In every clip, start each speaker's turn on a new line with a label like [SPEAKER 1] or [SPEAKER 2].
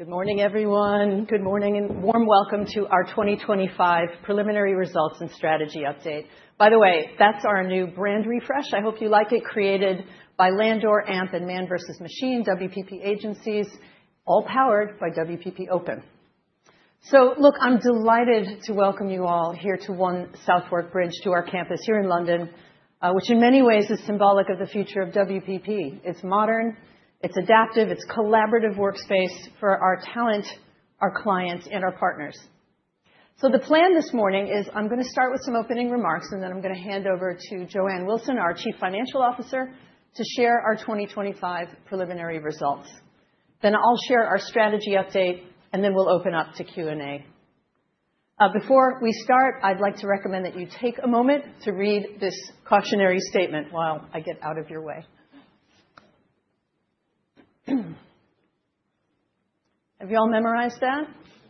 [SPEAKER 1] Good morning, everyone. Good morning. Warm welcome to our 2025 preliminary results and strategy update. By the way, that's our new brand refresh. I hope you like it, created by Landor, amp and ManvsMachine, WPP agencies, all powered by WPP Open. Look, I'm delighted to welcome you all here to One Southwark Bridge, to our campus here in London, which in many ways is symbolic of the future of WPP. It's modern, it's adaptive, it's collaborative workspace for our talent, our clients, and our partners. The plan this morning is I'm going to start with some opening remarks. I'm going to hand over to Joanne Wilson, our chief financial officer, to share our 2025 preliminary results. I'll share our strategy update. We'll open up to Q&A. Before we start, I'd like to recommend that you take a moment to read this cautionary statement while I get out of your way.
[SPEAKER 2] Have you all memorized that?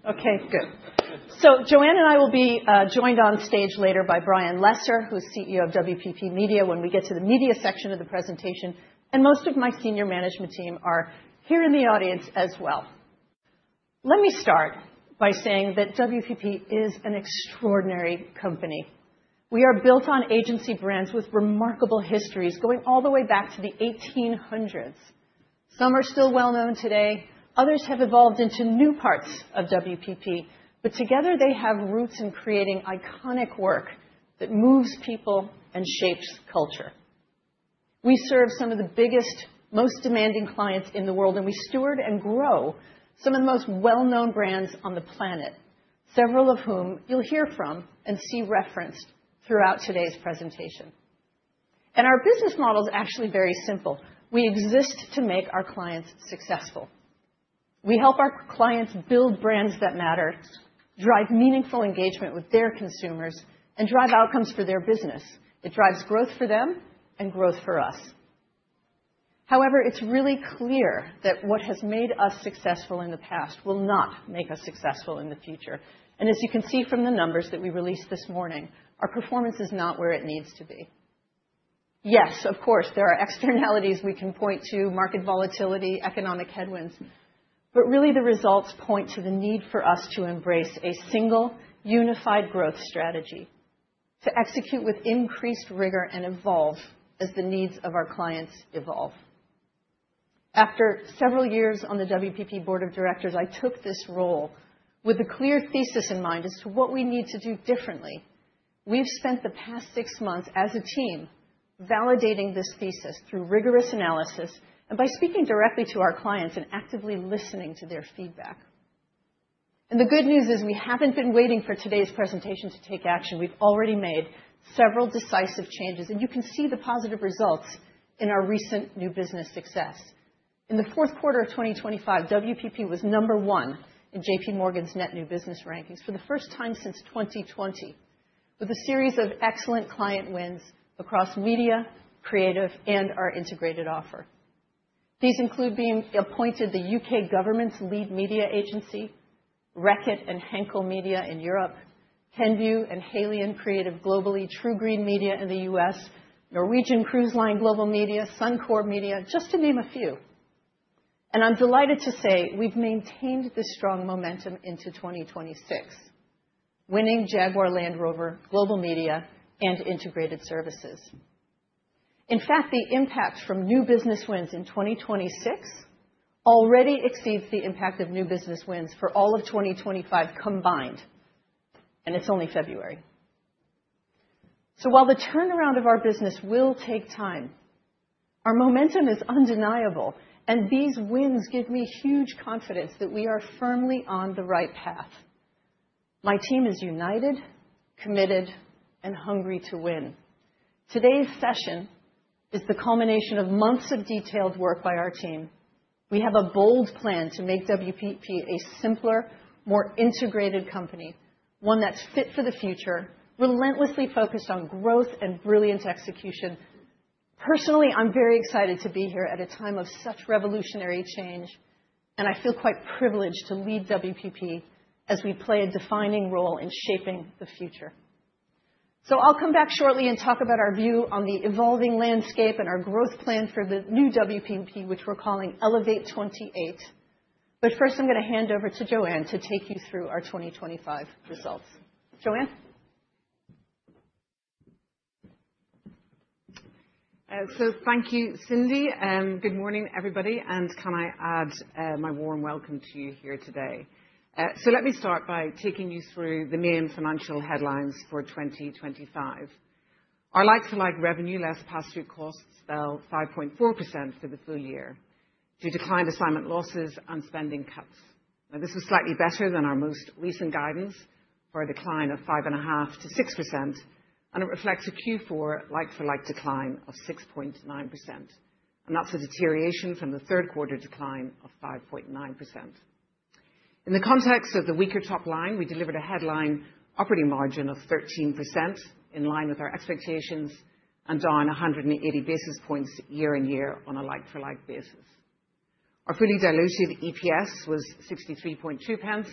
[SPEAKER 2] Okay, good. Joanne and I will be joined on stage later by Brian Lesser, who's CEO of WPP Media, when we get to the media section of the presentation, and most of my senior management team are here in the audience as well. Let me start by saying that WPP is an extraordinary company. We are built on agency brands with remarkable histories, going all the way back to the 1800s. Some are still well-known today, others have evolved into new parts of WPP. Together, they have roots in creating iconic work that moves people and shapes culture. We serve some of the biggest, most demanding clients in the world, and we steward and grow some of the most well-known brands on the planet, several of whom you'll hear from and see referenced throughout today's presentation. Our business model is actually very simple: we exist to make our clients successful. We help our clients build brands that matter, drive meaningful engagement with their consumers, and drive outcomes for their business. It drives growth for them and growth for us. However, it's really clear that what has made us successful in the past will not make us successful in the future. As you can see from the numbers that we released this morning, our performance is not where it needs to be. Of course, there are externalities we can point to, market volatility, economic headwinds, really the results point to the need for us to embrace a single, unified growth strategy to execute with increased rigor and evolve as the needs of our clients evolve. After several s on the WPP board of directors, I took this role with a clear thesis in mind as to what we need to do differently. We've spent the past six months as a team validating this thesis through rigorous analysis and by speaking directly to our clients and actively listening to their feedback. The good news is, we haven't been waiting for today's presentation to take action. We've already made several decisive changes, and you can see the positive results in our recent new business success. In the Q4 of 2025, WPP was number one in JP Morgan's net new business rankings for the first time since 2020, with a series of excellent client wins across media, creative, and our integrated offer. These include being appointed the U.K. government's lead media agency, Reckitt and Henkel Media in Europe, Kenvue and Haleon Creative globally, TruGreen Media in the U.S., Norwegian Cruise Line Global Media, Suncorp Media, just to name a few. I'm delighted to say we've maintained this strong momentum into 2026, winning Jaguar Land Rover, Global Media, and Integrated Services. In fact, the impact from new business wins in 2026 already exceeds the impact of new business wins for all of 2025 combined, and it's only February. While the turnaround of our business will take time, our momentum is undeniable, and these wins give me huge confidence that we are firmly on the right path. My team is united, committed, and hungry to win. Today's session is the culmination of months of detailed work by our team. We have a bold plan to make WPP a simpler, more integrated company, one that's fit for the future, relentlessly focused on growth and brilliant execution. Personally, I'm very excited to be here at a time of such revolutionary change, and I feel quite privileged to lead WPP as we play a defining role in shaping the future. I'll come back shortly and talk about our view on the evolving landscape and our growth plan for the new WPP, which we're calling Elevate28. First, I'm going to hand over to Joanne to take you through our 2025 results. Joanne?
[SPEAKER 1] Thank you, Cindy, good morning, everybody, can I add my warm welcome to you here today. Let me start by taking you through the main financial headlines for 2025. Our like-for-like revenue, less pass-through costs, fell 5.4% for the full year due to client assignment losses and spending cuts. This is slightly better than our most recent guidance for a decline of 5.5%-6%. It reflects a Q4 like-for-like decline of 6.9%. That's a deterioration from the Q3 decline of 5.9%. In the context of the weaker top line, we delivered a headline operating margin of 13%, in line with our expectations, and down 180 basis points year-on-year on a like-for-like basis. Our fully diluted EPS was 63.2 pence,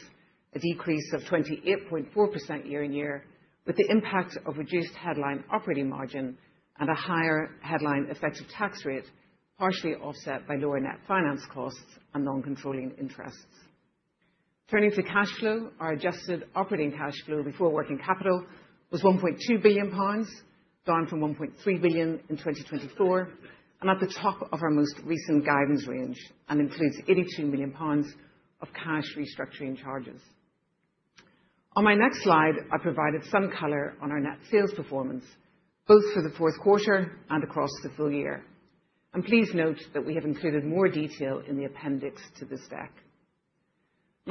[SPEAKER 1] a decrease of 28.4% year-over-year, with the impact of reduced headline operating margin and a higher headline effective tax rate, partially offset by lower net finance costs and non-controlling interests. Turning to cash flow, our adjusted operating cash flow before working capital was 1.2 billion pounds, down from 1.3 billion in 2024, and at the top of our most recent guidance range, and includes 82 million pounds of cash restructuring charges. On my next slide, I provided some color on our net sales performance, both for the Q4 and across the full year. Please note that we have included more detail in the appendix to this deck.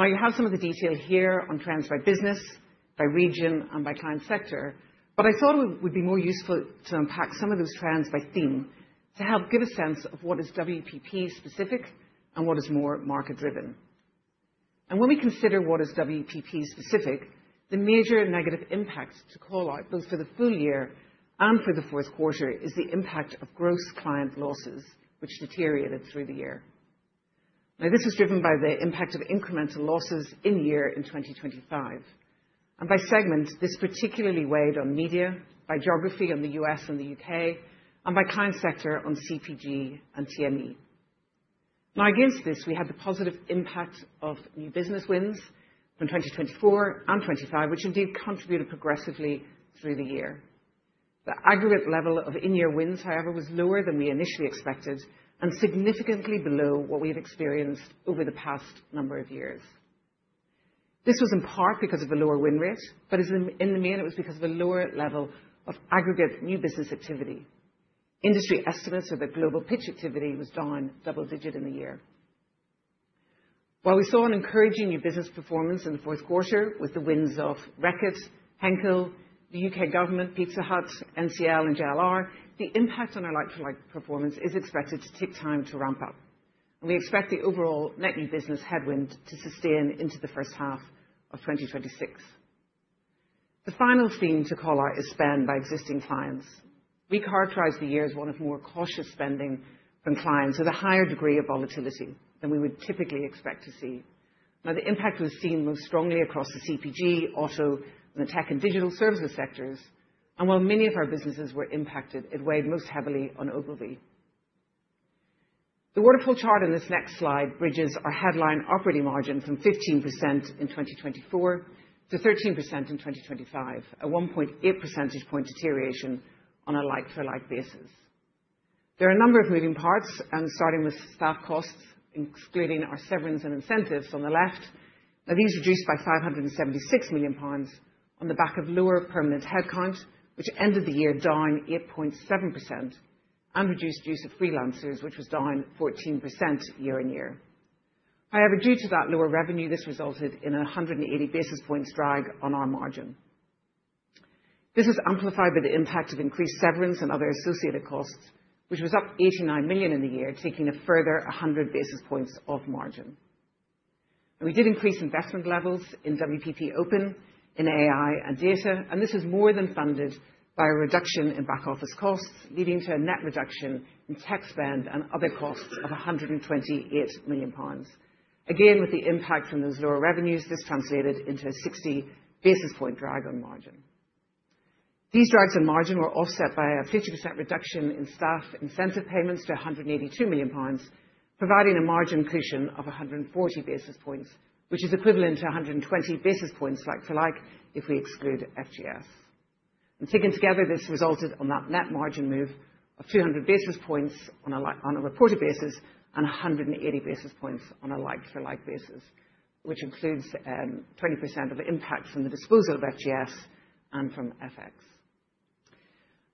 [SPEAKER 1] You have some of the detail here on trends by business, by region, and by client sector, but I thought it would be more useful to unpack some of those trends by theme to help give a sense of what is WPP specific and what is more market driven. When we consider what is WPP specific, the major negative impacts to call out, both for the full year and for the Q4, is the impact of gross client losses, which deteriorated through the year. This is driven by the impact of incremental losses in year in 2025, and by segment, this particularly weighed on media, by geography in the U.S. and the U.K., and by client sector on CPG and TME. Against this, we had the positive impact of new business wins from 2024 and 2025, which indeed contributed progressively through the year. The aggregate level of in-year wins, however, was lower than we initially expected and significantly below what we had experienced over the past number of years. This was in part because of a lower win rate, but in the main, it was because of a lower level of aggregate new business activity. Industry estimates of the global pitch activity was down double-digit in the year. While we saw an encouraging new business performance in the Q4 with the wins of Reckitt, Henkel, the U.K. government, Pizza Hut, NCL and JLR, the impact on our like-for-like performance is expected to take time to ramp up. We expect the overall net new business headwind to sustain into the first half of 2026. The final theme to call out is spend by existing clients. We characterize the year as one of more cautious spending from clients with a higher degree of volatility than we would typically expect to see. The impact was seen most strongly across the CPG, auto, and the tech and digital services sectors. While many of our businesses were impacted, it weighed most heavily on Ogilvy. The waterfall chart in this next slide bridges our headline operating margin from 15% in 2024 to 13% in 2025, a 1.8 percentage point deterioration on a like-for-like basis. There are a number of moving parts, starting with staff costs, excluding our severance and incentives on the left. These reduced by 576 million pounds on the back of lower permanent headcount, which ended the year down 8.7%, and reduced use of freelancers, which was down 14% year on year. Due to that lower revenue, this resulted in a 180 basis points drag on our margin. This is amplified by the impact of increased severance and other associated costs, which was up 89 million in the year, taking a further 100 basis points off margin. We did increase investment levels in WPP Open, in AI and data, and this is more than funded by a reduction in back office costs, leading to a net reduction in tech spend and other costs of 128 million pounds. With the impact from those lower revenues, this translated into a 60 basis point drag on margin. These drags on margin were offset by a 50% reduction in staff incentive payments to 182 million pounds, providing a margin cushion of 140 basis points, which is equivalent to 120 basis points like-for-like, if we exclude FGS. Taken together, this resulted on that net margin move of 200 basis points on a reported basis and 180 basis points on a like-for-like basis, which includes 20% of the impact from the disposal of FGS and from FX.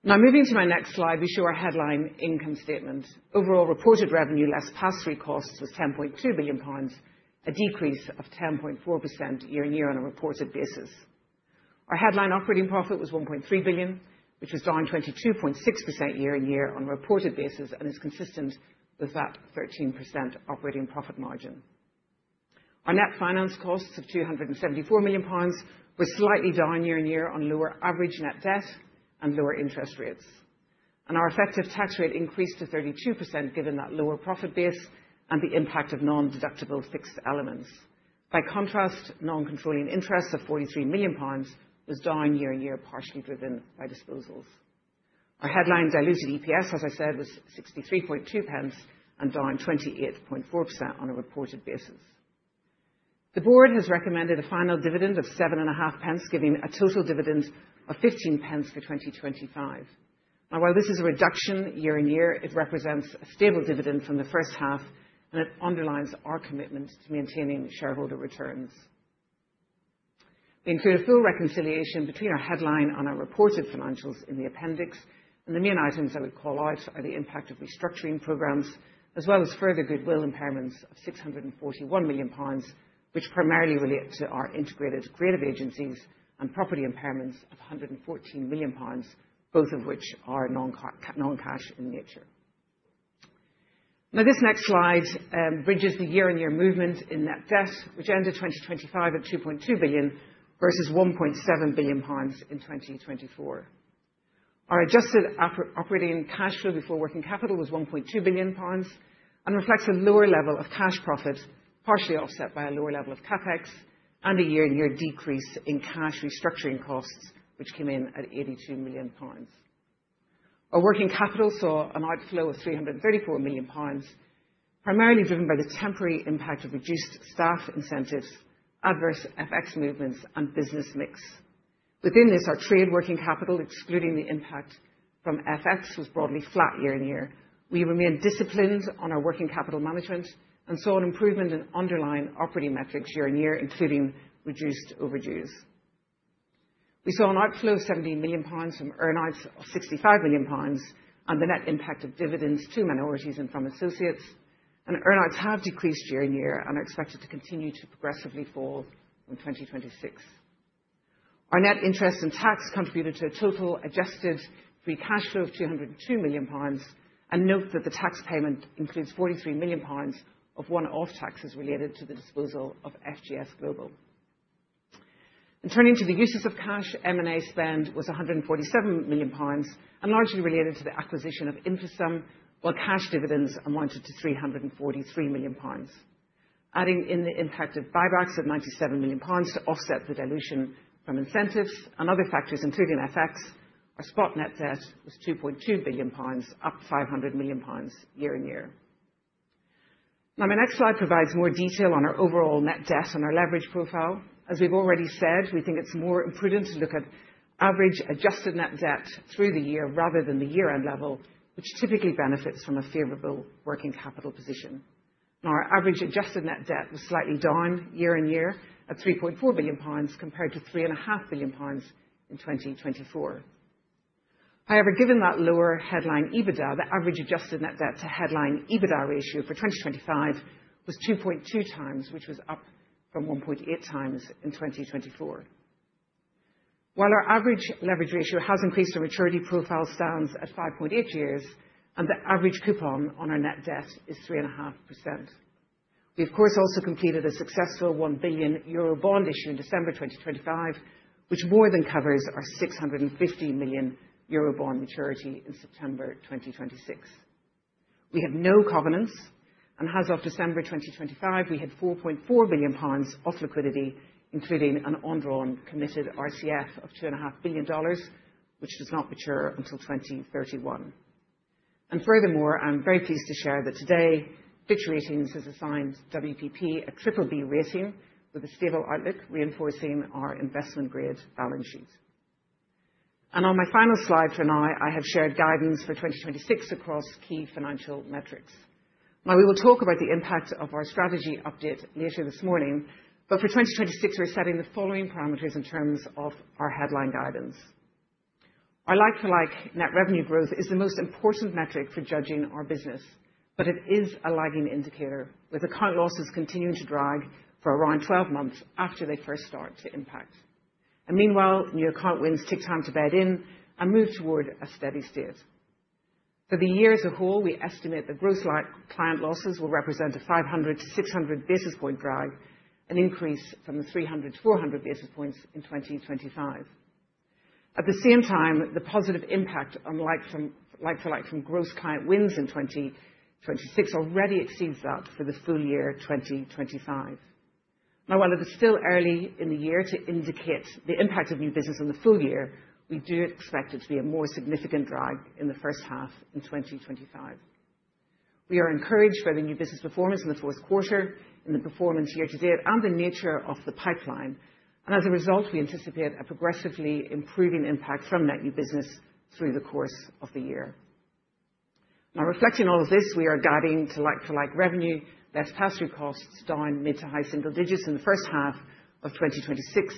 [SPEAKER 1] Moving to my next slide, we show our headline income statement. Overall, reported revenue less pass-through costs was 10.2 billion pounds, a decrease of 10.4% year-on-year on a reported basis. Our headline operating profit was 1.3 billion, which was down 22.6% year-on-year on a reported basis and is consistent with that 13% operating profit margin. Our net finance costs of 274 million pounds was slightly down year-on-year on lower average net debt and lower interest rates. Our effective tax rate increased to 32%, given that lower profit base and the impact of nondeductible fixed elements. By contrast, non-controlling interest of 43 million pounds was down year-on-year, partially driven by disposals. Our headline diluted EPS, as I said, was 63.2 pence and down 28.4% on a reported basis. The board has recommended a final dividend of seven and a half pence, giving a total dividend of 15 pence for 2025. While this is a reduction year-on-year, it represents a stable dividend from the first half. It underlines our commitment to maintaining shareholder returns. We include a full reconciliation between our headline and our reported financials in the appendix. The main items I would call out are the impact of restructuring programs, as well as further goodwill impairments of 641 million pounds, which primarily relate to our integrated creative agencies and property impairments of 114 million pounds, both of which are non-cash in nature. This next slide bridges the year-on-year movement in net debt, which ended 2025 at 2.2 billion, versus 1.7 billion pounds in 2024. Our adjusted operating cash flow before working capital was 1.2 billion pounds and reflects a lower level of cash profit, partially offset by a lower level of CapEx and a year-on-year decrease in cash restructuring costs, which came in at 82 million. Our working capital saw an outflow of 334 million pounds, primarily driven by the temporary impact of reduced staff incentives, adverse FX movements, and business mix. Within this, our trade working capital, excluding the impact from FX, was broadly flat year-on-year. We remain disciplined on our working capital management and saw an improvement in underlying operating metrics year-on-year, including reduced overdues. We saw an outflow of 17 million pounds from earn-outs of 65 million pounds on the net impact of dividends to minorities and from associates. Earn-outs have decreased year-on-year and are expected to continue to progressively fall in 2026. Our net interest and tax contributed to a total adjusted free cash flow of 202 million pounds, note that the tax payment includes 43 million pounds of one-off taxes related to the disposal of FGS Global. Turning to the uses of cash, M&A spend was 147 million pounds, largely related to the acquisition of InfoSum, while cash dividends amounted to 343 million pounds. Adding in the impact of buybacks of 97 million pounds to offset the dilution from incentives and other factors, including FX, our spot net debt was 2.2 billion pounds, up 500 million pounds year-on-year. My next slide provides more detail on our overall net debt and our leverage profile. As we've already said, we think it's more prudent to look at average adjusted net debt through the year rather than the year-end level, which typically benefits from a favorable working capital position. Our average adjusted net debt was slightly down year-on-year at 3.4 billion pounds, compared to 3.5 billion pounds in 2024. Given that lower headline EBITDA, the average adjusted net debt to headline EBITDA ratio for 2025 was 2.2 times, which was up from 1.8 times in 2024. While our average leverage ratio has increased, our maturity profile stands at five point eight years, and the average coupon on our net debt is 3.5%. We, of course, also completed a successful 1 billion euro bond issue in December 2025, which more than covers our 650 million euro bond maturity in September 2026. We have no covenants. As of December 2025, we had 4.4 billion pounds of liquidity, including an undrawn committed RCF of two and a half billion dollars, which does not mature until 2031. Furthermore, I'm very pleased to share that today, Fitch Ratings has assigned WPP a BBB rating with a stable outlook, reinforcing our investment-grade balance sheet. On my final slide for now, I have shared guidance for 2026 across key financial metrics. Now, we will talk about the impact of our strategy update later this morning, but for 2026, we're setting the following parameters in terms of our headline guidance. Our like-for-like net revenue growth is the most important metric for judging our business, but it is a lagging indicator, with account losses continuing to drag for around 12 months after they first start to impact. Meanwhile, new account wins take time to bed in and move toward a steady state. For the year as a whole, we estimate the growth like client losses will represent a 500-600 basis point drag, an increase from the 300-400 basis points in 2025. At the same time, the positive impact on like-to-like from gross client wins in 2026 already exceeds that for the full year 2025. While it is still early in the year to indicate the impact of new business on the full year, we do expect it to be a more significant drag in the first half in 2025. We are encouraged by the new business performance in the Q4 and the performance year to date and the nature of the pipeline. As a result, we anticipate a progressively improving impact from net new business through the course of the year. Reflecting all of this, we are guiding to like-for-like revenue, less pass-through costs down mid-to-high single digits % in the first half of 2026,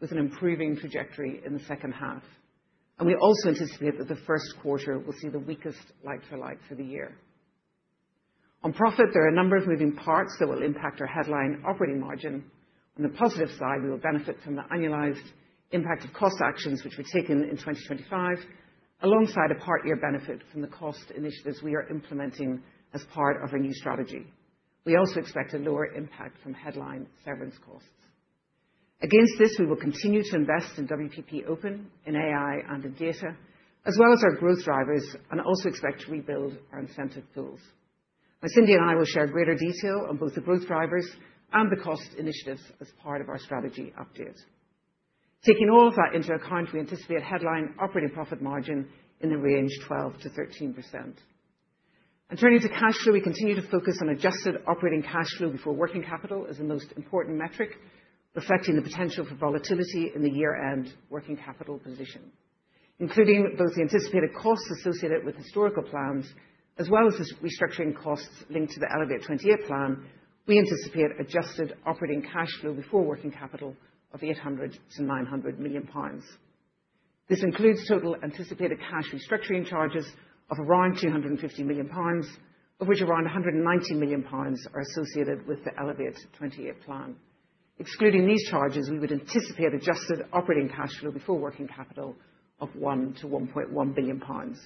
[SPEAKER 1] with an improving trajectory in the second half. We also anticipate that the Q1 will see the weakest like-for-like for the year. On profit, there are a number of moving parts that will impact our headline operating margin. On the positive side, we will benefit from the annualized impact of cost actions, which were taken in 2025, alongside a part-year benefit from the cost initiatives we are implementing as part of our new strategy. We also expect a lower impact from headline severance costs. Against this, we will continue to invest in WPP Open, in AI, and in data, as well as our growth drivers, and also expect to rebuild our incentive tools. Cindy and I will share greater detail on both the growth drivers and the cost initiatives as part of our strategy update. Taking all of that into account, we anticipate headline operating profit margin in the range 12%-13%. Turning to cash flow, we continue to focus on adjusted operating cash flow before working capital as the most important metric, reflecting the potential for volatility in the year-end working capital position. Including both the anticipated costs associated with historical plans, as well as the restructuring costs linked to the Elevate28 plan, we anticipate adjusted operating cash flow before working capital of 800 million-900 million pounds. This includes total anticipated cash restructuring charges of around 250 million pounds, of which around 190 million pounds are associated with the Elevate28 plan. Excluding these charges, we would anticipate adjusted operating cash flow before working capital of 1 billion-1.1 billion pounds.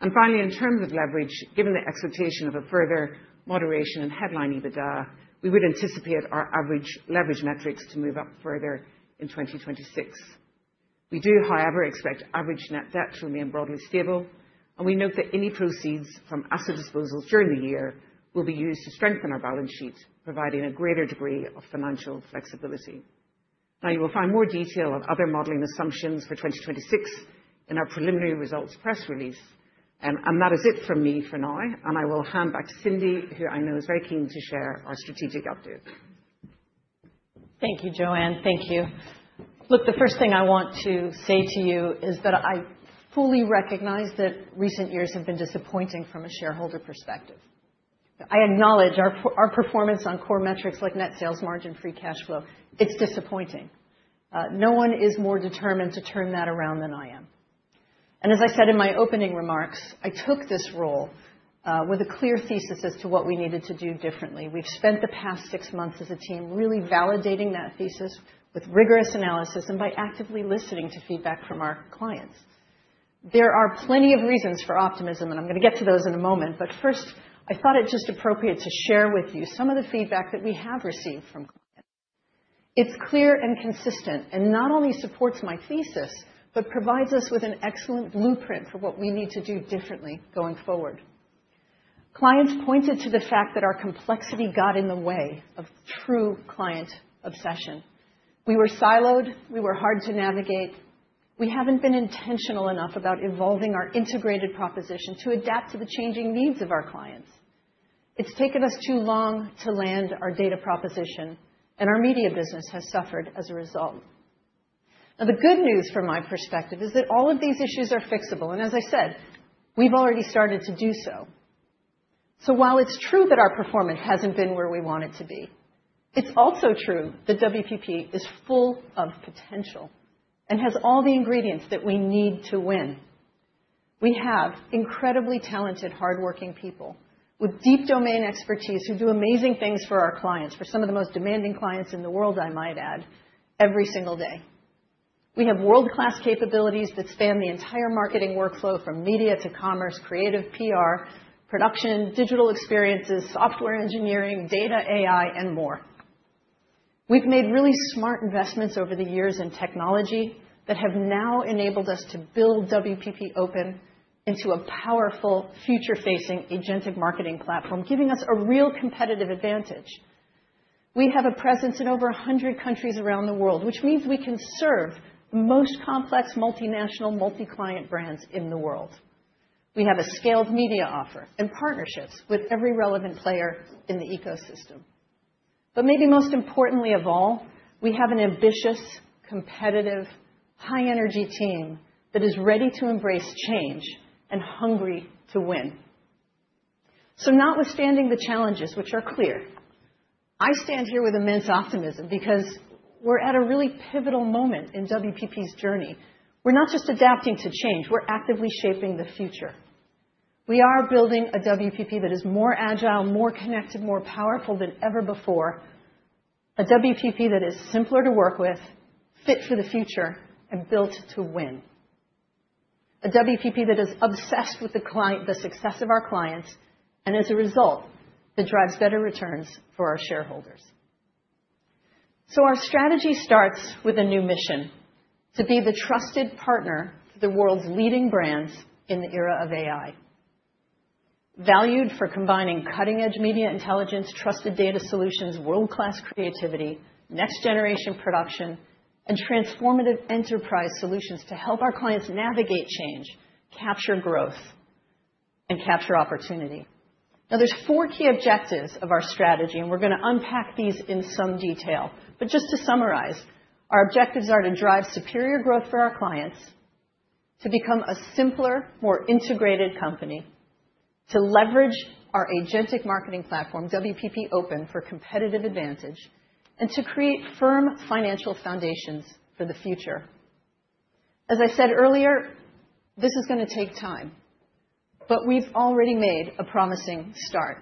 [SPEAKER 1] Finally, in terms of leverage, given the expectation of a further moderation in headline EBITDA, we would anticipate our average leverage metrics to move up further in 2026. We do, however, expect average net debt to remain broadly stable, and we note that any proceeds from asset disposals during the year will be used to strengthen our balance sheet, providing a greater degree of financial flexibility. You will find more detail on other modeling assumptions for 2026 in our preliminary results press release. That is it from me for now, and I will hand back to Cindy, who I know is very keen to share our strategic update.
[SPEAKER 2] Thank you, Joanne. Thank you. The first thing I want to say to you is that I fully recognize that recent years have been disappointing from a shareholder perspective. I acknowledge our performance on core metrics like net sales margin, free cash flow, it's disappointing. No one is more determined to turn that around than I am. As I said in my opening remarks, I took this role with a clear thesis as to what we needed to do differently. We've spent the past six months as a team, really validating that thesis with rigorous analysis and by actively listening to feedback from our clients. There are plenty of reasons for optimism, and I'm going to get to those in a moment, but first, I thought it just appropriate to share with you some of the feedback that we have received from clients. It's clear and consistent, and not only supports my thesis, but provides us with an excellent blueprint for what we need to do differently going forward. Clients pointed to the fact that our complexity got in the way of true client obsession. We were siloed. We were hard to navigate. We haven't been intentional enough about evolving our integrated proposition to adapt to the changing needs of our clients. It's taken us too long to land our data proposition, and our media business has suffered as a result. The good news, from my perspective, is that all of these issues are fixable, and as I said, we've already started to do so. While it's true that our performance hasn't been where we want it to be, it's also true that WPP is full of potential and has all the ingredients that we need to win. We have incredibly talented, hardworking people with deep domain expertise, who do amazing things for our clients, for some of the most demanding clients in the world, I might add, every single day. We have world-class capabilities that span the entire marketing workflow, from media to commerce, creative PR, production, digital experiences, software engineering, data, AI, and more. We've made really smart investments over the years in technology that have now enabled us to build WPP Open into a powerful, future-facing agentic marketing platform, giving us a real competitive advantage. We have a presence in over 100 countries around the world, which means we can serve the most complex multinational, multi-client brands in the world. We have a scaled media offer and partnerships with every relevant player in the ecosystem. Maybe most importantly of all, we have an ambitious, competitive, high-energy team that is ready to embrace change and hungry to win. Notwithstanding the challenges, which are clear, I stand here with immense optimism because we're at a really pivotal moment in WPP's journey. We're not just adapting to change. We're actively shaping the future. We are building a WPP that is more agile, more connected, more powerful than ever before. A WPP that is simpler to work with, fit for the future, and built to win. A WPP that is obsessed with the client, the success of our clients, and as a result, that drives better returns for our shareholders. Our strategy starts with a new mission: to be the trusted partner for the world's leading brands in the era of AI. Valued for combining cutting-edge media intelligence, trusted data solutions, world-class creativity, next-generation production, and transformative enterprise solutions to help our clients navigate change, capture growth, and capture opportunity. There's four key objectives of our strategy, we're going to unpack these in some detail. Just to summarize, our objectives are to drive superior growth for our clients, to become a simpler, more integrated company, to leverage our agentic marketing platform, WPP Open, for competitive advantage, and to create firm financial foundations for the future. As I said earlier, this is going to take time, we've already made a promising start.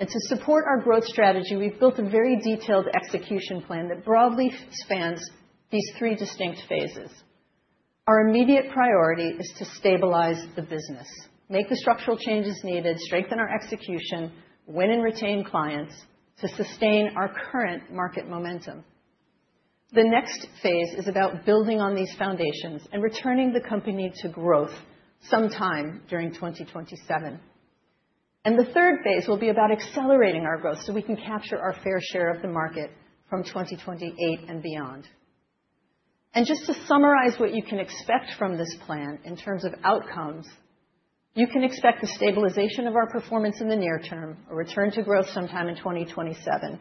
[SPEAKER 2] To support our growth strategy, we've built a very detailed execution plan that broadly spans these three distinct phases. Our immediate priority is to stabilize the business, make the structural changes needed, strengthen our execution, win and retain clients to sustain our current market momentum. The next phase is about building on these foundations and returning the company to growth sometime during 2027. The III Phase will be about accelerating our growth, so we can capture our fair share of the market from 2028 and beyond. Just to summarize what you can expect from this plan in terms of outcomes, you can expect the stabilization of our performance in the near term, a return to growth sometime in 2027,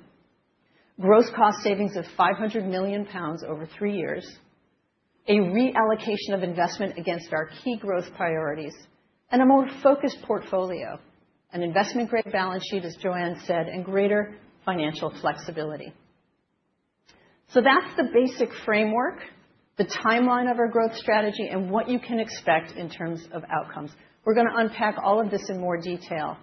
[SPEAKER 2] gross cost savings of 500 million pounds over three years, a reallocation of investment against our key growth priorities, and a more focused portfolio, an investment-grade balance sheet, as Joanne said, and greater financial flexibility. That's the basic framework, the timeline of our growth strategy, and what you can expect in terms of outcomes. We're going to unpack all of this in more detail.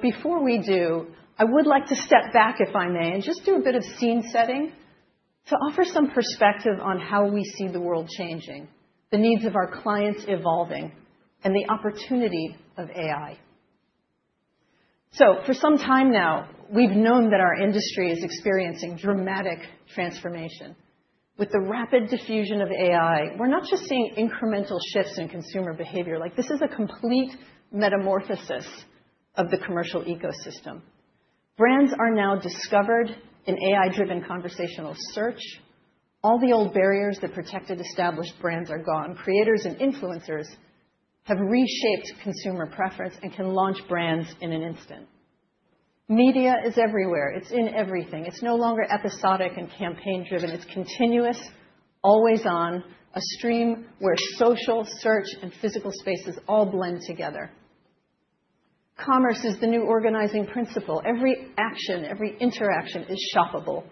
[SPEAKER 2] Before we do, I would like to step back, if I may, and just do a bit of scene setting to offer some perspective on how we see the world changing, the needs of our clients evolving, and the opportunity of AI. For some time now, we've known that our industry is experiencing dramatic transformation. With the rapid diffusion of AI, we're not just seeing incremental shifts in consumer behavior, like, this is a complete metamorphosis of the commercial ecosystem. Brands are now discovered in AI-driven conversational search. All the old barriers that protected established brands are gone. Creators and influencers have reshaped consumer preference and can launch brands in an instant. Media is everywhere. It's in everything. It's no longer episodic and campaign-driven. It's continuous, always on, a stream where social, search, and physical spaces all blend together. Commerce is the new organizing principle. Every action, every interaction is shoppable,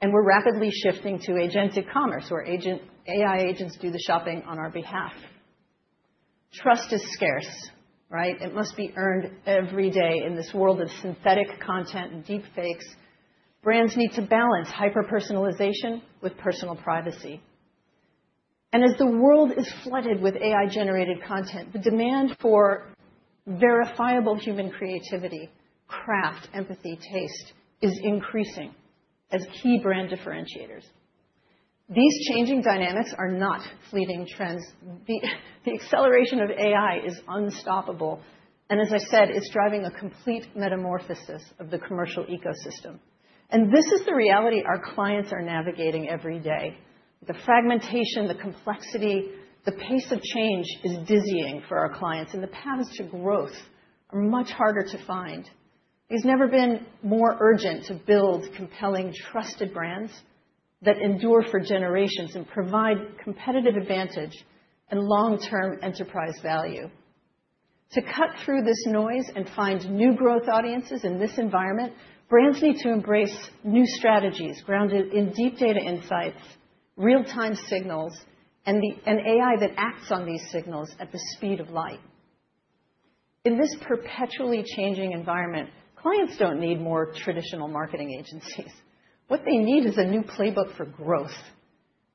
[SPEAKER 2] and we're rapidly shifting to agentic commerce, where AI agents do the shopping on our behalf. Trust is scarce, right? It must be earned every day. In this world of synthetic content and deepfakes, brands need to balance hyper-personalization with personal privacy. As the world is flooded with AI-generated content, the demand for verifiable human creativity, craft, empathy, taste, is increasing as key brand differentiators. These changing dynamics are not fleeting trends. The acceleration of AI is unstoppable, and as I said, it's driving a complete metamorphosis of the commercial ecosystem. This is the reality our clients are navigating every day. The fragmentation, the complexity, the pace of change is dizzying for our clients. The paths to growth are much harder to find. It's never been more urgent to build compelling, trusted brands that endure for generations and provide competitive advantage and long-term enterprise value. To cut through this noise and find new growth audiences in this environment, brands need to embrace new strategies grounded in deep data insights, real-time signals, and an AI that acts on these signals at the speed of light. In this perpetually changing environment, clients don't need more traditional marketing agencies. What they need is a new playbook for growth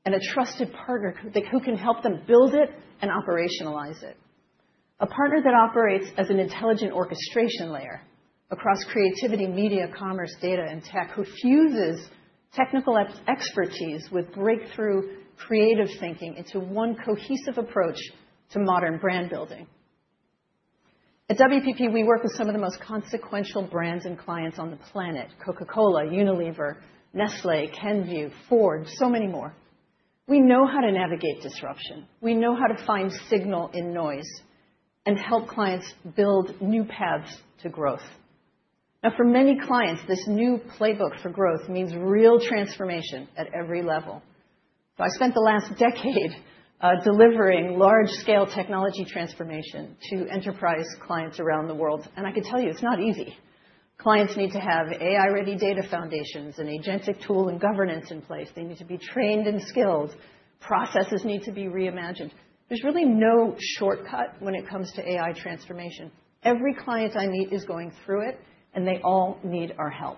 [SPEAKER 2] and a trusted partner who can help them build it and operationalize it. A partner that operates as an intelligent orchestration layer across creativity, media, commerce, data, and tech, who fuses technical expertise with breakthrough creative thinking into one cohesive approach to modern brand building. At WPP, we work with some of the most consequential brands and clients on the planet: Coca-Cola, Unilever, Nestlé, Kenvue,, so many more. We know how to navigate disruption. We know how to find signal in noise and help clients build new paths to growth. Now, for many clients, this new playbook for growth means real transformation at every level. I spent the last decade delivering large-scale technology transformation to enterprise clients around the world, and I can tell you, it's not easy. Clients need to have AI-ready data foundations and agentic tool and governance in place. They need to be trained in skills. Processes need to be reimagined. There's really no shortcut when it comes to AI transformation. Every client I meet is going through it, and they all need our help.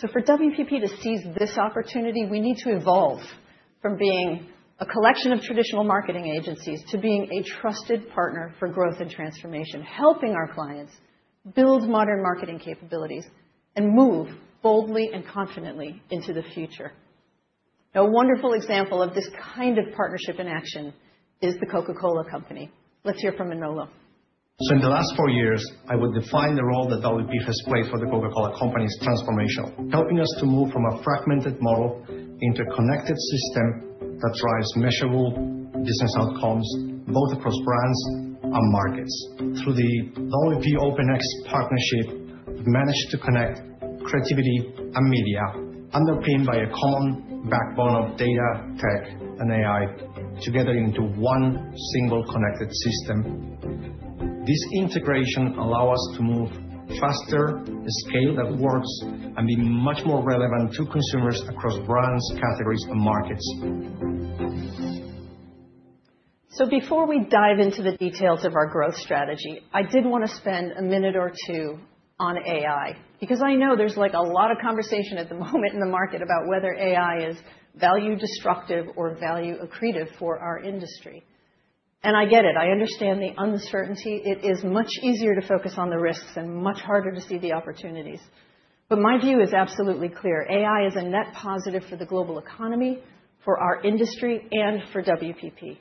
[SPEAKER 2] For WPP to seize this opportunity, we need to evolve from being a collection of traditional marketing agencies to being a trusted partner for growth and transformation, helping our clients build modern marketing capabilities and move boldly and confidently into the future. A wonderful example of this kind of partnership in action is The Coca-Cola Company. Let's hear from Manolo.
[SPEAKER 3] In the last four years, I would define the role that WPP has played for The Coca-Cola Company as transformational, helping us to move from a fragmented model into a connected system that drives measurable business outcomes, both across brands and markets. Through the WPP OpenX partnership, we've managed to connect creativity and media, underpinned by a common backbone of data, tech, and AI, together into one single connected system. This integration allow us to move faster, the scale that works, and be much more relevant to consumers across brands, categories, and markets.
[SPEAKER 2] Before we dive into the details of our growth strategy, I did want to spend a minute or two on AI, because I know there's, like, a lot of conversation at the moment in the market about whether AI is value destructive or value accretive for our industry. I get it. I understand the uncertainty. It is much easier to focus on the risks and much harder to see the opportunities. My view is absolutely clear: AI is a net positive for the global economy, for our industry, and for WPP.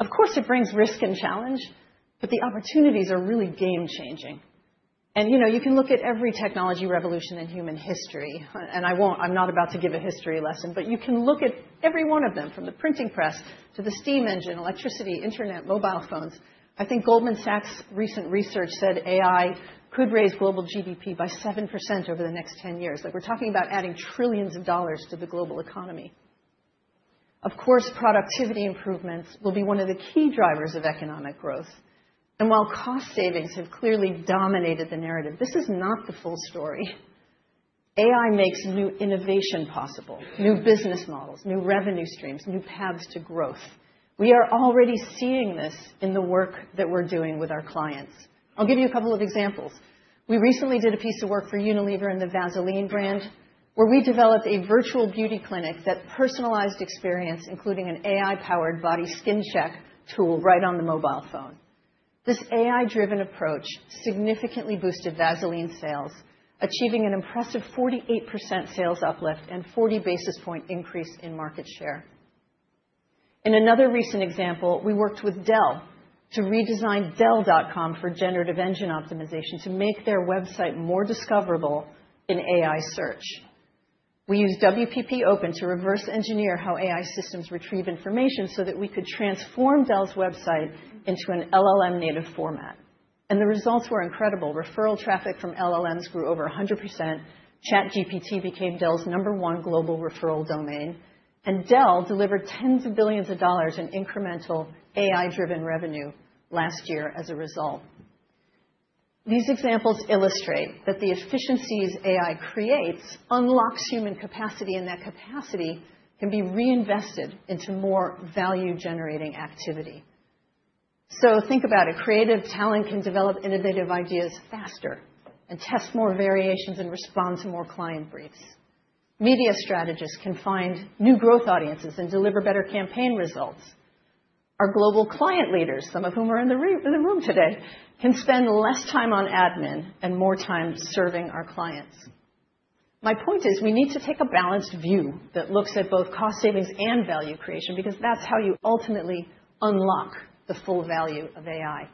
[SPEAKER 2] Of course, it brings risk and challenge, but the opportunities are really game-changing. You know, you can look at every technology revolution in human history, and I won't... I'm not about to give a history lesson. You can look at every one of them, from the printing press to the steam engine, electricity, internet, mobile phones. I think Goldman Sachs' recent research said AI could raise global GDP by 7% over the next 10 years. Like, we're talking about adding trillions of dollars to the global economy. Of course, productivity improvements will be one of the key drivers of economic growth. While cost savings have clearly dominated the narrative, this is not the full story. AI makes new innovation possible, new business models, new revenue streams, new paths to growth. We are already seeing this in the work that we're doing with our clients. I'll give you a couple of examples. We recently did a piece of work for Unilever and the Vaseline brand, where we developed a virtual beauty clinic, that personalized experience, including an AI-powered body skin check tool right on the mobile phone. This AI-driven approach significantly boosted Vaseline sales, achieving an impressive 48% sales uplift and 40 basis point increase in market share. In another recent example, we worked with Dell to redesign dell.com for Generative Engine Optimization to make their website more discoverable in AI search. We used WPP Open to reverse engineer how AI systems retrieve information so that we could transform Dell's website into an LLM native format. The results were incredible. Referral traffic from LLMs grew over 100%. ChatGPT became Dell's number one global referral domain. Dell delivered tens of billions of dollars in incremental AI-driven revenue last year as a result. These examples illustrate that the efficiencies AI creates unlocks human capacity, that capacity can be reinvested into more value-generating activity. Think about it. Creative talent can develop innovative ideas faster and test more variations and respond to more client briefs. Media strategists can find new growth audiences and deliver better campaign results. Our Global Client Leaders, some of whom are in the room today, can spend less time on admin and more time serving our clients. My point is, we need to take a balanced view that looks at both cost savings and value creation, because that's how you ultimately unlock the full value of AI.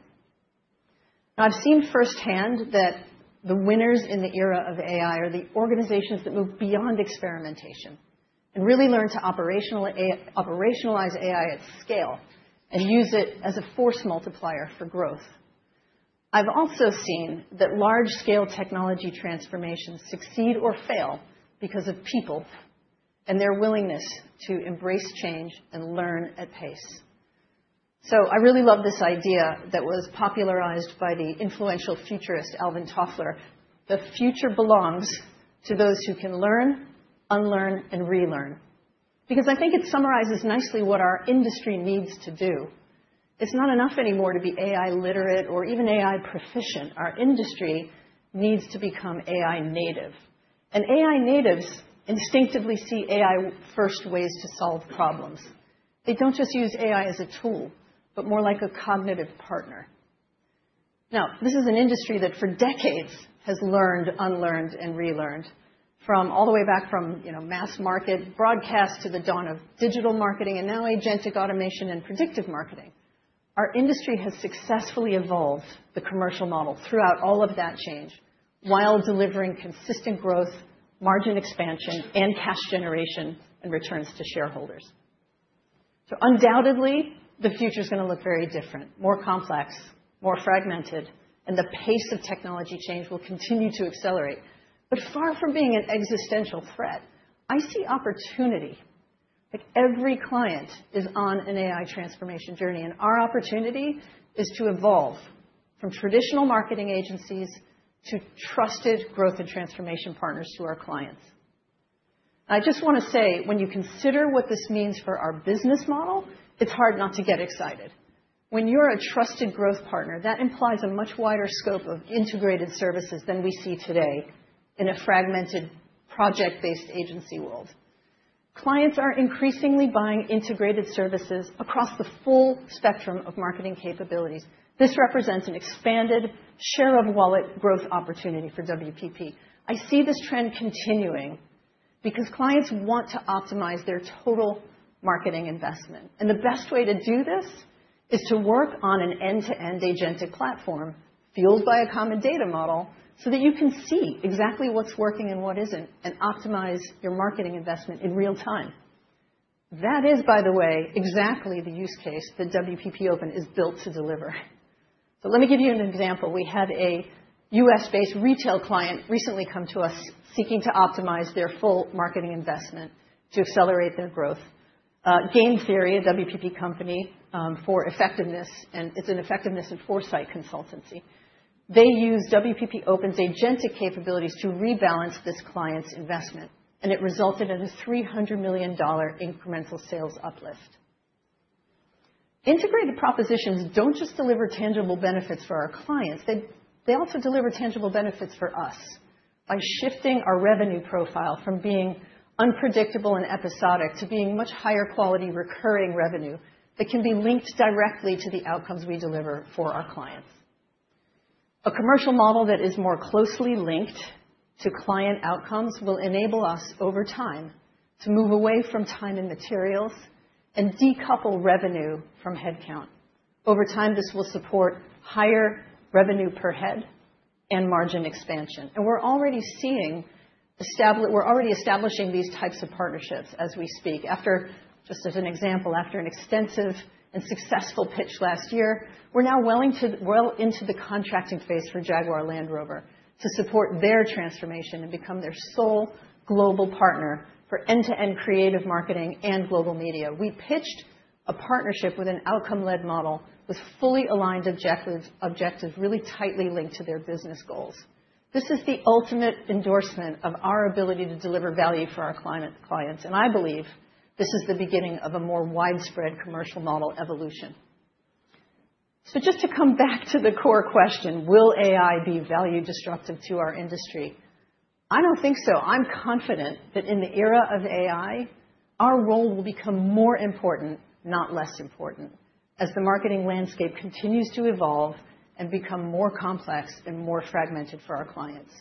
[SPEAKER 2] I've seen firsthand that the winners in the era of AI are the organizations that move beyond experimentation and really learn to operationally operationalize AI at scale and use it as a force multiplier for growth. I've also seen that large-scale technology transformations succeed or fail because of people and their willingness to embrace change and learn at pace. I really love this idea that was popularized by the influential futurist, Alvin Toffler: "The future belongs to those who can learn, unlearn, and relearn." I think it summarizes nicely what our industry needs to do. It's not enough anymore to be AI literate or even AI proficient. Our industry needs to become AI native. AI natives instinctively see AI-first ways to solve problems. They don't just use AI as a tool, but more like a cognitive partner. This is an industry that for decades has learned, unlearned, and relearned from all the way back from, mass market broadcast to the dawn of digital marketing and now agentic automation and predictive marketing. Our industry has successfully evolved the commercial model throughout all of that change, while delivering consistent growth, margin expansion, and cash generation and returns to shareholders. Undoubtedly, the future's gonna look very different, more complex, more fragmented, and the pace of technology change will continue to accelerate. Far from being an existential threat, I see opportunity, like every client is on an AI transformation journey, and our opportunity is to evolve from traditional marketing agencies to trusted growth and transformation partners to our clients. I just want to say, when you consider what this means for our business model, it's hard not to get excited. When you're a trusted growth partner, that implies a much wider scope of integrated services than we see today in a fragmented, project-based agency world. Clients are increasingly buying integrated services across the full spectrum of marketing capabilities. This represents an expanded share of wallet growth opportunity for WPP. I see this trend continuing because clients want to optimize their total marketing investment. The best way to do this is to work on an end-to-end agentic platform fueled by a common data model, so that you can see exactly what's working and what isn't, and optimize your marketing investment in real time. That is, by the way, exactly the use case that WPP Open is built to deliver. Let me give you an example. We had a U.S.-based retail client recently come to us, seeking to optimize their full marketing investment to accelerate their growth. Gain Theory, a WPP company, for effectiveness. It's an effectiveness and foresight consultancy. They used WPP Open's agentic capabilities to rebalance this client's investment. It resulted in a $300 million incremental sales uplift. Integrated propositions don't just deliver tangible benefits for our clients, they also deliver tangible benefits for us by shifting our revenue profile from being unpredictable and episodic to being much higher quality, recurring revenue that can be linked directly to the outcomes we deliver for our clients. A commercial model that is more closely linked to client outcomes will enable us, over time, to move away from time and materials and decouple revenue from headcount. Over time, this will support higher revenue per head and margin expansion. We're already establishing these types of partnerships as we speak. Just as an example, after an extensive and successful pitch last year, we're now willing to well into the contracting phase for Jaguar Land Rover to support their transformation and become their sole global partner for end-to-end creative marketing and global media. We pitched a partnership with an outcome-led model with fully aligned objectives, really tightly linked to their business goals. This is the ultimate endorsement of our ability to deliver value for our clients, and I believe this is the beginning of a more widespread commercial model evolution. Just to come back to the core question: Will AI be value disruptive to our industry? I don't think so. I'm confident that in the era of AI, our role will become more important, not less important, as the marketing landscape continues to evolve and become more complex and more fragmented for our clients.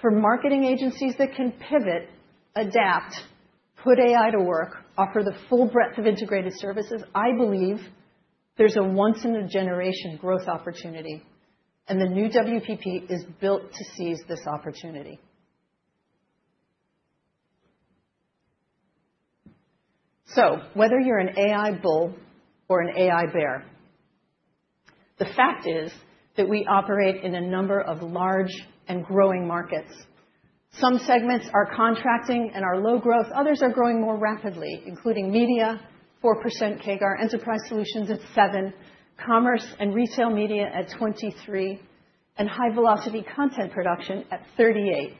[SPEAKER 2] For marketing agencies that can pivot, adapt, put AI to work, offer the full breadth of integrated services, I believe there's a once-in-a-generation growth opportunity, and the new WPP is built to seize this opportunity. Whether you're an AI bull or an AI bear, the fact is that we operate in a number of large and growing markets. Some segments are contracting and are low growth. Others are growing more rapidly, including media, 4% CAGR; enterprise solutions at 7%; commerce and retail media at 23%; and high-velocity content production at 38%.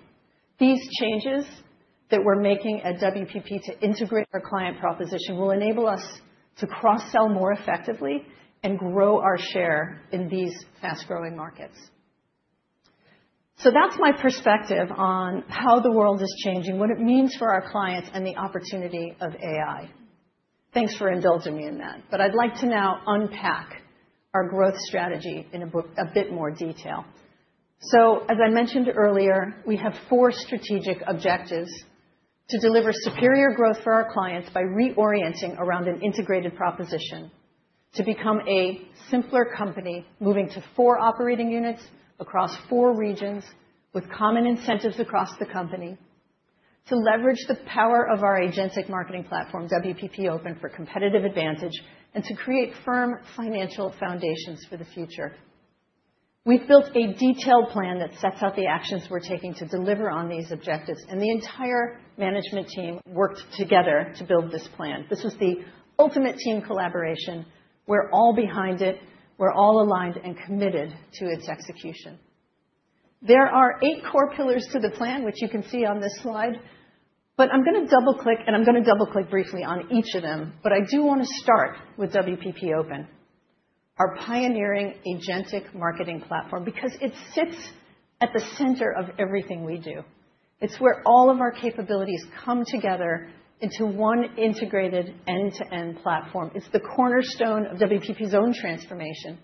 [SPEAKER 2] These changes that we're making at WPP to integrate our client proposition will enable us to cross-sell more effectively and grow our share in these fast-growing markets. That's my perspective on how the world is changing, what it means for our clients, and the opportunity of AI. Thanks for indulging me in that, but I'd like to now unpack our growth strategy in a bit more detail. As I mentioned earlier, we have four strategic objectives: to deliver superior growth for our clients by reorienting around an integrated proposition, to become a simpler company, moving to four operating units across four regions with common incentives across the company, to leverage the power of our agentic marketing platform, WPP Open, for competitive advantage, and to create firm financial foundations for the future. We've built a detailed plan that sets out the actions we're taking to deliver on these objectives, and the entire management team worked together to build this plan. This was the ultimate team collaboration. We're all behind it. We're all aligned and committed to its execution. There are eight core pillars to the plan, which you can see on this slide, but I'm gonna double-click briefly on each of them. I do want to start with WPP Open, our pioneering agentic marketing platform, because it sits at the center of everything we do. It's where all of our capabilities come together into one integrated end-to-end platform. It's the cornerstone of WPP's own transformation,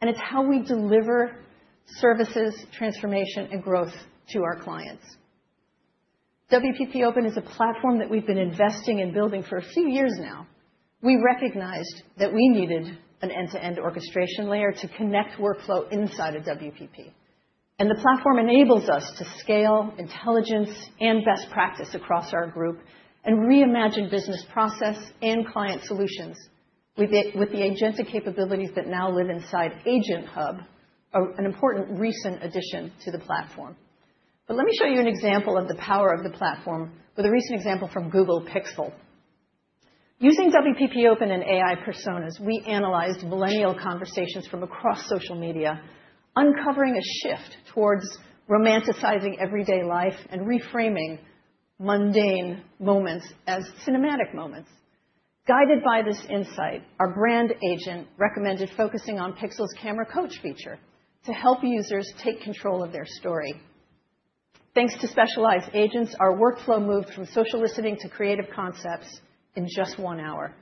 [SPEAKER 2] and it's how we deliver services, transformation, and growth to our clients. WPP Open is a platform that we've been investing in building for a few years now. We recognized that we needed an end-to-end orchestration layer to connect workflow inside of WPP. The platform enables us to scale intelligence and best practice across our group and reimagine business process and client solutions with the agentic capabilities that now live inside Agent Hub, an important recent addition to the platform. Let me show you an example of the power of the platform with a recent example from Google Pixel. Using WPP Open and AI personas, we analyzed millennial conversations from across social media, uncovering a shift towards romanticizing everyday life and reframing mundane moments as cinematic moments. Guided by this insight, our brand agent recommended focusing on Pixel's Camera Coach feature to help users take control of their story. Thanks to specialized agents, our workflow moved from social listening to creative concepts in just one hour.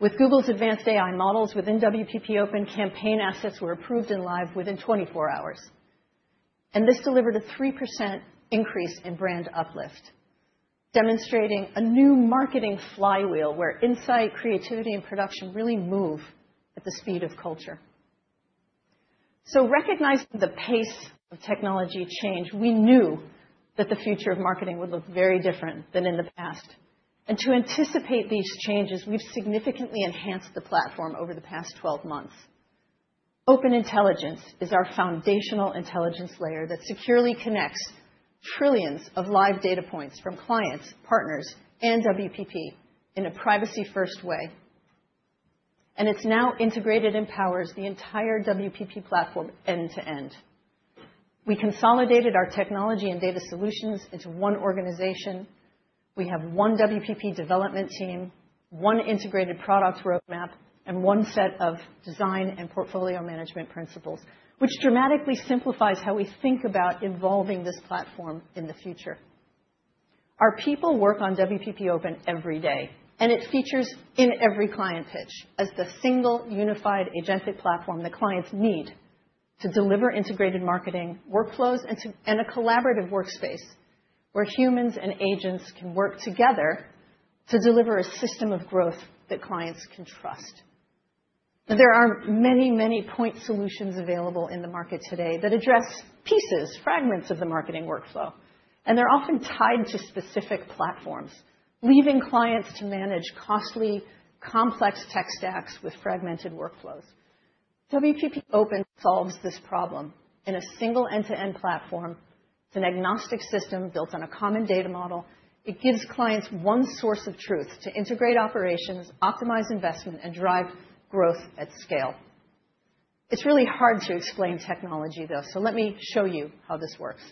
[SPEAKER 2] With Google's advanced AI models within WPP Open, campaign assets were approved and live within 24 hours, and this delivered a 3% increase in brand uplift, demonstrating a new marketing flywheel, where insight, creativity, and production really move at the speed of culture. Recognizing the pace of technology change, we knew that the future of marketing would look very different than in the past, and to anticipate these changes, we've significantly enhanced the platform over the past 12 months. Open Intelligence is our foundational intelligence layer that securely connects trillions of live data points from clients, partners, and WPP in a privacy-first way. It's now integrated and powers the entire WPP platform end to end. We consolidated our technology and data solutions into one organization. We have one WPP development team, one integrated product roadmap, and one set of design and portfolio management principles, which dramatically simplifies how we think about evolving this platform in the future. Our people work on WPP Open every day. It features in every client pitch as the single unified agentic platform that clients need to deliver integrated marketing workflows and a collaborative workspace where humans and agents can work together to deliver a system of growth that clients can trust. There are many, many point solutions available in the market today that address pieces, fragments of the marketing workflow, and they're often tied to specific platforms, leaving clients to manage costly, complex tech stacks with fragmented workflows. WPP Open solves this problem in a single end-to-end platform. It's an agnostic system built on a common data model. It gives clients one source of truth to integrate operations, optimize investment, and drive growth at scale. It's really hard to explain technology, though, so let me show you how this works.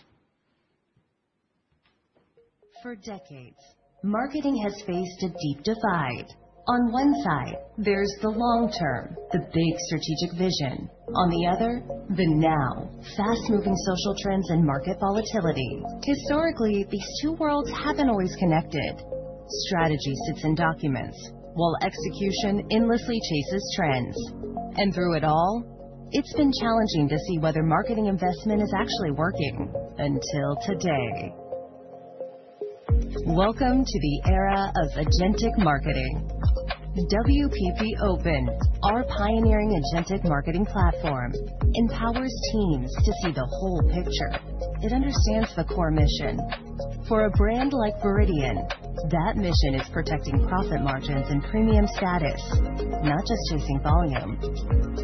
[SPEAKER 4] For decades, marketing has faced a deep divide. On one side, there's the long term, the big strategic vision. On the other, the now, fast-moving social trends and market volatility. Historically, these two worlds haven't always connected. Strategy sits in documents, while execution endlessly chases trends. Through it all, it's been challenging to see whether marketing investment is actually working, until today. Welcome to the era of agentic marketing. WPP Open, our pioneering agentic marketing platform, empowers teams to see the whole picture. It understands the core mission. For a brand like Veridian, that mission is protecting profit margins and premium status, not just chasing volume.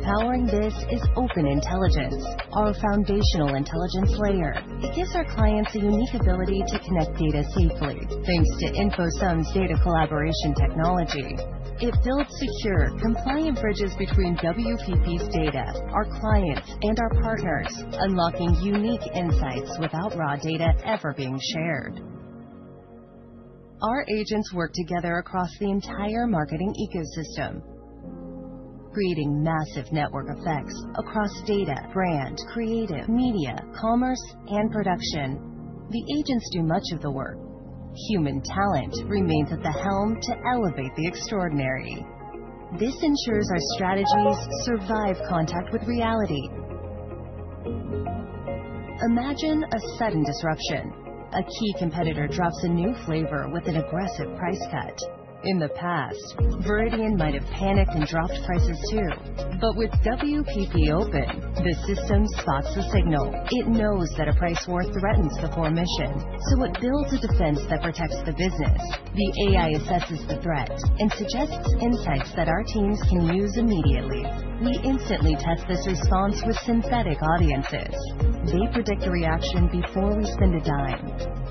[SPEAKER 4] Powering this is Open Intelligence, our foundational intelligence layer. It gives our clients a unique ability to connect data safely, thanks to InfoSum's data collaboration technology. It builds secure, compliant bridges between WPP's data, our clients, and our partners, unlocking unique insights without raw data ever being shared. Our agents work together across the entire marketing ecosystem, creating massive network effects across data, brand, creative, media, commerce, and production. The agents do much of the work. Human talent remains at the helm to elevate the extraordinary. This ensures our strategies survive contact with reality. Imagine a sudden disruption. A key competitor drops a new flavor with an aggressive price cut. In the past, Veridian might have panicked and dropped prices, too. With WPP Open, the system spots the signal. It knows that a price war threatens the core mission, so it builds a defense that protects the business. The AI assesses the threat and suggests insights that our teams can use immediately. We instantly test this response with synthetic audiences. They predict the reaction before we spend a dime.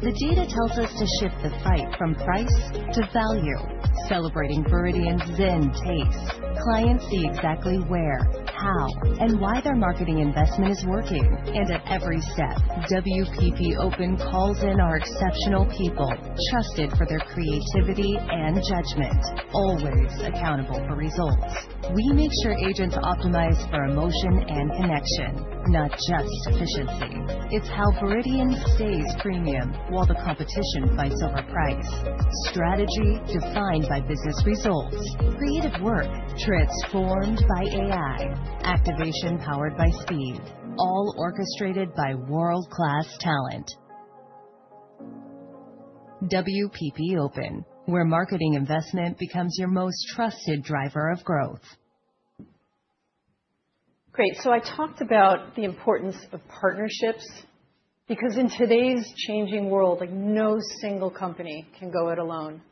[SPEAKER 4] The data tells us to shift the fight from price to value, celebrating Veridian's zen taste. Clients see exactly where, how, and why their marketing investment is working. At every step, WPP Open calls in our exceptional people, trusted for their creativity and judgment, always accountable for results. We make sure agents optimize for emotion and connection, not just efficiency. It's how Veridian stays premium while the competition buys over price. Strategy defined by business results, creative work transformed by AI, activation powered by speed, all orchestrated by world-class talent. WPP Open, where marketing investment becomes your most trusted driver of growth.
[SPEAKER 2] Great. I talked about the importance of partnerships, because in today's changing world, like, no single company can go it alone.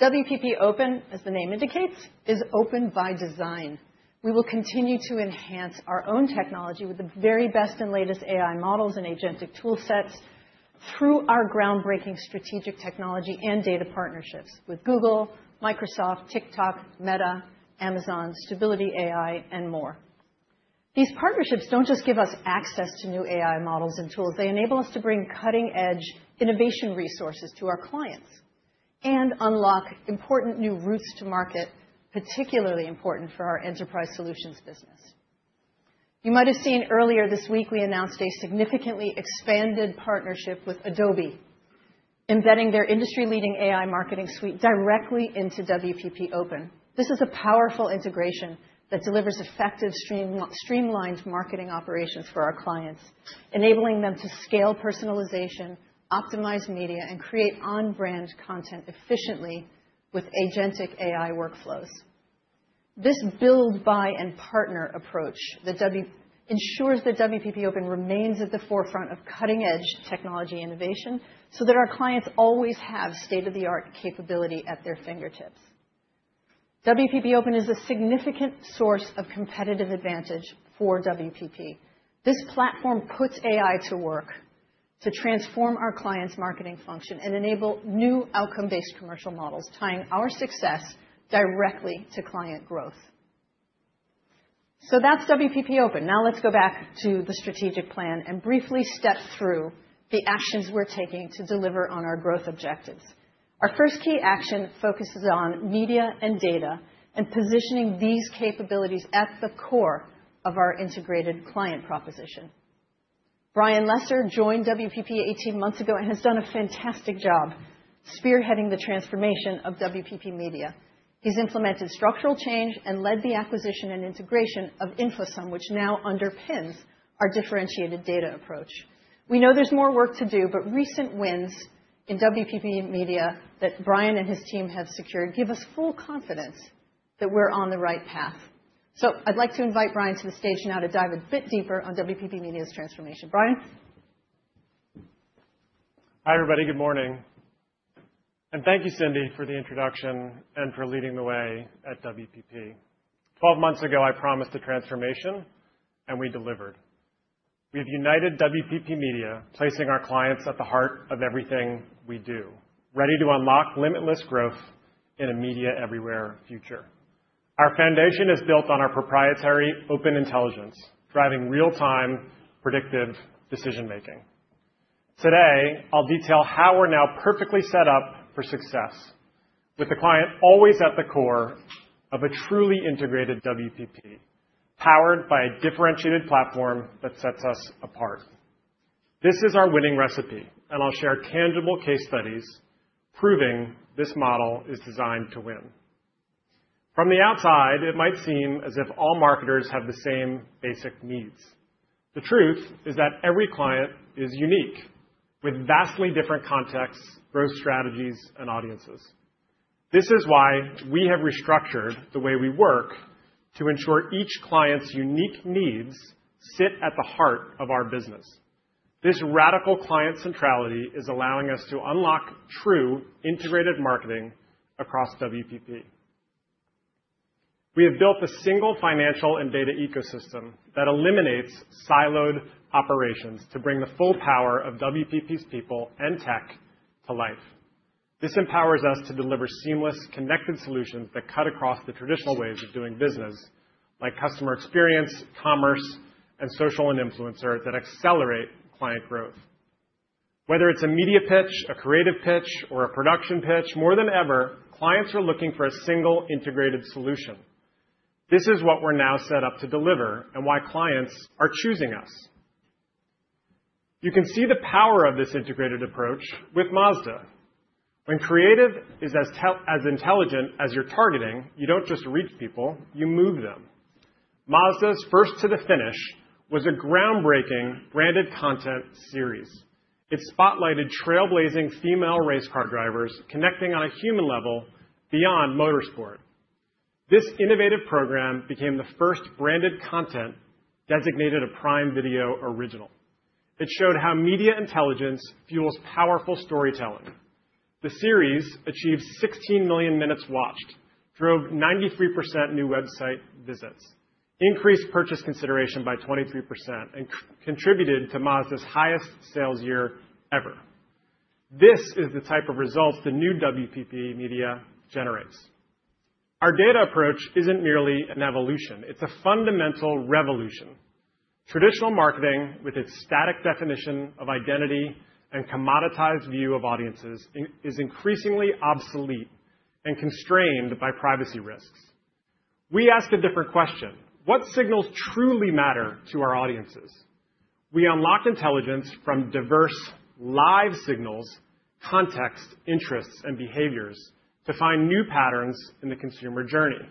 [SPEAKER 2] WPP Open, as the name indicates, is open by design. We will continue to enhance our own technology with the very best and latest AI models and agentic toolsets through our groundbreaking strategic technology and data partnerships with Google, Microsoft, TikTok, Meta, Amazon, Stability AI, and more. These partnerships don't just give us access to new AI models and tools. They enable us to bring cutting-edge innovation resources to our clients and unlock important new routes to market, particularly important for our enterprise solutions business. You might have seen earlier this week, we announced a significantly expanded partnership with Adobe, embedding their industry-leading AI marketing suite directly into WPP Open. This is a powerful integration that delivers effective. streamlined marketing operations for our clients, enabling them to scale personalization, optimize media, and create on-brand content efficiently with agentic AI workflows. This build, buy, and partner approach ensures that WPP Open remains at the forefront of cutting-edge technology innovation so that our clients always have state-of-the-art capability at their fingertips. WPP Open is a significant source of competitive advantage for WPP. This platform puts AI to work to transform our client's marketing function and enable new outcome-based commercial models, tying our success directly to client growth. That's WPP Open. Let's go back to the strategic plan and briefly step through the actions we're taking to deliver on our growth objectives. Our first key action focuses on media and data and positioning these capabilities at the core of our integrated client proposition. Brian Lesser joined WPP 18 months ago and has done a fantastic job spearheading the transformation of WPP Media. He's implemented structural change and led the acquisition and integration of InfoSum, which now underpins our differentiated data approach. We know there's more work to do, but recent wins in WPP Media that Brian and his team have secured give us full confidence that we're on the right path. I'd like to invite Brian to the stage now to dive a bit deeper on WPP Media's transformation. Brian?
[SPEAKER 5] Hi, everybody. Good morning, and thank you, Cindy, for the introduction and for leading the way at WPP. 12 months ago, I promised a transformation, and we delivered. We've united WPP Media, placing our clients at the heart of everything we do, ready to unlock limitless growth in a Media Everywhere future. Our foundation is built on our proprietary Open Intelligence, driving real-time predictive decision-making. Today, I'll detail how we're now perfectly set up for success with the client always at the core of a truly integrated WPP. powered by a differentiated platform that sets us apart. This is our winning recipe, and I'll share tangible case studies proving this model is designed to win. From the outside, it might seem as if all marketers have the same basic needs. The truth is that every client is unique, with vastly different contexts, growth strategies, and audiences. This is why we have restructured the way we work to ensure each client's unique needs sit at the heart of our business. This radical client centrality is allowing us to unlock true integrated marketing across WPP. We have built a single financial and data ecosystem that eliminates siloed operations to bring the full power of WPP's people and tech to life. This empowers us to deliver seamless, connected solutions that cut across the traditional ways of doing business, like customer experience, commerce, and social and influencer, that accelerate client growth. Whether it's a media pitch, a creative pitch, or a production pitch, more than ever, clients are looking for a single integrated solution. This is what we're now set up to deliver and why clients are choosing us. You can see the power of this integrated approach with Mazda. When creative is as intelligent as you're targeting, you don't just reach people, you move them. Mazda's First to the Finish was a groundbreaking branded content series. It spotlighted trailblazing female race car drivers, connecting on a human level beyond motorsport. This innovative program became the first branded content designated a Prime Video Original. It showed how media intelligence fuels powerful storytelling. The series achieved 16 million minutes watched, drove 93% new website visits, increased purchase consideration by 23%, and contributed to Mazda's highest sales year ever. This is the type of results the new WPP Media generates. Our data approach isn't merely an evolution. It's a fundamental revolution. Traditional marketing, with its static definition of identity and commoditized view of audiences, is increasingly obsolete and constrained by privacy risks. We ask a different question: What signals truly matter to our audiences? We unlock intelligence from diverse live signals, context, interests, and behaviors to find new patterns in the consumer journey.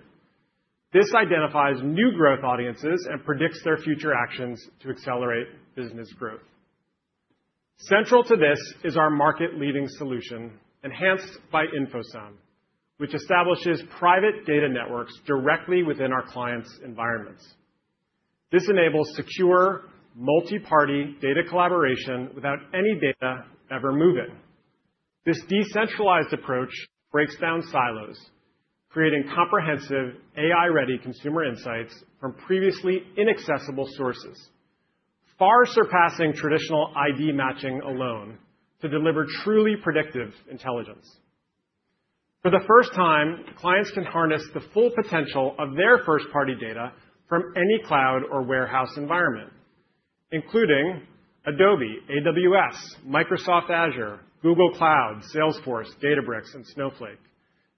[SPEAKER 5] This identifies new growth audiences and predicts their future actions to accelerate business growth. Central to this is our market-leading solution, enhanced by InfoSum, which establishes private data networks directly within our clients' environments. This enables secure, multi-party data collaboration without any data ever moving. This decentralized approach breaks down silos, creating comprehensive, AI-ready consumer insights from previously inaccessible sources, far surpassing traditional ID matching alone to deliver truly predictive intelligence. For the first time, clients can harness the full potential of their first-party data from any cloud or warehouse environment, including Adobe, AWS, Microsoft Azure, Google Cloud, Salesforce, Databricks, and Snowflake.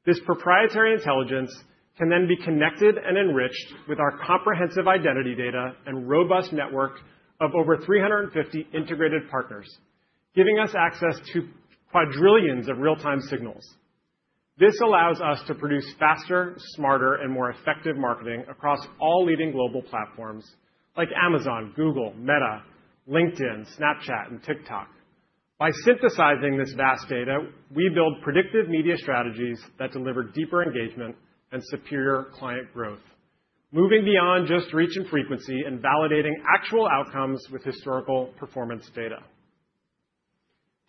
[SPEAKER 5] This proprietary intelligence can then be connected and enriched with our comprehensive identity data and robust network of over 350 integrated partners, giving us access to quadrillions of real-time signals. This allows us to produce faster, smarter, and more effective marketing across all leading global platforms like Amazon, Google, Meta, LinkedIn, Snapchat, and TikTok. By synthesizing this vast data, we build predictive media strategies that deliver deeper engagement and superior client growth, moving beyond just reach and frequency and validating actual outcomes with historical performance data.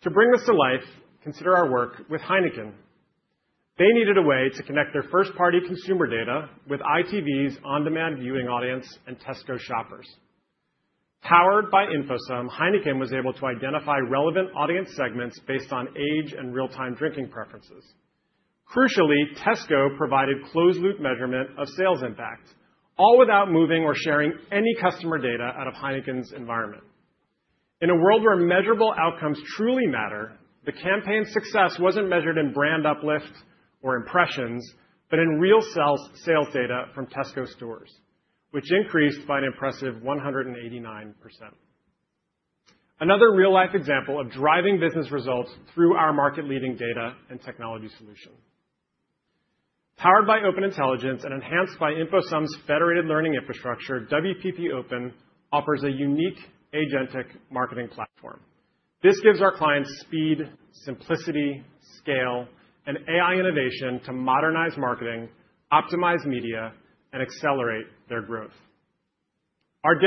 [SPEAKER 5] To bring this to life, consider our work with Heineken. They needed a way to connect their first-party consumer data with ITV's on-demand viewing audience and Tesco shoppers. Powered by InfoSum, Heineken was able to identify relevant audience segments based on age and real-time drinking preferences. Crucially, Tesco provided closed-loop measurement of sales impact, all without moving or sharing any customer data out of Heineken's environment. In a world where measurable outcomes truly matter, the campaign's success wasn't measured in brand uplift or impressions, but in real sales data from Tesco stores, which increased by an impressive 189%. Another real-life example of driving business results through our market-leading data and technology solution. Powered by Open Intelligence and enhanced by InfoSum's federated learning infrastructure, WPP Open offers a unique agentic marketing platform. This gives our clients speed, simplicity, scale, and AI innovation to modernize marketing, optimize media, and accelerate their growth. For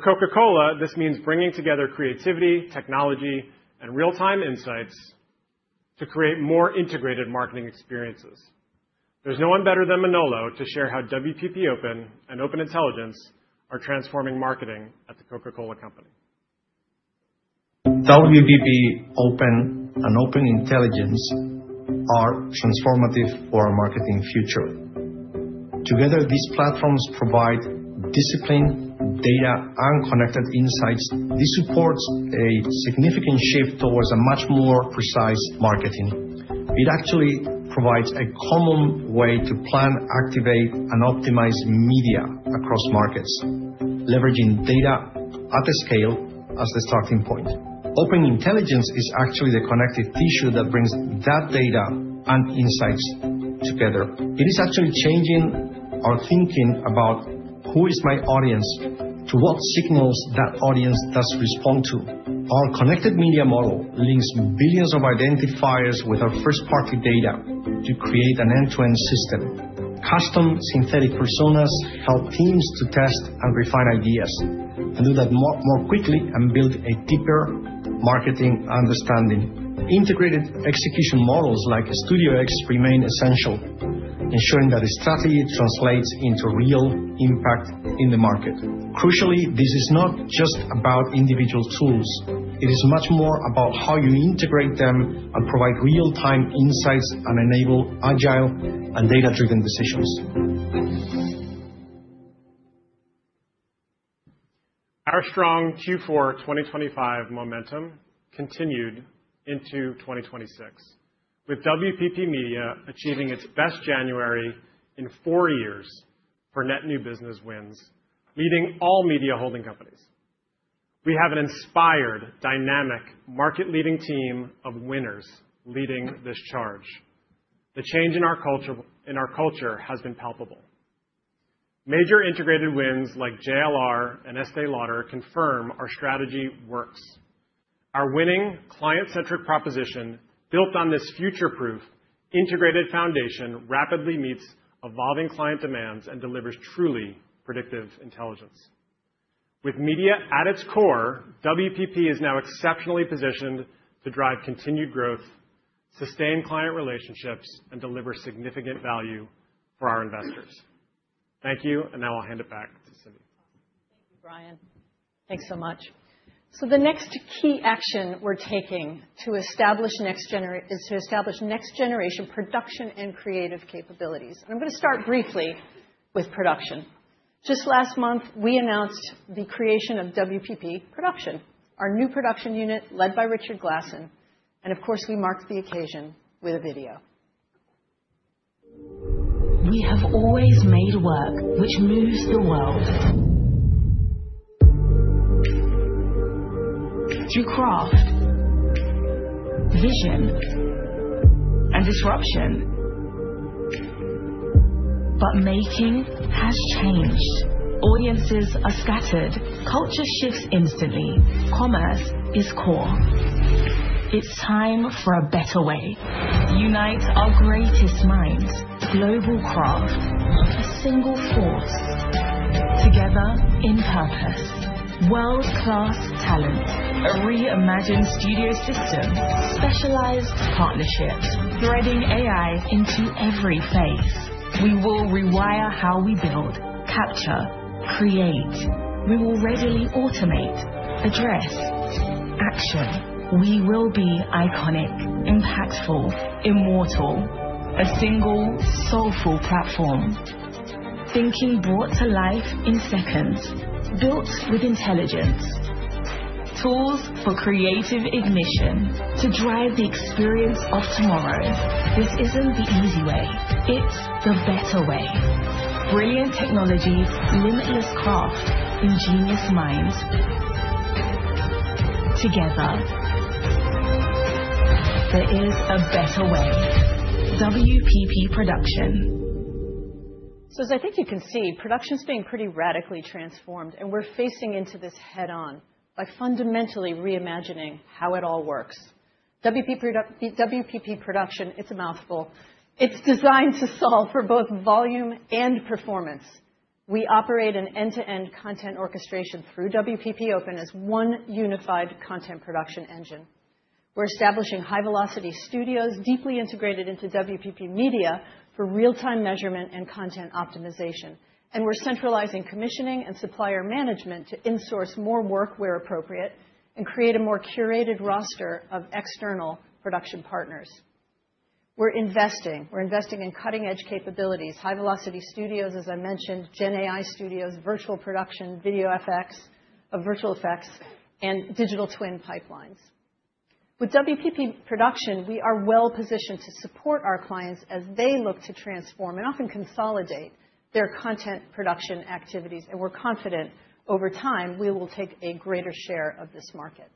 [SPEAKER 5] Coca-Cola, this means bringing together creativity, technology, and real-time insights to create more integrated marketing experiences. There's no one better than Manolo to share how WPP Open and Open Intelligence are transforming marketing at The Coca-Cola Company.
[SPEAKER 3] WPP Open and Open Intelligence are transformative for our marketing future. Together, these platforms provide discipline, data, and connected insights. This supports a significant shift towards a much more precise marketing. It actually provides a common way to plan, activate, and optimize media across markets, leveraging data at the scale as a starting point. Open Intelligence is actually the connective tissue that brings that data and insights together. It is actually changing our thinking about who is my audience to what signals that audience does respond to. Our connected media model links billions of identifiers with our first-party data to create an end-to-end system. Custom synthetic personas help teams to test and refine ideas, and do that more quickly and build a deeper marketing understanding. Integrated execution models like Studio X remain essential, ensuring that a strategy translates into real impact in the market. Crucially, this is not just about individual tools. It is much more about how you integrate them and provide real-time insights and enable agile and data-driven decisions.
[SPEAKER 5] Our strong Q4 2025 momentum continued into 2026, with WPP Media achieving its best January in four years for net new business wins, leading all media holding companies. We have an inspired, dynamic, market-leading team of winners leading this charge. The change in our culture has been palpable. Major integrated wins like JLR and Estée Lauder confirm our strategy works. Our winning client-centric proposition, built on this future-proof, integrated foundation, rapidly meets evolving client demands and delivers truly predictive intelligence. With media at its core, WPP is now exceptionally positioned to drive continued growth, sustain client relationships, and deliver significant value for our investors. Thank you, and now I'll hand it back to Sylvie.
[SPEAKER 2] Thank you, Brian. Thanks so much. The next key action we're taking is to establish next-generation production and creative capabilities. I'm going to start briefly with production. Just last month, we announced the creation of WPP Production, our new production unit led by Richard Glasson, and of course, we marked the occasion with a video.
[SPEAKER 4] We have always made work which moves the world. Through craft, vision, and disruption. Making has changed. Audiences are scattered. Culture shifts instantly. Commerce is core. It's time for a better way. Unite our greatest minds, global craft, a single force together in purpose. World-class talent, a reimagined studio system, specialized partnerships, threading AI into every phase. We will rewire how we build, capture, create. We will readily automate, address, action. We will be iconic, impactful, immortal. A single, soulful platform. Thinking brought to life in seconds, built with intelligence. Tools for creative ignition to drive the experience of tomorrow. This isn't the easy way. It's the better way. Brilliant technology, limitless craft, ingenious minds. Together. There is a better way. WPP Production.
[SPEAKER 2] As I think you can see, production's being pretty radically transformed, and we're facing into this head-on by fundamentally reimagining how it all works. WPP Production, it's a mouthful. It's designed to solve for both volume and performance. We operate an end-to-end content orchestration through WPP Open as one unified content production engine. We're establishing high-velocity studios, deeply integrated into WPP Media for real-time measurement and content optimization. We're centralizing commissioning and supplier management to insource more work where appropriate and create a more curated roster of external production partners. We're investing. We're investing in cutting-edge capabilities, high-velocity studios, as I mentioned, GenAI studios, virtual production, video effects, virtual effects, and digital twin pipelines. With WPP Production, we are well positioned to support our clients as they look to transform and often consolidate their content production activities. We're confident over time, we will take a greater share of this market.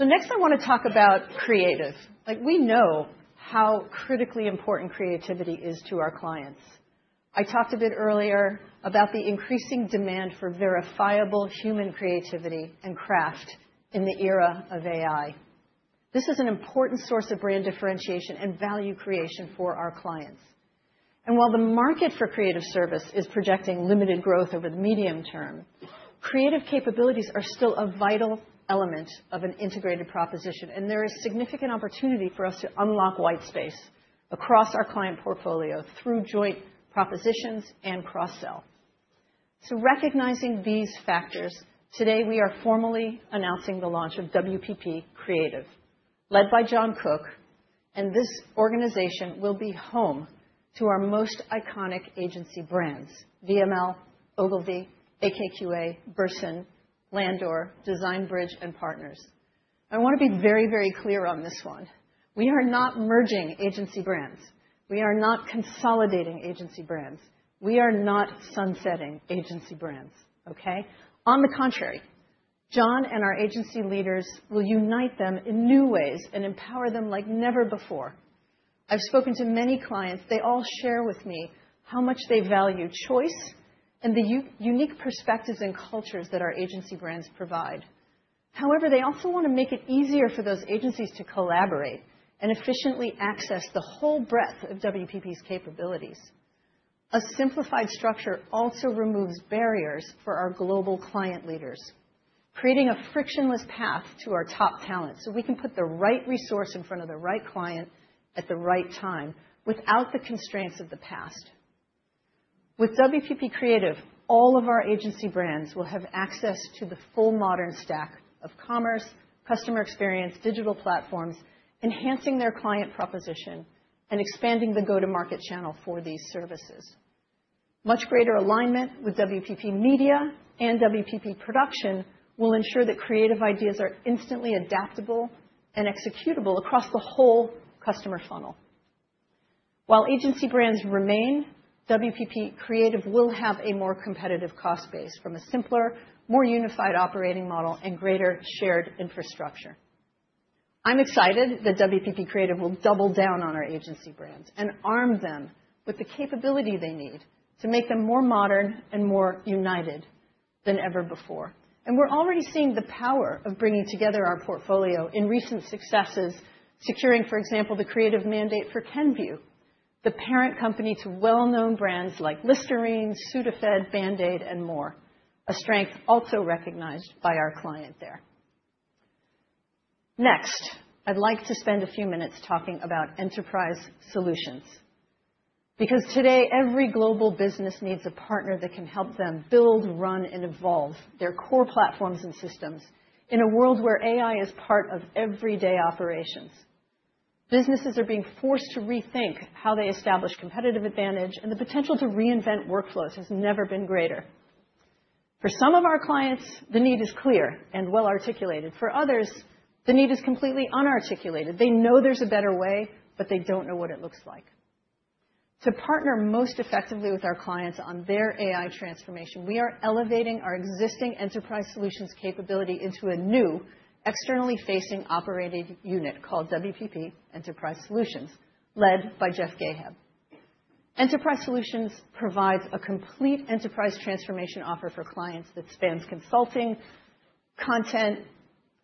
[SPEAKER 2] Next, I want to talk about creative. Like, we know how critically important creativity is to our clients. I talked a bit earlier about the increasing demand for verifiable human creativity and craft in the era of AI. This is an important source of brand differentiation and value creation for our clients. While the market for creative service is projecting limited growth over the medium term, creative capabilities are still a vital element of an integrated proposition, and there is significant opportunity for us to unlock white space across our client portfolio through joint propositions and cross-sell.... Recognizing these factors, today we are formally announcing the launch of WPP Creative, led by Jon Cook, and this organization will be home to our most iconic agency brands: VML, Ogilvy, AKQA, Burson, Landor, Design Bridge and Partners. I want to be very, very clear on this one. We are not merging agency brands. We are not consolidating agency brands. We are not sunsetting agency brands, okay? On the contrary, Jon and our agency leaders will unite them in new ways and empower them like never before. I've spoken to many clients. They all share with me how much they value choice and the unique perspectives and cultures that our agency brands provide. However, they also want to make it easier for those agencies to collaborate and efficiently access the whole breadth of WPP's capabilities. A simplified structure also removes barriers for our global client leaders, creating a frictionless path to our top talent, so we can put the right resource in front of the right client at the right time, without the constraints of the past. With WPP Creative, all of our agency brands will have access to the full modern stack of commerce, customer experience, digital platforms, enhancing their client proposition and expanding the go-to-market channel for these services. Much greater alignment with WPP Media and WPP Production will ensure that creative ideas are instantly adaptable and executable across the whole customer funnel. While agency brands remain, WPP Creative will have a more competitive cost base from a simpler, more unified operating model and greater shared infrastructure. I'm excited that WPP Creative will double down on our agency brands and arm them with the capability they need to make them more modern and more united than ever before. We're already seeing the power of bringing together our portfolio in recent successes, securing, for example, the creative mandate for Kenvue, the parent company to well-known brands like Listerine, Sudafed, Band-Aid, and more. A strength also recognized by our client there. Next, I'd like to spend a few minutes talking about Enterprise Solutions, because today, every global business needs a partner that can help them build, run, and evolve their core platforms and systems in a world where AI is part of everyday operations. Businesses are being forced to rethink how they establish competitive advantage, and the potential to reinvent workflows has never been greater. For some of our clients, the need is clear and well articulated. For others, the need is completely unarticulated. They know there's a better way, but they don't know what it looks like. To partner most effectively with our clients on their AI transformation, we are elevating our existing enterprise solutions capability into a new externally facing operating unit called WPP Enterprise Solutions, led by Jeff Gallan. Enterprise Solutions provides a complete enterprise transformation offer for clients that spans consulting, content,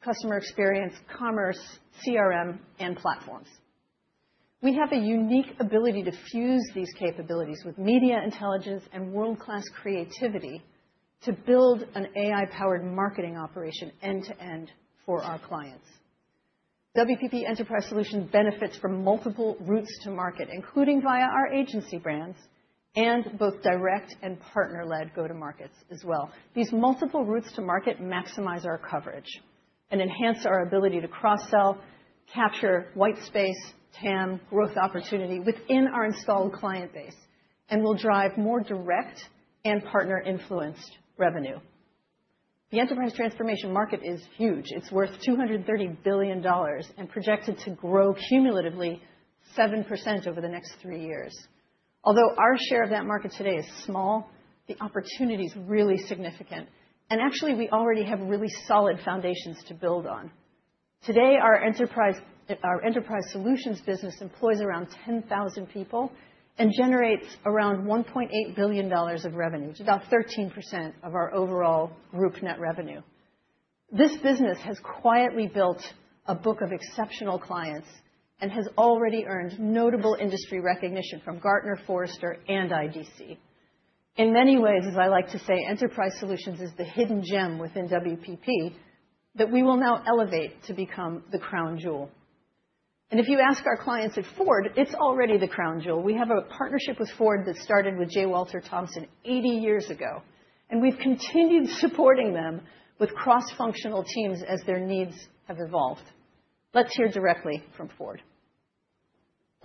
[SPEAKER 2] customer experience, commerce, CRM, and platforms. We have a unique ability to fuse these capabilities with media intelligence and world-class creativity to build an AI-powered marketing operation end-to-end for our clients. WPP Enterprise Solutions benefits from multiple routes to market, including via our agency brands and both direct and partner-led go-to-markets as well. These multiple routes to market maximize our coverage and enhance our ability to cross-sell, capture white space, TAM, growth opportunity within our installed client base, and will drive more direct and partner-influenced revenue. The enterprise transformation market is huge. It's worth $230 billion and projected to grow cumulatively 7% over the next three years. Our share of that market today is small, the opportunity is really significant, and actually, we already have really solid foundations to build on. Today, our enterprise solutions business employs around 10,000 people and generates around $1.8 billion of revenue, it's about 13% of our overall group net revenue. This business has quietly built a book of exceptional clients and has already earned notable industry recognition from Gartner, Forrester, and IDC. In many ways, as I like to say, Enterprise Solutions is the hidden gem within WPP that we will now elevate to become the crown jewel. If you ask our clients at Ford, it's already the crown jewel. We have a partnership with Ford that started with J. Walter Thompson 80 years ago, we've continued supporting them with cross-functional teams as their needs have evolved. Let's hear directly from Ford.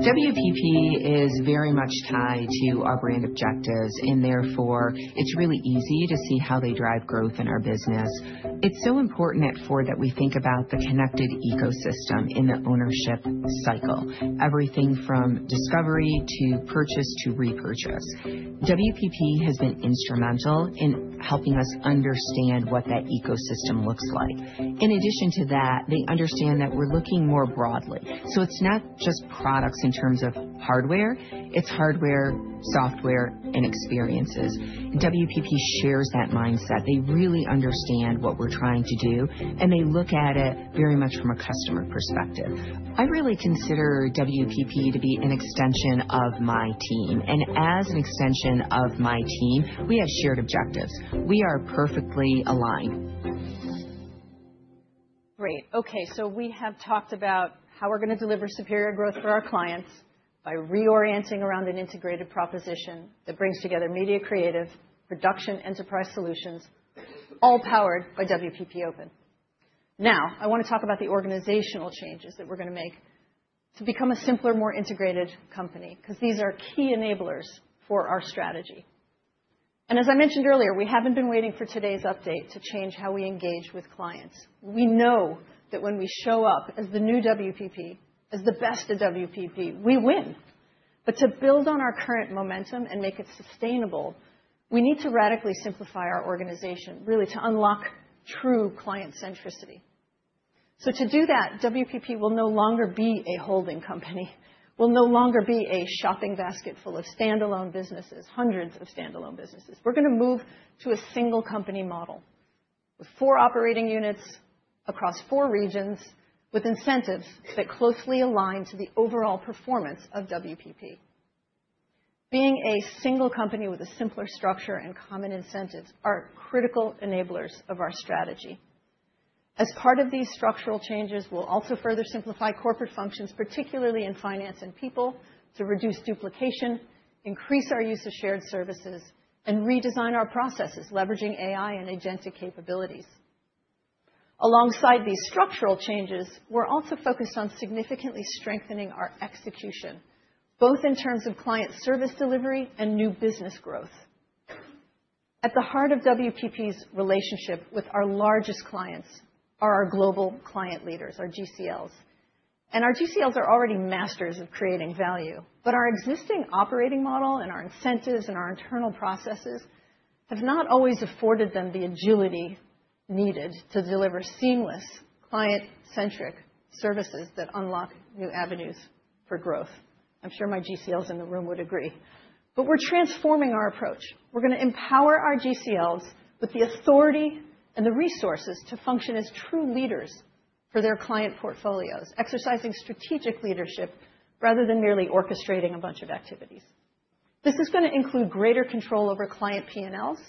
[SPEAKER 6] WPP is very much tied to our brand objectives. Therefore, it's really easy to see how they drive growth in our business. It's so important at Ford that we think about the connected ecosystem in the ownership cycle. Everything from discovery, to purchase, to repurchase. WPP has been instrumental in helping us understand what that ecosystem looks like. In addition to that, they understand that we're looking more broadly. It's not just products in terms of hardware. It's hardware, software, and experiences. WPP shares that mindset. They really understand what we're trying to do, and they look at it very much from a customer perspective. I really consider WPP to be an extension of my team. As an extension of my team, we have shared objectives. We are perfectly aligned.
[SPEAKER 2] Great. Okay, we have talked about how we're going to deliver superior growth for our clients by reorienting around an integrated proposition that brings together media creative, production, enterprise solutions, all powered by WPP Open. I want to talk about the organizational changes that we're going to make to become a simpler, more integrated company, because these are key enablers for our strategy. As I mentioned earlier, we haven't been waiting for today's update to change how we engage with clients. We know that when we show up as the new WPP, as the best of WPP, we win. To build on our current momentum and make it sustainable, we need to radically simplify our organization, really, to unlock true client centricity. To do that, WPP will no longer be a holding company, will no longer be a shopping basket full of standalone businesses, hundreds of standalone businesses. We're going to move to a single company model with four operating units across four regions, with incentives that closely align to the overall performance of WPP. Being a single company with a simpler structure and common incentives are critical enablers of our strategy. As part of these structural changes, we'll also further simplify corporate functions, particularly in finance and people, to reduce duplication, increase our use of shared services, and redesign our processes, leveraging AI and agentic capabilities. Alongside these structural changes, we're also focused on significantly strengthening our execution, both in terms of client service delivery and new business growth. At the heart of WPP's relationship with our largest clients are our global client leaders, our GCLs. Our GCLs are already masters of creating value, but our existing operating model, and our incentives, and our internal processes have not always afforded them the agility needed to deliver seamless client-centric services that unlock new avenues for growth. I'm sure my GCLs in the room would agree. We're transforming our approach. We're going to empower our GCLs with the authority and the resources to function as true leaders for their client portfolios, exercising strategic leadership rather than merely orchestrating a bunch of activities. This is going to include greater control over client PNLs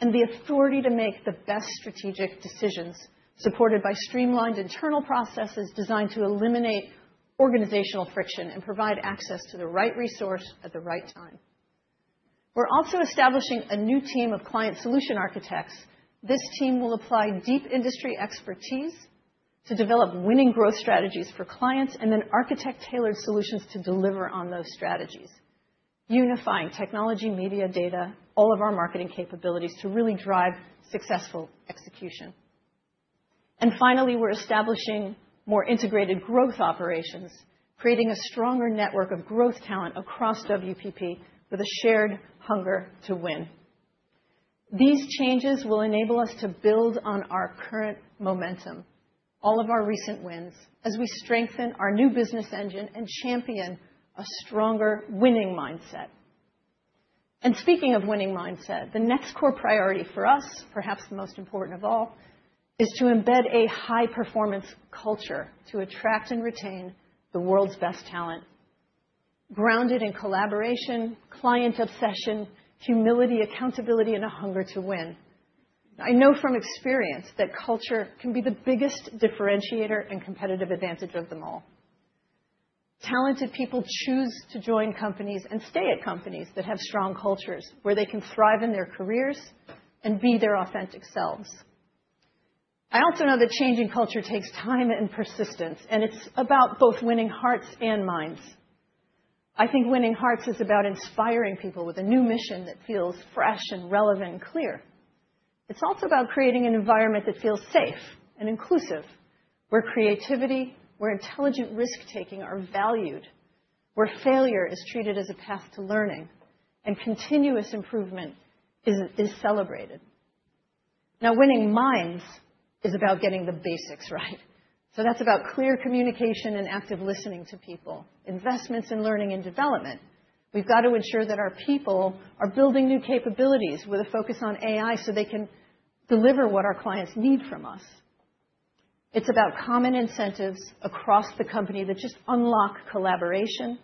[SPEAKER 2] and the authority to make the best strategic decisions, supported by streamlined internal processes designed to eliminate organizational friction and provide access to the right resource at the right time. We're also establishing a new team of client solution architects. This team will apply deep industry expertise to develop winning growth strategies for clients, then architect tailored solutions to deliver on those strategies, unifying technology, media, data, all of our marketing capabilities to really drive successful execution. Finally, we're establishing more integrated growth operations, creating a stronger network of growth talent across WPP with a shared hunger to win. These changes will enable us to build on our current momentum, all of our recent wins, as we strengthen our new business engine and champion a stronger winning mindset. Speaking of winning mindset, the next core priority for us, perhaps the most important of all, is to embed a high-performance culture to attract and retain the world's best talent, grounded in collaboration, client obsession, humility, accountability, and a hunger to win. I know from experience that culture can be the biggest differentiator and competitive advantage of them all. Talented people choose to join companies and stay at companies that have strong cultures, where they can thrive in their careers and be their authentic selves. I also know that changing culture takes time and persistence, and it's about both winning hearts and minds. I think winning hearts is about inspiring people with a new mission that feels fresh and relevant and clear. It's also about creating an environment that feels safe and inclusive, where creativity, where intelligent risk-taking are valued, where failure is treated as a path to learning, and continuous improvement is celebrated. Winning minds is about getting the basics right. That's about clear communication and active listening to people, investments in learning and development. We've got to ensure that our people are building new capabilities with a focus on AI, so they can deliver what our clients need from us. It's about common incentives across the company that just unlock collaboration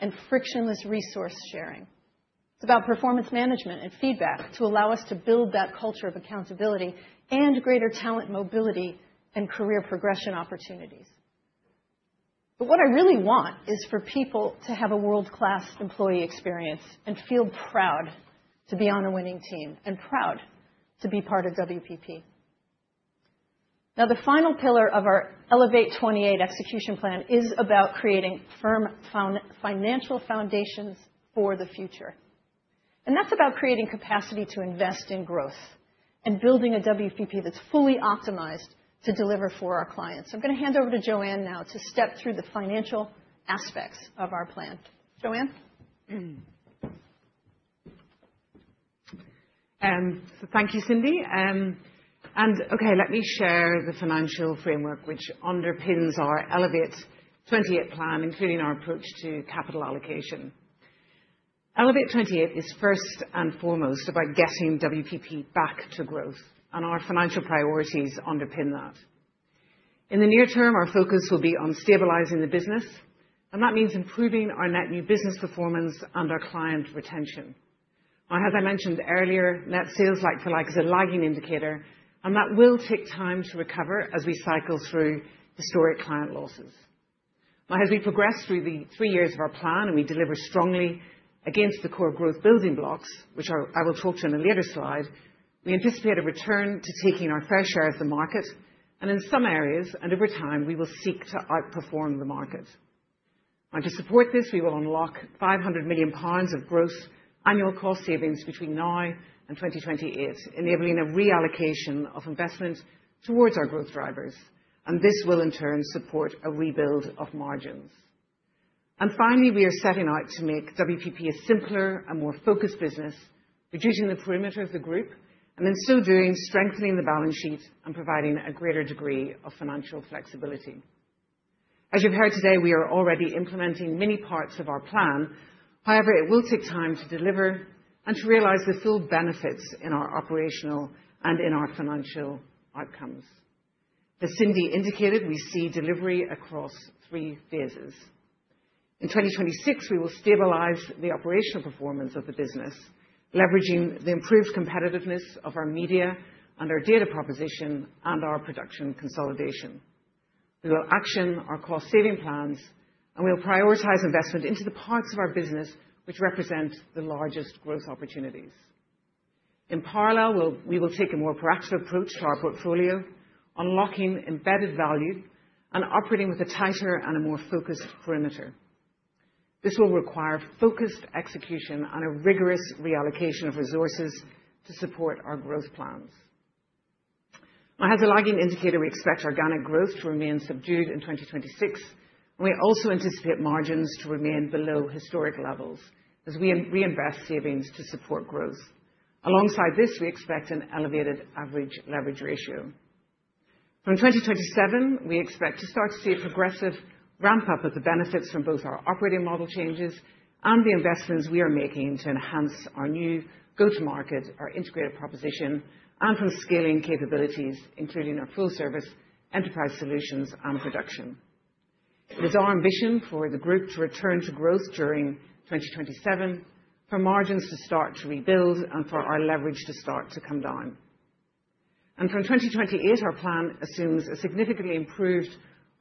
[SPEAKER 2] and frictionless resource sharing. It's about performance management and feedback to allow us to build that culture of accountability and greater talent, mobility, and career progression opportunities. What I really want is for people to have a world-class employee experience and feel proud to be on a winning team and proud to be part of WPP. The final pillar of our Elevate28 execution plan is about creating firm financial foundations for the future, and that's about creating capacity to invest in growth and building a WPP that's fully optimized to deliver for our clients. I'm going to hand over to Joanne now to step through the financial aspects of our plan. Joanne?
[SPEAKER 1] Thank you, Cindy. Okay, let me share the financial framework, which underpins our Elevate 28 plan, including our approach to capital allocation. Elevate 28 is first and foremost about getting WPP back to growth. Our financial priorities underpin that. In the near term, our focus will be on stabilizing the business. That means improving our net new business performance and our client retention. Well, as I mentioned earlier, net sales like-for-like is a lagging indicator. That will take time to recover as we cycle through historic client losses. Now, as we progress through the three years of our plan, and we deliver strongly against the core growth building blocks, which I will talk to in a later slide, we anticipate a return to taking our fair share of the market, and in some areas, and over time, we will seek to outperform the market. To support this, we will unlock 500 million pounds of gross annual cost savings between now and 2028, enabling a reallocation of investment towards our growth drivers, and this will in turn support a rebuild of margins. Finally, we are setting out to make WPP a simpler and more focused business, reducing the perimeter of the group, and in so doing, strengthening the balance sheet and providing a greater degree of financial flexibility. As you've heard today, we are already implementing many parts of our plan. It will take time to deliver and to realize the full benefits in our operational and in our financial outcomes. As Cindy indicated, we see delivery across III Phases. In 2026, we will stabilize the operational performance of the business, leveraging the improved competitiveness of our media and our data proposition, and our production consolidation. We will action our cost-saving plans, and we'll prioritize investment into the parts of our business which represent the largest growth opportunities. In parallel, we will take a more proactive approach to our portfolio, unlocking embedded value and operating with a tighter and a more focused perimeter. This will require focused execution and a rigorous reallocation of resources to support our growth plans. As a lagging indicator, we expect organic growth to remain subdued in 2026, and we also anticipate margins to remain below historic levels as we invest savings to support growth. Alongside this, we expect an elevated average leverage ratio. From 2027, we expect to start to see a progressive ramp-up of the benefits from both our operating model changes and the investments we are making to enhance our new go-to-market, our integrated proposition, and from scaling capabilities, including our full service, Enterprise Solutions, and Production. It is our ambition for the group to return to growth during 2027, for margins to start to rebuild, and for our leverage to start to come down. From 2028, our plan assumes a significantly improved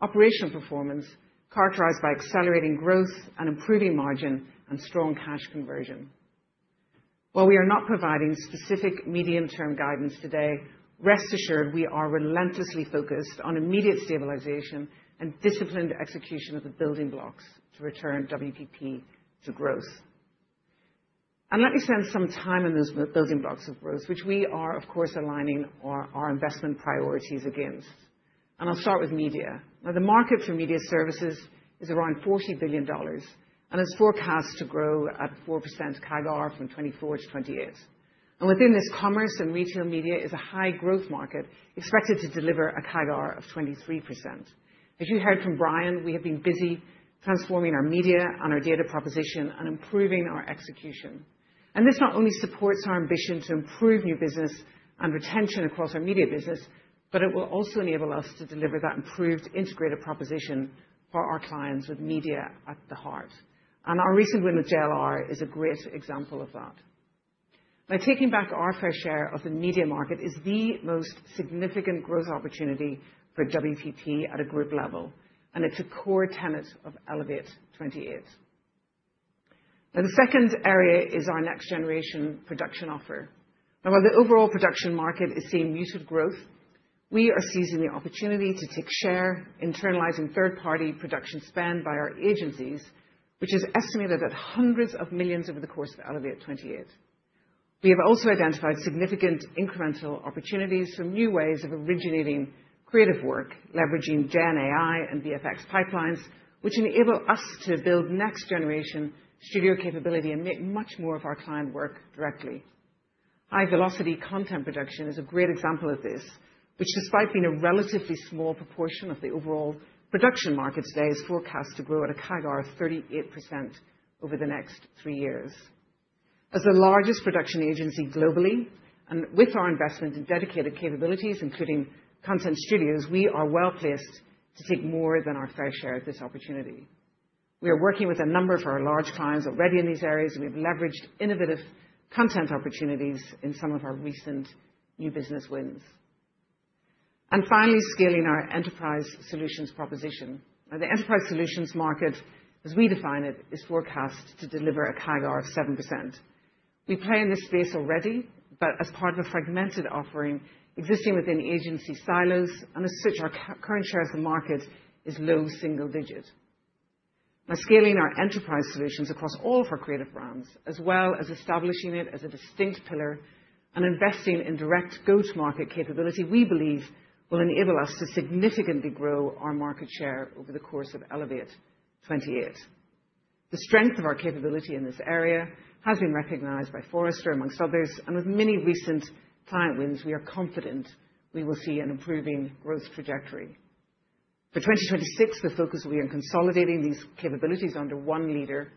[SPEAKER 1] operational performance, characterized by accelerating growth and improving margin and strong cash conversion. While we are not providing specific medium-term guidance today, rest assured, we are relentlessly focused on immediate stabilization and disciplined execution of the building blocks to return WPP to growth. Let me spend some time on those building blocks of growth, which we are, of course, aligning our investment priorities against. I'll start with media. The market for media services is around $40 billion and is forecast to grow at 4% CAGR from 2024-2028. Within this, commerce and retail media is a high growth market, expected to deliver a CAGR of 23%. As you heard from Brian, we have been busy transforming our media and our data proposition and improving our execution. This not only supports our ambition to improve new business and retention across our media business, but it will also enable us to deliver that improved integrated proposition for our clients with media at the heart. Our recent win with JLR is a great example of that. By taking back our fair share of the media market is the most significant growth opportunity for WPP at a group level, and it's a core tenet of Elevate28. The second area is our next generation production offer. While the overall production market is seeing muted growth, we are seizing the opportunity to take share, internalizing third-party production spend by our agencies, which is estimated at GBP hundreds of millions over the course of Elevate28. We have also identified significant incremental opportunities from new ways of originating creative work, leveraging GenAI and VFX pipelines, which enable us to build next generation studio capability and make much more of our client work directly. High velocity content production is a great example of this, which, despite being a relatively small proportion of the overall production market today, is forecast to grow at a CAGR of 38% over the next three years. As the largest production agency globally, and with our investment in dedicated capabilities, including content studios, we are well-placed to take more than our fair share of this opportunity. We are working with a number of our large clients already in these areas, and we've leveraged innovative content opportunities in some of our recent new business wins. Finally, scaling our Enterprise Solutions proposition. Now, the enterprise solutions market, as we define it, is forecast to deliver a CAGR of 7%. We play in this space already, but as part of a fragmented offering existing within agency silos, and as such, our current share of the market is low single-digit. By scaling our enterprise solutions across all of our creative brands, as well as establishing it as a distinct pillar and investing in direct go-to-market capability, we believe will enable us to significantly grow our market share over the course of Elevate28. The strength of our capability in this area has been recognized by Forrester, amongst others, and with many recent client wins, we are confident we will see an improving growth trajectory. For 2026, the focus will be on consolidating these capabilities under one leader,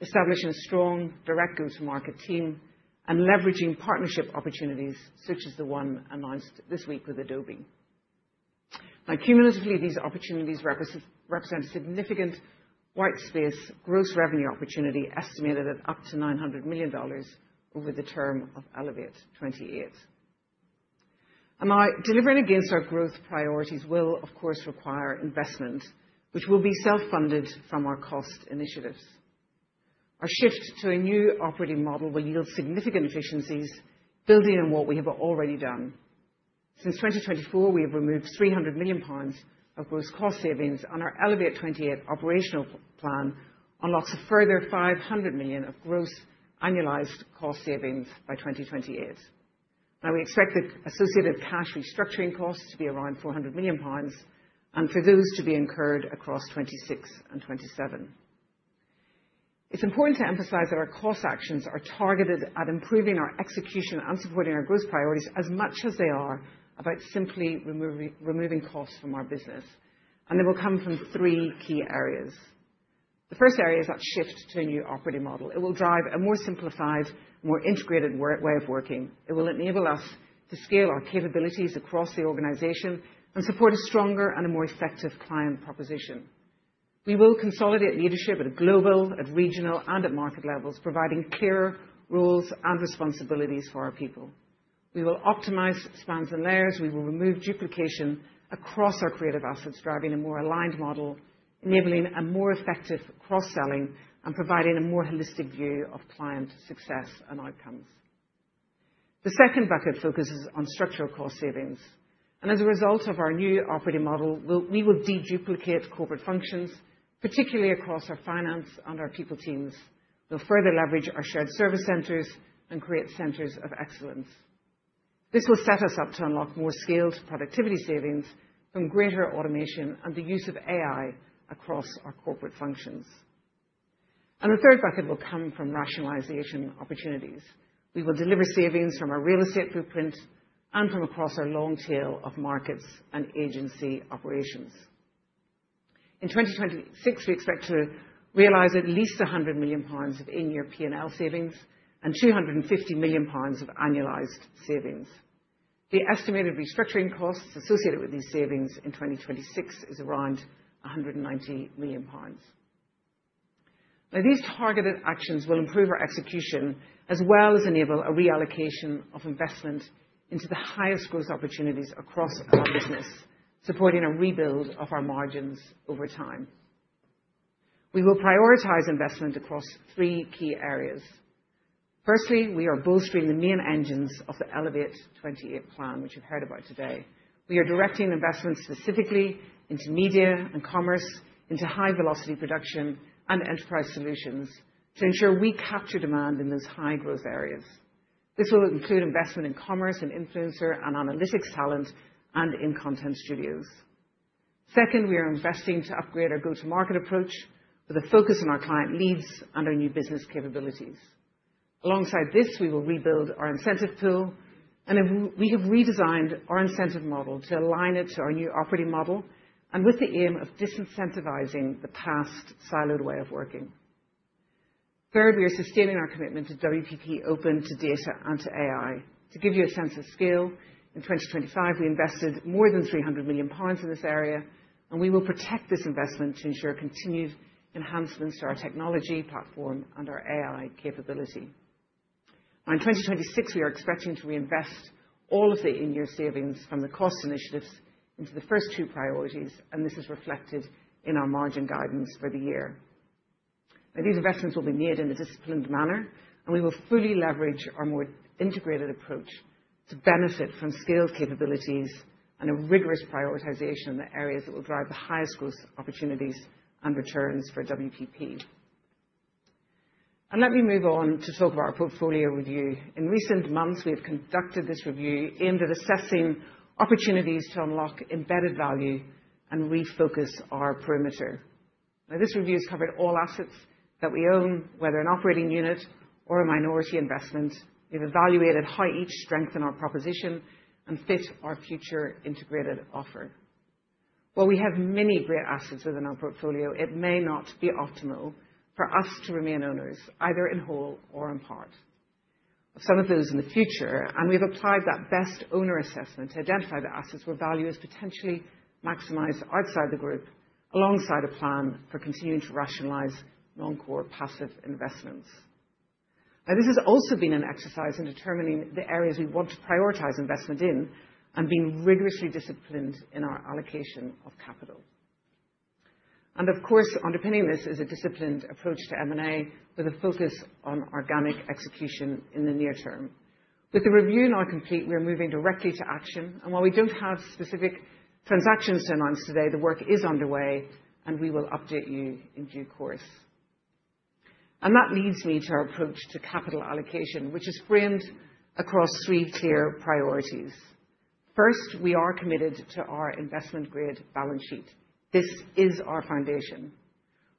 [SPEAKER 1] establishing a strong direct go-to-market team, and leveraging partnership opportunities, such as the one announced this week with Adobe. Cumulatively, these opportunities represent significant whitespace gross revenue opportunity estimated at up to $900 million over the term of Elevate '28. Delivering against our growth priorities will, of course, require investment, which will be self-funded from our cost initiatives. Our shift to a new operating model will yield significant efficiencies, building on what we have already done. Since 2024, we have removed 300 million pounds of gross cost savings, and our Elevate '28 operational plan unlocks a further 500 million of gross annualized cost savings by 2028. We expect the associated cash restructuring costs to be around 400 million pounds and for those to be incurred across 2026 and 2027. It's important to emphasize that our cost actions are targeted at improving our execution and supporting our growth priorities as much as they are about simply removing costs from our business, and they will come from three key areas. The first area is that shift to a new operating model. It will drive a more simplified, more integrated way of working. It will enable us to scale our capabilities across the organization and support a stronger and a more effective client proposition. We will consolidate leadership at a global, at regional, and at market levels, providing clearer roles and responsibilities for our people. We will optimize spans and layers. We will remove duplication across our creative assets, driving a more aligned model, enabling a more effective cross-selling, and providing a more holistic view of client success and outcomes. The second bucket focuses on structural cost savings. As a result of our new operating model, we will de-duplicate corporate functions, particularly across our finance and our people teams. We will further leverage our shared service centers and create centers of excellence. This will set us up to unlock more scaled productivity savings from greater automation and the use of AI across our corporate functions. The third bucket will come from rationalization opportunities. We will deliver savings from our real estate footprint and from across our long tail of markets and agency operations. In 2026, we expect to realize at least 100 million pounds of in-year P&L savings and 250 million pounds of annualized savings. The estimated restructuring costs associated with these savings in 2026 is around 190 million pounds. These targeted actions will improve our execution, as well as enable a reallocation of investment into the highest growth opportunities across our business, supporting a rebuild of our margins over time. We will prioritize investment across three key areas. Firstly, we are bolstering the main engines of the Elevate28 plan, which you've heard about today. We are directing investments specifically into media and commerce, into high-velocity production and Enterprise Solutions to ensure we capture demand in those high-growth areas. This will include investment in commerce and influencer and analytics talent, and in content studios. Second, we are investing to upgrade our go-to-market approach with a focus on our client leads and our new business capabilities. Alongside this, we will rebuild our incentive tool, and we have redesigned our incentive model to align it to our new operating model and with the aim of disincentivizing the past siloed way of working. Third, we are sustaining our commitment to WPP, open to data, and to AI. To give you a sense of scale, in 2025, we invested more than 300 million pounds in this area, and we will protect this investment to ensure continued enhancements to our technology platform and our AI capability. In 2026, we are expecting to reinvest all of the in-year savings from the cost initiatives into the first two priorities, and this is reflected in our margin guidance for the year. These investments will be made in a disciplined manner, and we will fully leverage our more integrated approach to benefit from scale capabilities and a rigorous prioritization in the areas that will drive the highest growth opportunities and returns for WPP. Let me move on to talk about our portfolio review. In recent months, we have conducted this review aimed at assessing opportunities to unlock embedded value and refocus our perimeter. This review has covered all assets that we own, whether an operating unit or a minority investment. We've evaluated how each strengthen our proposition and fit our future integrated offer. While we have many great assets within our portfolio, it may not be optimal for us to remain owners, either in whole or in part. Some of those in the future, and we've applied that best owner assessment to identify the assets where value is potentially maximized outside the group, alongside a plan for continuing to rationalize non-core passive investments. Now, this has also been an exercise in determining the areas we want to prioritize investment in and being rigorously disciplined in our allocation of capital. Of course, underpinning this is a disciplined approach to M&A, with a focus on organic execution in the near term. With the review now complete, we are moving directly to action, and while we don't have specific transactions to announce today, the work is underway, and we will update you in due course. That leads me to our approach to capital allocation, which is framed across three clear priorities. First, we are committed to our investment-grade balance sheet. This is our foundation.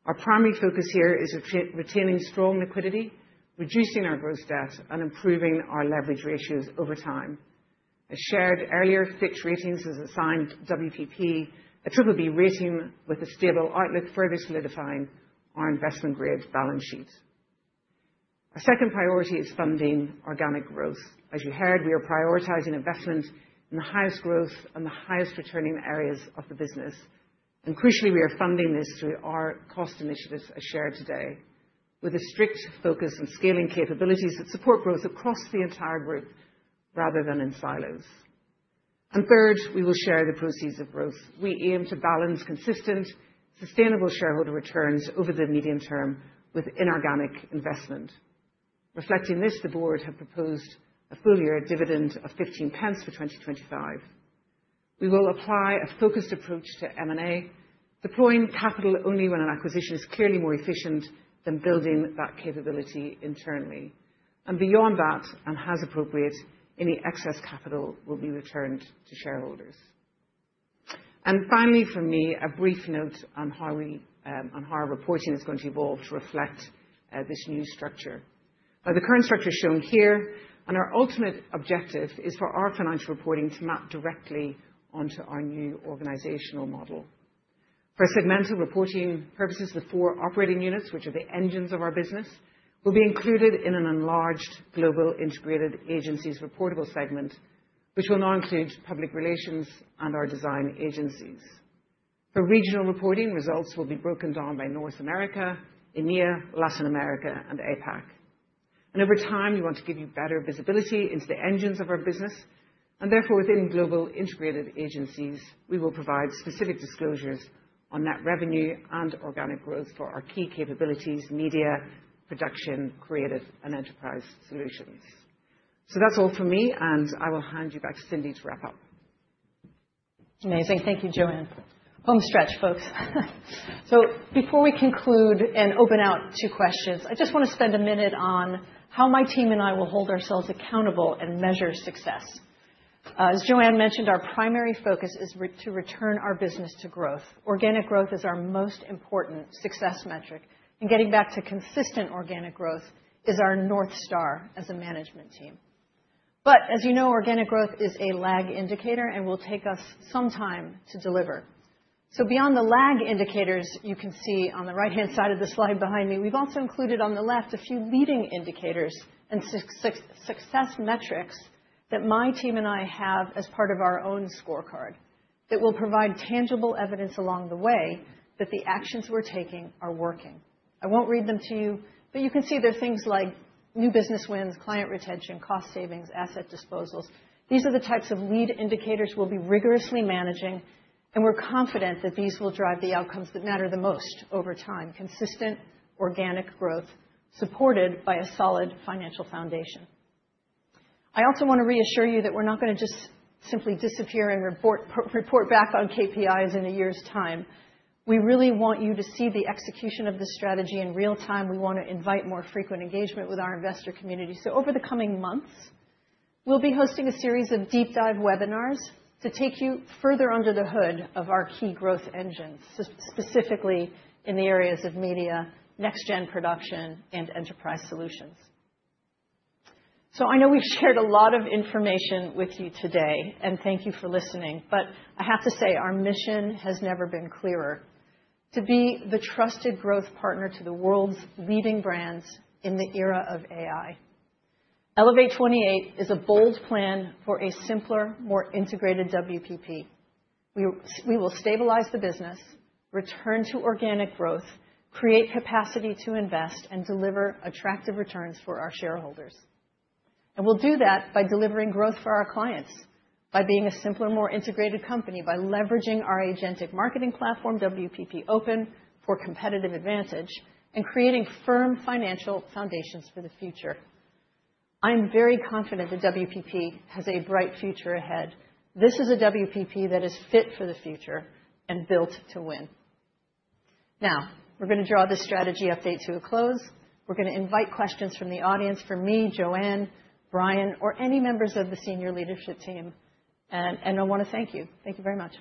[SPEAKER 1] Our primary focus here is retaining strong liquidity, reducing our gross debt, and improving our leverage ratios over time. As shared earlier, Fitch Ratings has assigned WPP a BBB rating with a stable outlook, further solidifying our investment-grade balance sheet. Our second priority is funding organic growth. As you heard, we are prioritizing investment in the highest growth and the highest returning areas of the business. Crucially, we are funding this through our cost initiatives as shared today, with a strict focus on scaling capabilities that support growth across the entire group rather than in silos. Third, we will share the proceeds of growth. We aim to balance consistent, sustainable shareholder returns over the medium term with inorganic investment. Reflecting this, the board have proposed a full year dividend of 15 pence for 2025. We will apply a focused approach to M&A, deploying capital only when an acquisition is clearly more efficient than building that capability internally. Beyond that, and as appropriate, any excess capital will be returned to shareholders. Finally, for me, a brief note on how we on how our reporting is going to evolve to reflect this new structure. The current structure is shown here, and our ultimate objective is for our financial reporting to map directly onto our new organizational model. For segmental reporting purposes, the four operating units, which are the engines of our business, will be included in an enlarged global integrated agencies reportable segment, which will now include public relations and our design agencies. The regional reporting results will be broken down by North America, India, Latin America, and APAC. Over time, we want to give you better visibility into the engines of our business, and therefore, within global integrated agencies, we will provide specific disclosures on net revenue and organic growth for our key capabilities, Media, Production, Creative, and Enterprise Solutions. That's all for me, and I will hand you back to Cindy to wrap up.
[SPEAKER 2] Amazing. Thank you, Joanne. Homestretch, folks. Before we conclude and open out to questions, I just want to spend a minute on how my team and I will hold ourselves accountable and measure success. As Joanne mentioned, our primary focus is to return our business to growth. Organic growth is our most important success metric, and getting back to consistent organic growth is our North Star as a management team. As you know, organic growth is a lag indicator and will take us some time to deliver. Beyond the lag indicators, you can see on the right-hand side of the slide behind me, we've also included on the left a few leading indicators and success metrics that my team and I have as part of our own scorecard, that will provide tangible evidence along the way that the actions we're taking are working. I won't read them to you, but you can see they're things like new business wins, client retention, cost savings, asset disposals. These are the types of lead indicators we'll be rigorously managing, and we're confident that these will drive the outcomes that matter the most over time: consistent, organic growth, supported by a solid financial foundation. I also want to reassure you that we're not gonna just simply disappear and report back on KPIs in a year's time. We really want you to see the execution of this strategy in real time. We want to invite more frequent engagement with our investor community. Over the coming months, we'll be hosting a series of deep dive webinars to take you further under the hood of our key growth engines, specifically in the areas of media, next gen production, and enterprise solutions. I know we've shared a lot of information with you today, and thank you for listening, but I have to say, our mission has never been clearer: to be the trusted growth partner to the world's leading brands in the era of AI. Elevate28 is a bold plan for a simpler, more integrated WPP. We will stabilize the business, return to organic growth, create capacity to invest, and deliver attractive returns for our shareholders. We'll do that by delivering growth for our clients, by being a simpler, more integrated company, by leveraging our agentic marketing platform, WPP Open, for competitive advantage and creating firm financial foundations for the future. I'm very confident that WPP has a bright future ahead. This is a WPP that is fit for the future and built to win. We're gonna draw this strategy update to a close. We're gonna invite questions from the audience for me, Joanne, Brian, or any members of the senior leadership team. I want to thank you. Thank you very much.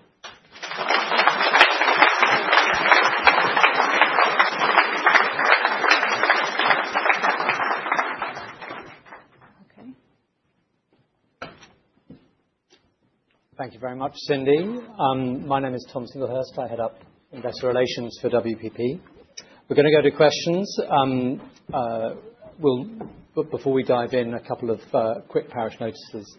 [SPEAKER 7] Thank you very much, Cindy. My name is Tom Singlehurst. I head up investor relations for WPP. We're going to go to questions. Before we dive in, a couple of quick parish notices.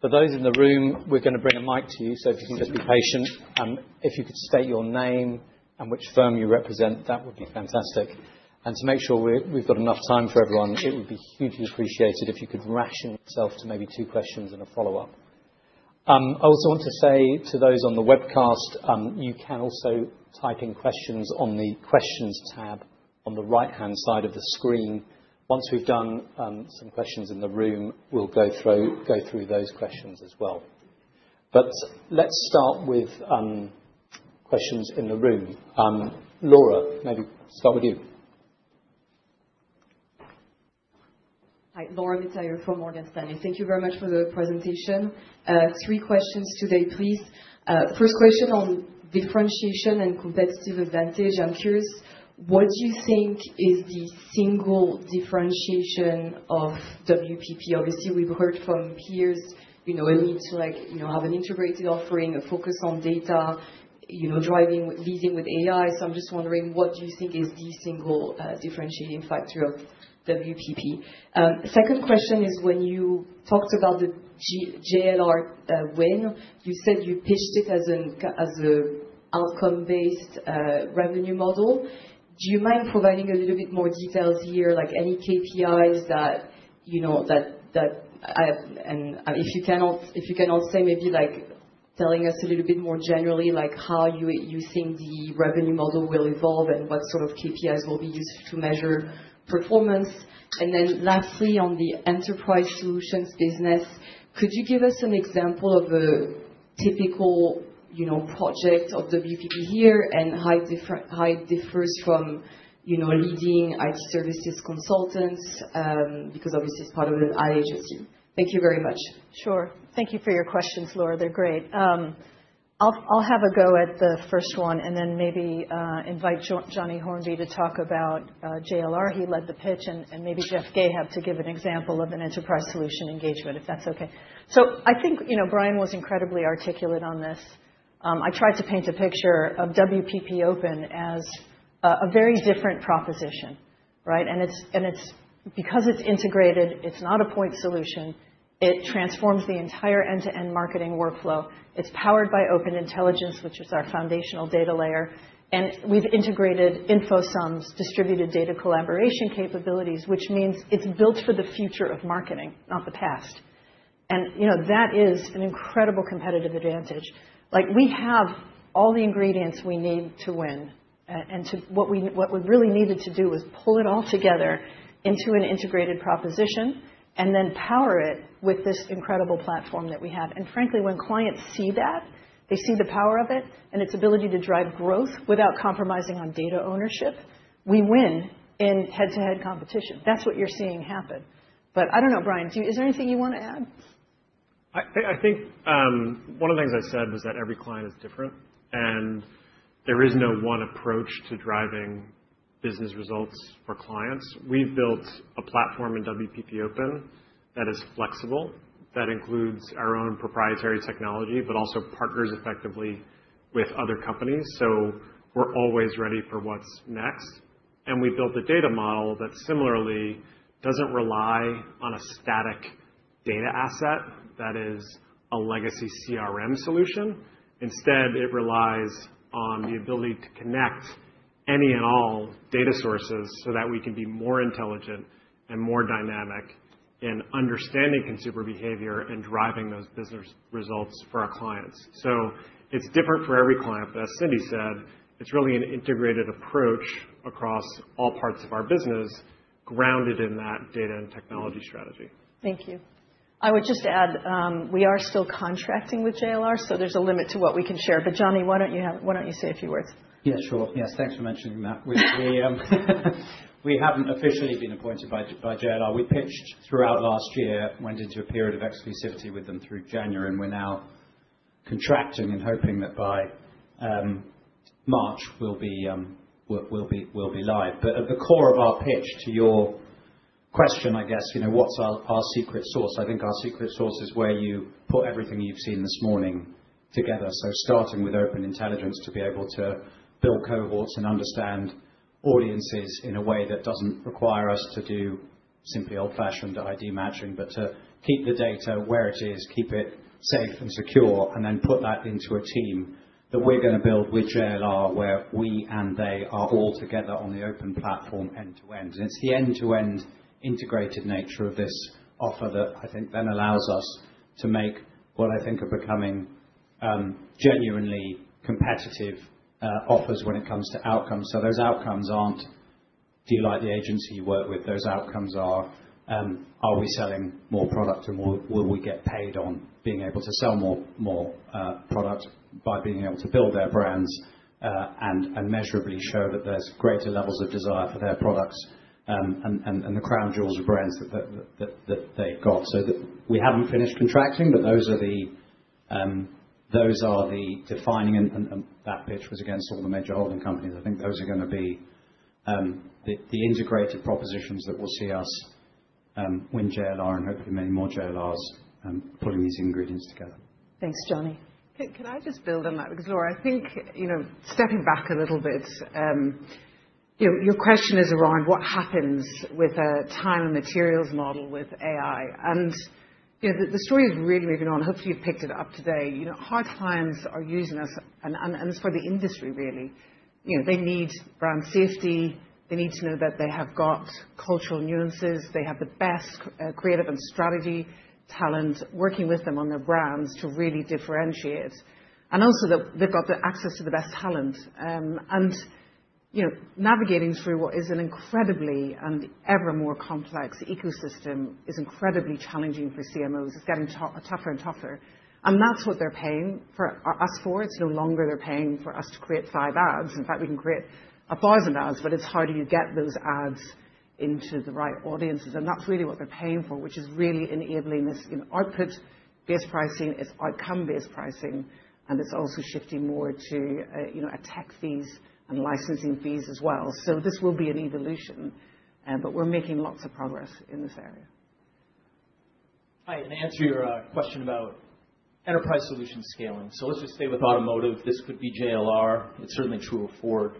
[SPEAKER 7] For those in the room, we're going to bring a mic to you, so if you can just be patient. If you could state your name and which firm you represent, that would be fantastic. To make sure we've got enough time for everyone, it would be hugely appreciated if you could ration yourself to maybe two questions and a follow-up. I also want to say to those on the webcast, you can also type in questions on the Questions tab on the right-hand side of the screen. Once we've done some questions in the room, we'll go through those questions as well. Let's start with questions in the room. Laura, maybe start with you.
[SPEAKER 8] Hi, Laura McIntyre from Morgan Stanley. Thank you very much for the presentation. Three questions today, please. First question on differentiation and competitive advantage. I'm curious, what do you think is the single differentiation of WPP? Obviously, we've heard from peers, a need to, like, have an integrated offering, a focus on data, leading with AI. I'm just wondering, what do you think is the single differentiating factor of WPP? Second question is, when you talked about the JLR win, you said you pitched it as an outcome-based revenue model. Do you mind providing a little bit more details here, like any KPIs that that, and if you can also maybe, like, telling us a little bit more generally, like, how you think the revenue model will evolve and what sort of KPIs will be used to measure performance? Lastly, on the Enterprise Solutions business, could you give us an example of a typical, project of WPP here, and how it differs from, leading IT services consultants, because obviously it's part of an ad agency. Thank you very much.
[SPEAKER 2] Sure. Thank you for your questions, Laura. They're great. I'll have a go at the first one, and then maybe invite Johnny Hornby to talk about JLR. He led the pitch, and maybe Jeff Ghaffar to give an example of an enterprise solution engagement, if that's okay. I think, Brian was incredibly articulate on this. I tried to paint a picture of WPP Open as a very different proposition, right? Because it's integrated, it's not a point solution. It transforms the entire end-to-end marketing workflow. It's powered by Open Intelligence, which is our foundational data layer, and we've integrated InfoSum's distributed data collaboration capabilities, which means it's built for the future of marketing, not the past. You know, that is an incredible competitive advantage. Like, we have all the ingredients we need to win. What we really needed to do is pull it all together into an integrated proposition and then power it with this incredible platform that we have. Frankly, when clients see that, they see the power of it and its ability to drive growth without compromising on data ownership, we win in head-to-head competition. That's what you're seeing happen. I don't know, Brian, is there anything you want to add?
[SPEAKER 5] I think one of the things I said was that every client is different, and there is no one approach to driving business results for clients. We've built a platform in WPP Open that is flexible, that includes our own proprietary technology, but also partners effectively with other companies, so we're always ready for what's next. We built a data model that similarly doesn't rely on a static data asset that is a legacy CRM solution. Instead, it relies on the ability to connect any and all data sources so that we can be more intelligent and more dynamic in understanding consumer behavior and driving those business results for our clients. It's different for every client, but as Cindy said, it's really an integrated approach across all parts of our business, grounded in that data and technology strategy.
[SPEAKER 8] Thank you.
[SPEAKER 2] I would just add, we are still contracting with JLR, so there's a limit to what we can share. Johnny, why don't you say a few words?
[SPEAKER 9] Yeah, sure. Yes, thanks for mentioning that. We haven't officially been appointed by JLR. We pitched throughout last year, went into a period of exclusivity with them through January, and we're now contracting and hoping that by March, we'll be live. At the core of our pitch, to your question, I guess what's our secret sauce? I think our secret sauce is where you put everything you've seen this morning together. Starting with Open Intelligence, to be able to build cohorts and understand audiences in a way that doesn't require us to do simply old-fashioned ID matching, but to keep the data where it is, keep it safe and secure, and then put that into a team that we're going to build with JLR, where we and they are all together on the open platform, end-to-end. It's the end-to-end integrated nature of this offer that I think then allows us to make what I think are becoming genuinely competitive offers when it comes to outcomes. Those outcomes aren't, "Do you like the agency you work with?" Those outcomes are we selling more product, and will we get paid on being able to sell more product by being able to build their brands, and measurably show that there's greater levels of desire for their products, and the crown jewels of brands that they've got? We haven't finished contracting, but those are the, those are the defining. That pitch was against some of the major holding companies. I think those are gonna be the integrated propositions that will see us win JLR and hopefully many more JLRs putting these ingredients together.
[SPEAKER 2] Thanks, Johnny.
[SPEAKER 1] Can I just build on that? Because, Laura, I think, stepping back a little bit, your question is around what happens with a time and materials model with AI. The story is really moving on. Hopefully, you've picked it up today. You know, how clients are using us, and it's for the industry, really they need brand safety. They need to know that they have got cultural nuances, they have the best creative and strategy talent working with them on their brands to really differentiate, and also that they've got the access to the best talent. You know, navigating through what is an incredibly and ever more complex ecosystem is incredibly challenging for CMOs. It's getting tougher and tougher, and that's what they're paying for us for. It's no longer they're paying for us to create 5 ads. In fact, we can create 1,000 ads, but it's how do you get those ads into the right audiences? That's really what they're paying for, which is really enabling this output-based pricing, it's outcome-based pricing, and it's also shifting more to, a tech fees and licensing fees as well. This will be an evolution, but we're making lots of progress in this area.
[SPEAKER 10] Hi. To answer your question about enterprise solution scaling. Let's just stay with automotive. This could be JLR. It's certainly true of Ford.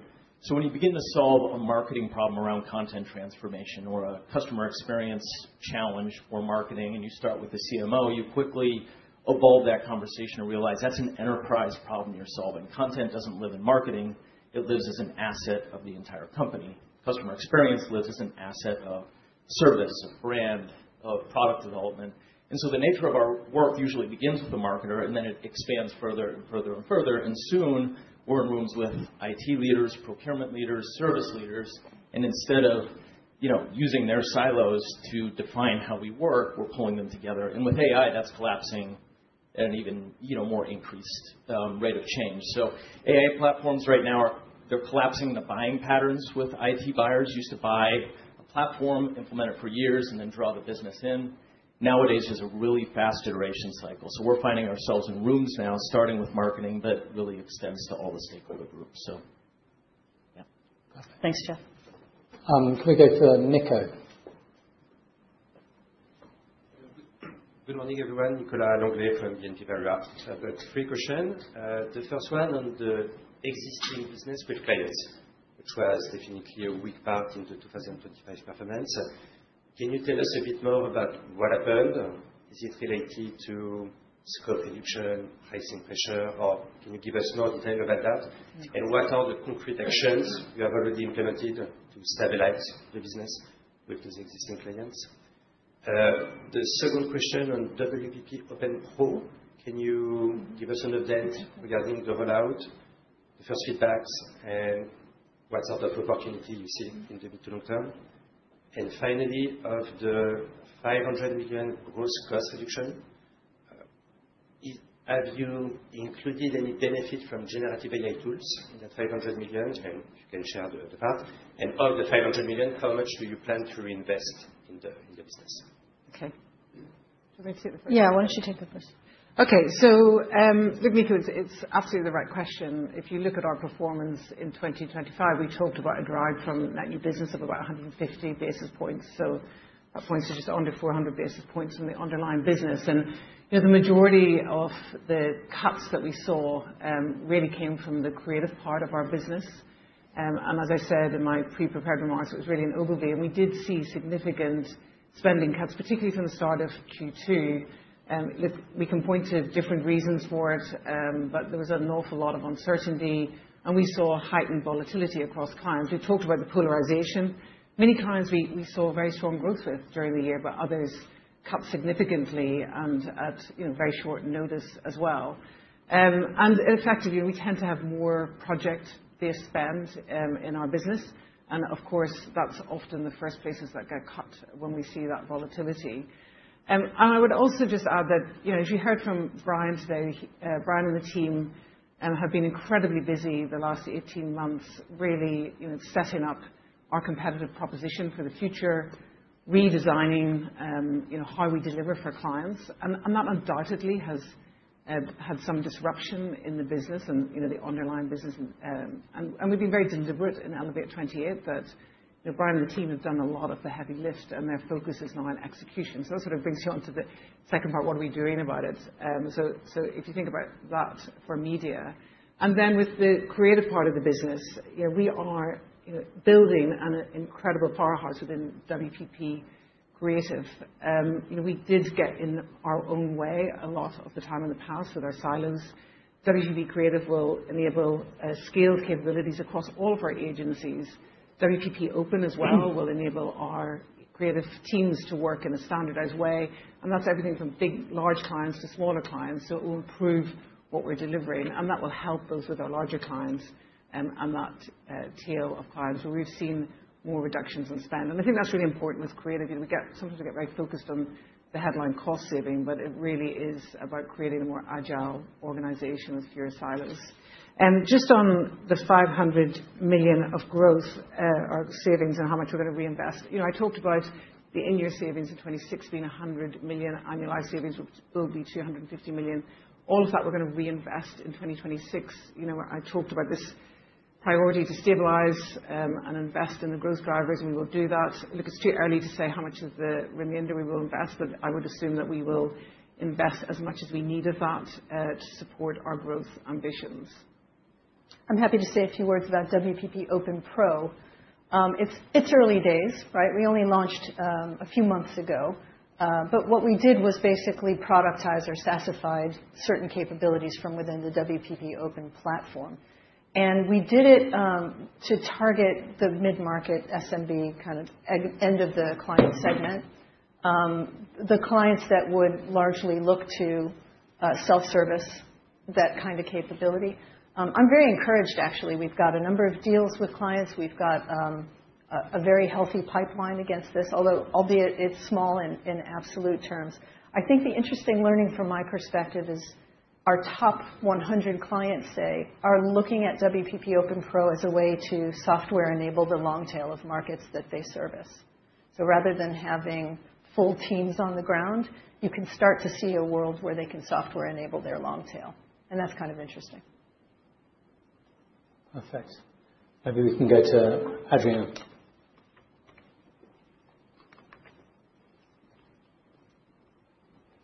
[SPEAKER 10] When you begin to solve a marketing problem around content transformation or a customer experience challenge for marketing, and you start with the CMO, you quickly evolve that conversation and realize that's an enterprise problem you're solving. Content doesn't live in marketing. It lives as an asset of the entire company. Customer experience lives as an asset of service, of brand, of product development. The nature of our work usually begins with the marketer, and then it expands further and further and further, and soon we're in rooms with IT leaders, procurement leaders, service leaders, and instead of, using their silos to define how we work, we're pulling them together. With AI, that's collapsing at an even, more increased rate of change. AI platforms right now, they're collapsing the buying patterns with IT buyers. Used to buy a platform, implement it for years, and then draw the business in. Nowadays, there's a really fast iteration cycle, so we're finding ourselves in rooms now, starting with marketing, but really extends to all the stakeholder groups. Yeah.
[SPEAKER 1] Thanks, Jeff.
[SPEAKER 7] Can we go to Nico?
[SPEAKER 11] Good morning, everyone. Nicolas Longuet from BNP Paribas. I've got three questions. The first one on the existing business with clients, which was definitely a weak part in the 2025 performance. Can you tell us a bit more about what happened? Is it related to scope reduction, pricing pressure, or can you give us more detail about that? What are the concrete actions you have already implemented to stabilize the business with these existing clients? The second question on WPP Open Pro: Can you give us an update regarding the rollout, the first feedbacks, and what sort of opportunity you see in the mid to long term? Finally, of the 500 million gross cost reduction, have you included any benefit from generative AI tools in that 500 million? You can share the other part. Of the 500 million, how much do you plan to reinvest in the business?
[SPEAKER 1] Okay.
[SPEAKER 2] Do you want me to take the first?
[SPEAKER 1] Yeah, why don't you take the first? Okay, look, Nico, it's absolutely the right question. If you look at our performance in 2025, we talked about a drag from net new business of about 150 basis points. That points to just under 400 basis points from the underlying business. You know, the majority of the cuts that we saw, really came from the creative part of our business. As I said in my pre-prepared remarks, it was really an overlay, and we did see significant spending cuts, particularly from the start of Q2. We can point to different reasons for it, there was an awful lot of uncertainty, and we saw heightened volatility across clients. We talked about the polarization. Many clients we saw very strong growth with during the year, others cut significantly and at, very short notice as well. Effectively, we tend to have more project-based spend in our business, and of course, that's often the first places that get cut when we see that volatility. I would also just add that, as you heard from Brian today, Brian and the team have been incredibly busy the last 18 months, really, setting up our competitive proposition for the future, redesigning, how we deliver for clients. That undoubtedly has had some disruption in the business and, the underlying business. We've been very deliberate in Elevate 28 that, Brian and the team have done a lot of the heavy lift, and their focus is now on execution. That sort of brings you on to the second part, what are we doing about it? If you think about that for media. With the creative part of the business, we are, building an incredible powerhouse within WPP Creative. You know, we did get in our own way a lot of the time in the past with our silos. WPP Creative will enable scaled capabilities across all of our agencies. WPP Open as well, will enable our creative teams to work in a standardized way, and that's everything from big, large clients to smaller clients. It will improve what we're delivering, and that will help us with our larger clients, and that tier of clients where we've seen more reductions in spend. I think that's really important with creative. Sometimes we get very focused on the headline cost saving, but it really is about creating a more agile organization with fewer silos. Just on the 500 million of growth or savings and how much we're going to reinvest. You know, I talked about the in-year savings of 2026 being 100 million annualized savings, which will be 250 million. All of that, we're going to reinvest in 2026. You know, I talked about this priority to stabilize, and invest in the growth drivers, and we will do that. Look, it's too early to say how much of the remainder we will invest, but I would assume that we will invest as much as we need of that, to support our growth ambitions.
[SPEAKER 2] I'm happy to say a few words about WPP Open Pro. It's early days, right? We only launched a few months ago, but what we did was basically productize or sassified certain capabilities from within the WPP Open platform. We did it to target the mid-market SMB, kind of end of the client segment. The clients that would largely look to self-service, that kind of capability. I'm very encouraged, actually. We've got a number of deals with clients. We've got a very healthy pipeline against this, although albeit it's small in absolute terms. I think the interesting learning from my perspective is our top 100 clients, say, are looking at WPP Open Pro as a way to software enable the long tail of markets that they service. Rather than having full teams on the ground, you can start to see a world where they can software enable their long tail, and that's kind of interesting.
[SPEAKER 7] Perfect. Maybe we can go to Adrian.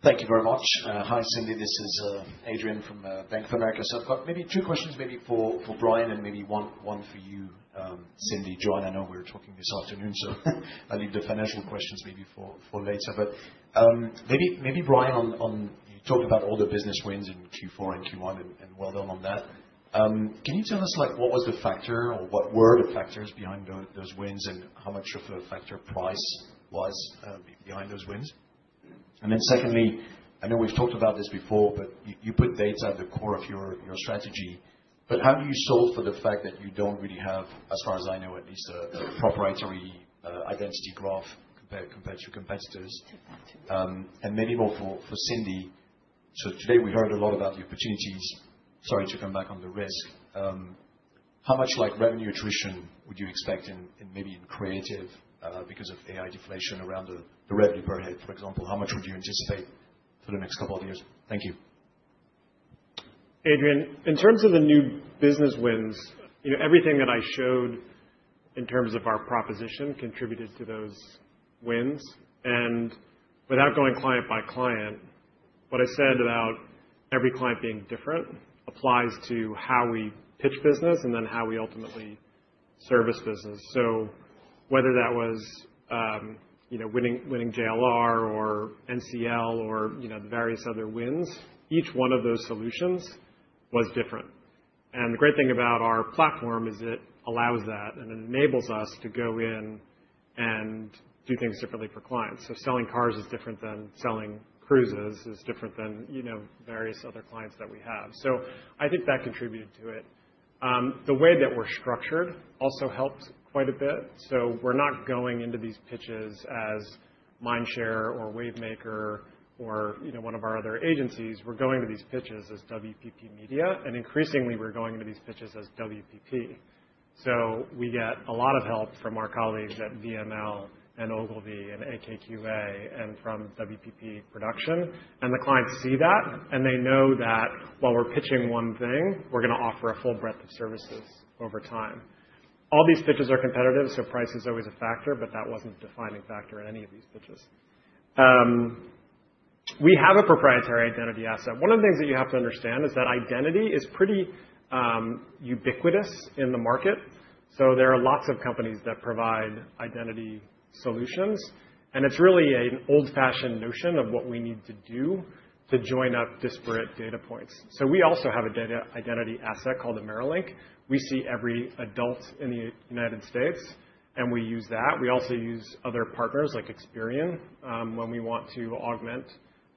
[SPEAKER 12] Thank you very much. Hi, Cindy, this is Adrian from Bank of America. I've got maybe two questions, maybe for Brian and maybe one for you, Cindy. John, I know we were talking this afternoon, I'll leave the financial questions maybe for later. Maybe Brian, you talked about all the business wins in Q4 and Q1, and well done on that. Can you tell us, like, what was the factor or what were the factors behind those wins, and how much of a factor price was behind those wins? Secondly, I know we've talked about this before, but you put data at the core of your strategy. How do you solve for the fact that you don't really have, as far as I know, at least, a proprietary identity graph compared to your competitors? And maybe more for Cindy. Today we heard a lot about the opportunities. Sorry to come back on the risk. How much revenue attrition would you expect in, maybe in creative, because of AI deflation around the revenue per head, for example? How much would you anticipate for the next couple of years? Thank you.
[SPEAKER 5] Adrian, in terms of the new business wins, everything that I showed in terms of our proposition contributed to those wins. Without going client by client, what I said about every client being different applies to how we pitch business and then how we ultimately service business. Whether that was, winning JLR or NCL or, the various other wins, each one of those solutions was different. The great thing about our platform is it allows that, and it enables us to go in and do things differently for clients. Selling cars is different than selling cruises, is different than, various other clients that we have. I think that contributed to it. The way that we're structured also helps quite a bit. We're not going into these pitches as Mindshare or Wavemaker or, one of our other agencies. We're going to these pitches as WPP Media, and increasingly, we're going into these pitches as WPP. We get a lot of help from our colleagues at VML and Ogilvy and AKQA and from WPP Production. The clients see that, and they know that while we're pitching one thing, we're going to offer a full breadth of services over time. All these pitches are competitive. Price is always a factor, but that wasn't a defining factor in any of these pitches. We have a proprietary identity asset. One of the things that you have to understand is that identity is pretty ubiquitous in the market, so there are lots of companies that provide identity solutions, and it's really an old-fashioned notion of what we need to do to join up disparate data points. We also have a data identity asset called AmeriLINK. We see every adult in the United States, and we use that. We also use other partners, like Experian, when we want to augment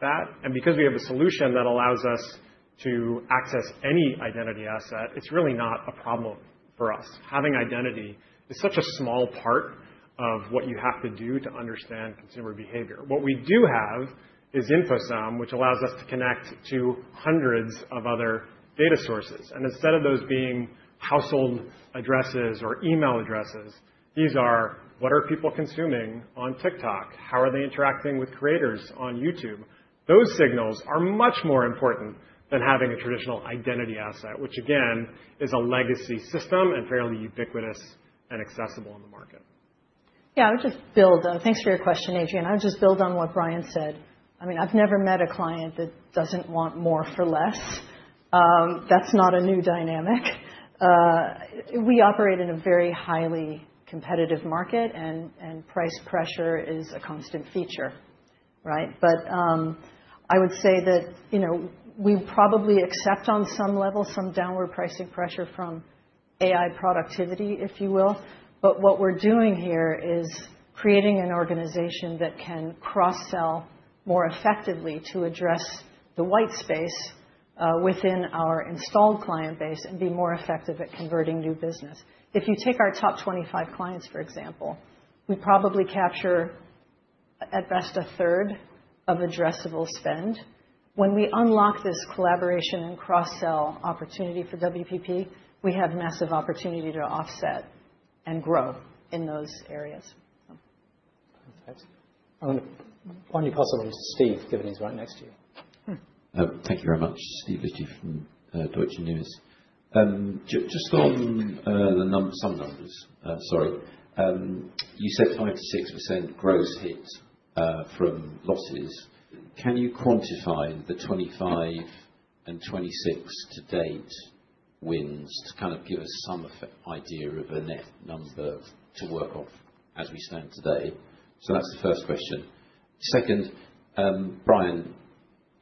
[SPEAKER 5] that. Because we have a solution that allows us to access any identity asset, it's really not a problem for us. Having identity is such a small part of what you have to do to understand consumer behavior. What we do have is InfoSum, which allows us to connect to hundreds of other data sources, and instead of those being household addresses or email addresses, these are: What are people consuming on TikTok? How are they interacting with creators on YouTube? Those signals are much more important than having a traditional identity asset, which again, is a legacy system and fairly ubiquitous and accessible in the market.
[SPEAKER 2] Yeah, I would just build. Thanks for your question, Adrian. I would just build on what Brian said. I mean, I've never met a client that doesn't want more for less. That's not a new dynamic. We operate in a very highly competitive market and price pressure is a constant feature, right? I would say that, we probably accept on some level some downward pricing pressure from AI productivity, if you will, but what we're doing here is creating an organization that can cross-sell more effectively to address the white space within our installed client base and be more effective at converting new business. If you take our top 25 clients, for example, we probably capture, at best, a third of addressable spend. When we unlock this collaboration and cross-sell opportunity for WPP, we have massive opportunity to offset and grow in those areas.
[SPEAKER 7] Thanks. I wonder, why don't you possibly Steve, given he's right next to you?
[SPEAKER 13] Thank you very much. Steve Liechti from Deutsche Bank. Just on some numbers. Sorry. You said 5%-6% gross hit from losses. Can you quantify the 2025 and 2026 to date wins to kind of give us some idea of a net number to work off as we stand today? That's the first question. Second, Brian,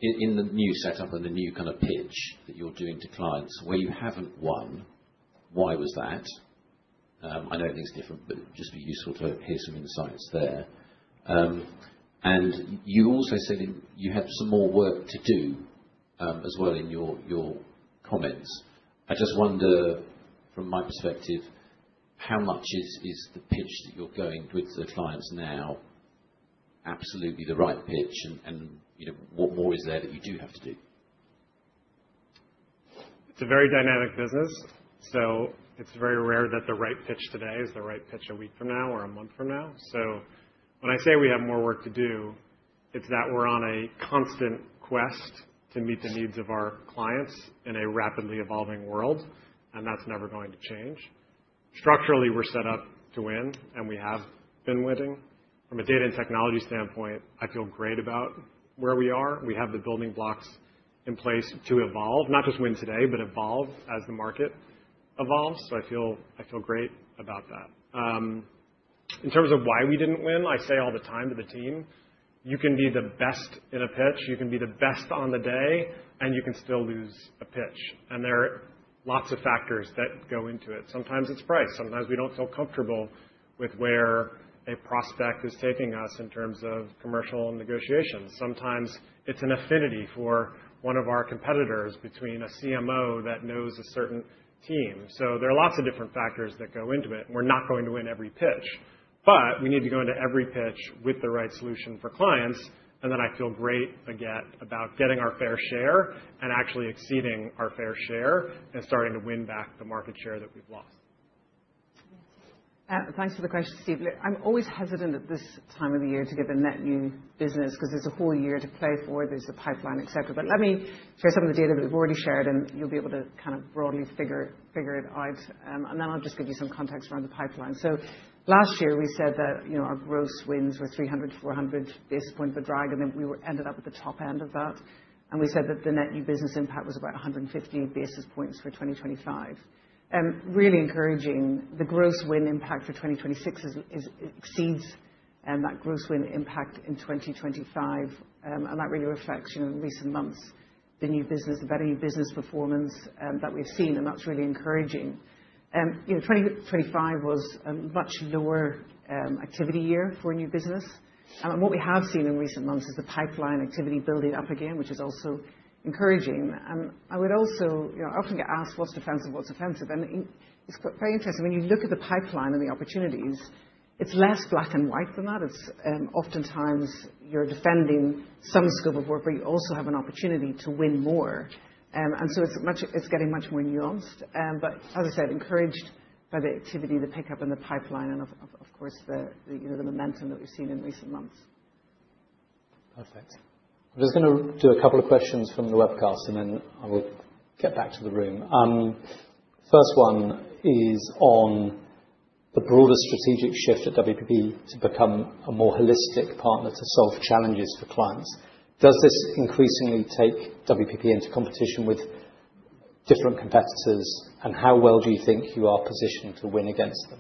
[SPEAKER 13] in the new setup and the new kind of pitch that you're doing to clients, where you haven't won, why was that? I know everything's different, but it'd just be useful to hear some insights there. You also said you have some more work to do as well in your comments. I just wonder, from my perspective, how much is the pitch that you're going with the clients now absolutely the right pitch? You know, what more is there that you do have to do?
[SPEAKER 5] It's a very dynamic business, so it's very rare that the right pitch today is the right pitch a week from now or a month from now. When I say we have more work to do, it's that we're on a constant quest to meet the needs of our clients in a rapidly evolving world, and that's never going to change. Structurally, we're set up to win, and we have been winning. From a data and technology standpoint, I feel great about where we are. We have the building blocks in place to evolve. Not just win today, but evolve as the market evolves, so I feel great about that. In terms of why we didn't win, I say all the time to the team: You can be the best in a pitch, you can be the best on the day, and you can still lose a pitch, and there are lots of factors that go into it. Sometimes it's price. Sometimes we don't feel comfortable with where a prospect is taking us in terms of commercial negotiations. Sometimes it's an affinity for one of our competitors, between a CMO that knows a certain team. There are lots of different factors that go into it, and we're not going to win every pitch. We need to go into every pitch with the right solution for clients, and then I feel great, again, about getting our fair share and actually exceeding our fair share and starting to win back the market share that we've lost.
[SPEAKER 1] Thanks for the question, Steve. Look, I'm always hesitant at this time of the year to give a net new business, 'cause there's a whole year to play for, there's a pipeline, et cetera. Let me share some of the data that we've already shared, and you'll be able to kind of broadly figure it out. Then I'll just give you some context around the pipeline. Last year, we said that, you know, our gross wins were 300 to 400 basis points of drag, and then we ended up at the top end of that. And we said that the net new business impact was about 150 basis points for 2025. Really encouraging, the gross win impact for 2026 exceeds that gross win impact in 2025. That really reflects, in recent months, the new business, the better new business performance that we've seen, and that's really encouraging. You know, 2025 was a much lower activity year for new business. What we have seen in recent months is the pipeline activity building up again, which is also encouraging. I would also. I often get asked, "What's defensive? What's offensive?" It's quite very interesting. When you look at the pipeline and the opportunities, it's less black and white than that. It's, oftentimes you're defending some scope of work, but you also have an opportunity to win more. So it's getting much more nuanced. As I said, encouraged by the activity, the pickup in the pipeline and of course, the, the momentum that we've seen in recent months.
[SPEAKER 7] Perfect. I'm just gonna do a couple of questions from the webcast, and then I will get back to the room. First one is on the broader strategic shift at WPP to become a more holistic partner to solve challenges for clients. Does this increasingly take WPP into competition with different competitors, and how well do you think you are positioned to win against them?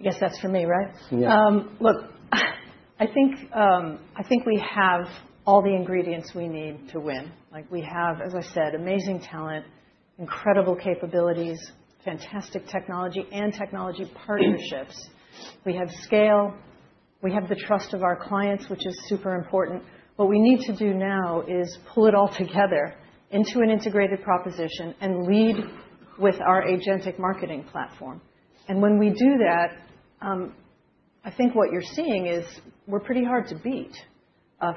[SPEAKER 2] I guess that's for me, right?
[SPEAKER 7] Yeah.
[SPEAKER 2] Look, I think, I think we have all the ingredients we need to win. Like, we have, as I said, amazing talent, incredible capabilities, fantastic technology and technology partnerships. We have scale. We have the trust of our clients, which is super important. What we need to do now is pull it all together into an integrated proposition and lead with our agentic marketing platform. When we do that, I think what you're seeing is we're pretty hard to beat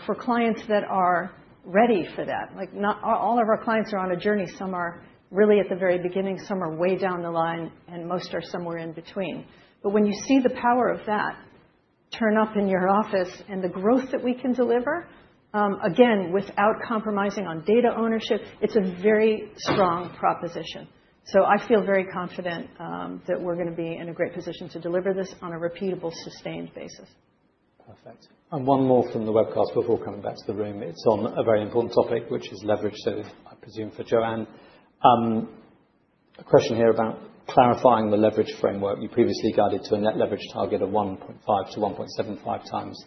[SPEAKER 2] for clients that are ready for that. Like, not all of our clients are on a journey. Some are really at the very beginning, some are way down the line, and most are somewhere in between. When you see the power of that turn up in your office and the growth that we can deliver, again, without compromising on data ownership, it's a very strong proposition. I feel very confident, that we're gonna be in a great position to deliver this on a repeatable, sustained basis.
[SPEAKER 7] Perfect. One more from the webcast before coming back to the room. It's on a very important topic, which is leverage, so I presume for Joanne. A question here about clarifying the leverage framework. You previously guided to a net leverage target of 1.5-1.75 times.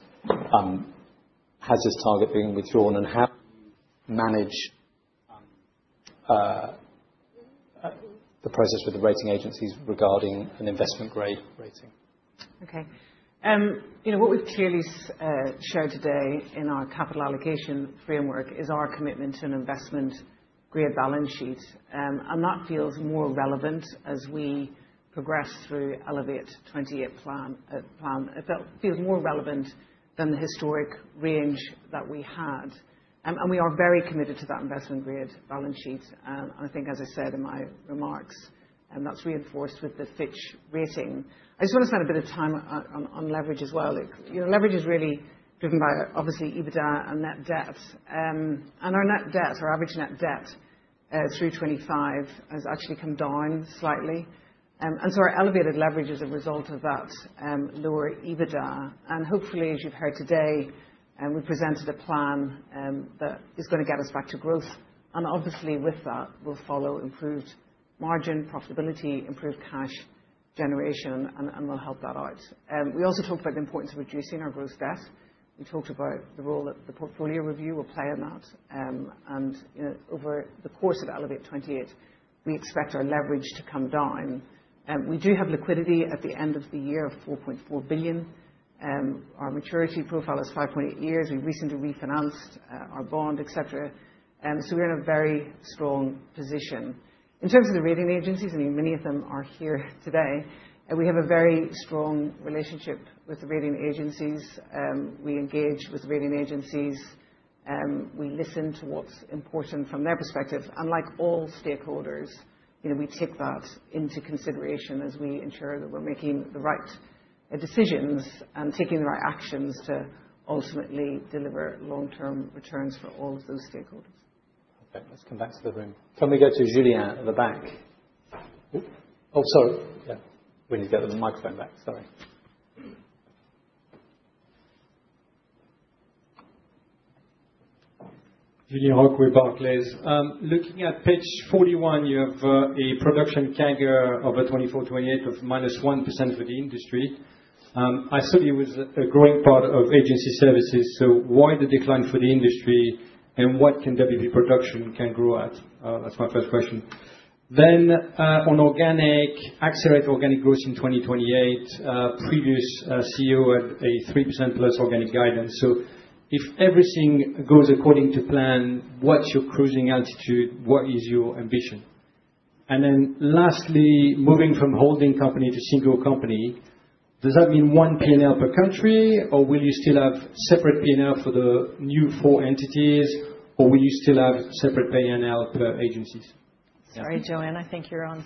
[SPEAKER 7] Has this target been withdrawn, and how do you manage the process with the rating agencies regarding an investment-grade rating?
[SPEAKER 1] You know, what we've clearly showed today in our capital allocation framework is our commitment to an investment-grade balance sheet, that feels more relevant as we progress through Elevate's 20-year plan. It feels more relevant than the historic range that we had, and we are very committed to that investment-grade balance sheet. I think, as I said in my remarks, that's reinforced with the Fitch Ratings. I just want to spend a bit of time on leverage as well. You know, leverage is really driven by, obviously, EBITDA and net debt. Our net debt, our average net debt, through 2025, has actually come down slightly. Our elevated leverage is a result of that lower EBITDA. Hopefully, as you've heard today, we presented a plan that is gonna get us back to growth. Obviously, with that will follow improved margin profitability, improved cash generation, and we'll help that out. We also talked about the importance of reducing our gross debt. We talked about the role that the portfolio review will play in that. You know, over the course of Elevate28, we expect our leverage to come down. We do have liquidity at the end of the year of 4.4 billion, our maturity profile is 5.8 years. We recently refinanced our bond, et cetera, and so we're in a very strong position. In terms of the rating agencies, I mean, many of them are here today, and we have a very strong relationship with the rating agencies. We engage with the rating agencies, we listen to what's important from their perspective, and like all stakeholders, we take that into consideration as we ensure that we're making the right decisions and taking the right actions to ultimately deliver long-term returns for all of those stakeholders.
[SPEAKER 7] Okay, let's come back to the room. Can we go to Julian at the back? Oh, sorry. Yeah, we need to get the microphone back. Sorry.
[SPEAKER 14] Julien Roch, Barclays. Looking at page 41, you have a production CAGR of a 2024-2028 of -1% for the industry. I saw you with a growing part of agency services, why the decline for the industry, what can WPP Production can grow at? That's my first question. On organic, accelerate organic growth in 2028, previous CEO had a 3%+ organic guidance. If everything goes according to plan, what's your cruising altitude? What is your ambition? Lastly, moving from holding company to single company, does that mean one P&L per country, or will you still have separate P&L for the new four entities, or will you still have separate P&L per agencies?
[SPEAKER 2] Sorry, Joanne, I think you're on.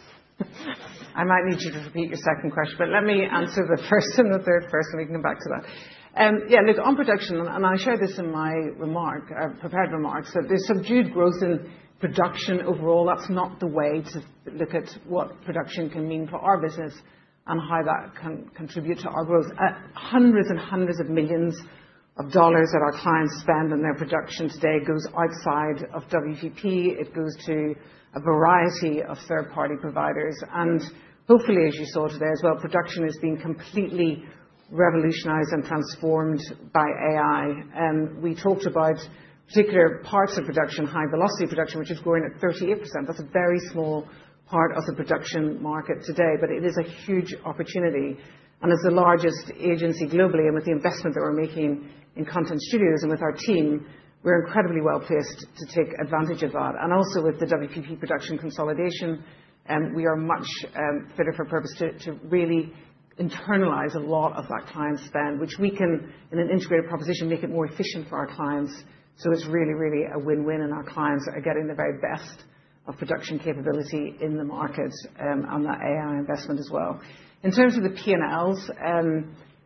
[SPEAKER 1] I might need you to repeat your second question, let me answer the first and the third first, and we can come back to that. Yeah, look, on production, I shared this in my remark, prepared remarks, that there's subdued growth in production overall. That's not the way to look at what production can mean for our business and how that can contribute to our growth. Hundreds and hundreds of millions of dollars that our clients spend on their production today goes outside of WPP. It goes to a variety of third-party providers, hopefully, as you saw today as well, production is being completely revolutionized and transformed by AI. We talked about particular parts of production, high velocity production, which is growing at 38%. That's a very small part of the production market today, it is a huge opportunity. As the largest agency globally, and with the investment that we're making in content studios and with our team, we're incredibly well-placed to take advantage of that. Also, with the WPP Production consolidation, we are much fitter for purpose to really internalize a lot of that client spend, which we can, in an integrated proposition, make it more efficient for our clients. It's really a win-win, and our clients are getting the very best of production capability in the market, on that AI investment as well. In terms of the P&Ls,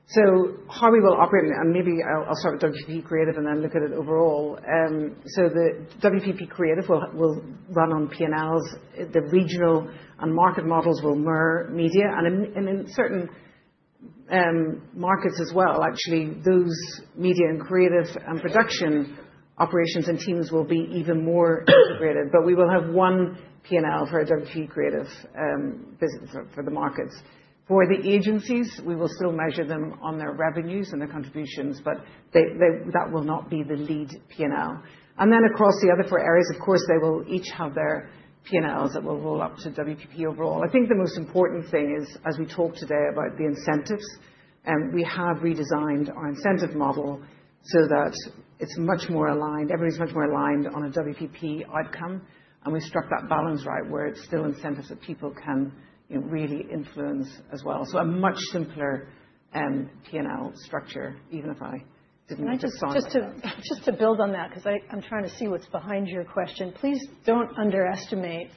[SPEAKER 1] so how we will operate, and maybe I'll start with WPP Creative and then look at it overall. The WPP Creative will run on P&Ls. The regional and market models will merge media, and in certain markets as well, actually, those media and creative and production operations and teams will be even more integrated. We will have 1 P&L for a WPP Creative business for the markets. For the agencies, we will still measure them on their revenues and their contributions, that will not be the lead P&L. Across the other 4 areas, of course, they will each have their P&Ls that will roll up to WPP overall. I think the most important thing is, as we talked today about the incentives, we have redesigned our incentive model so that it's much more aligned, everybody's much more aligned on a WPP outcome, and we struck that balance right, where it's still incentives that people can really influence as well. A much simpler, P&L structure, even if I didn't...
[SPEAKER 2] Can I just to, just to build on that, 'cause I'm trying to see what's behind your question. Please don't underestimate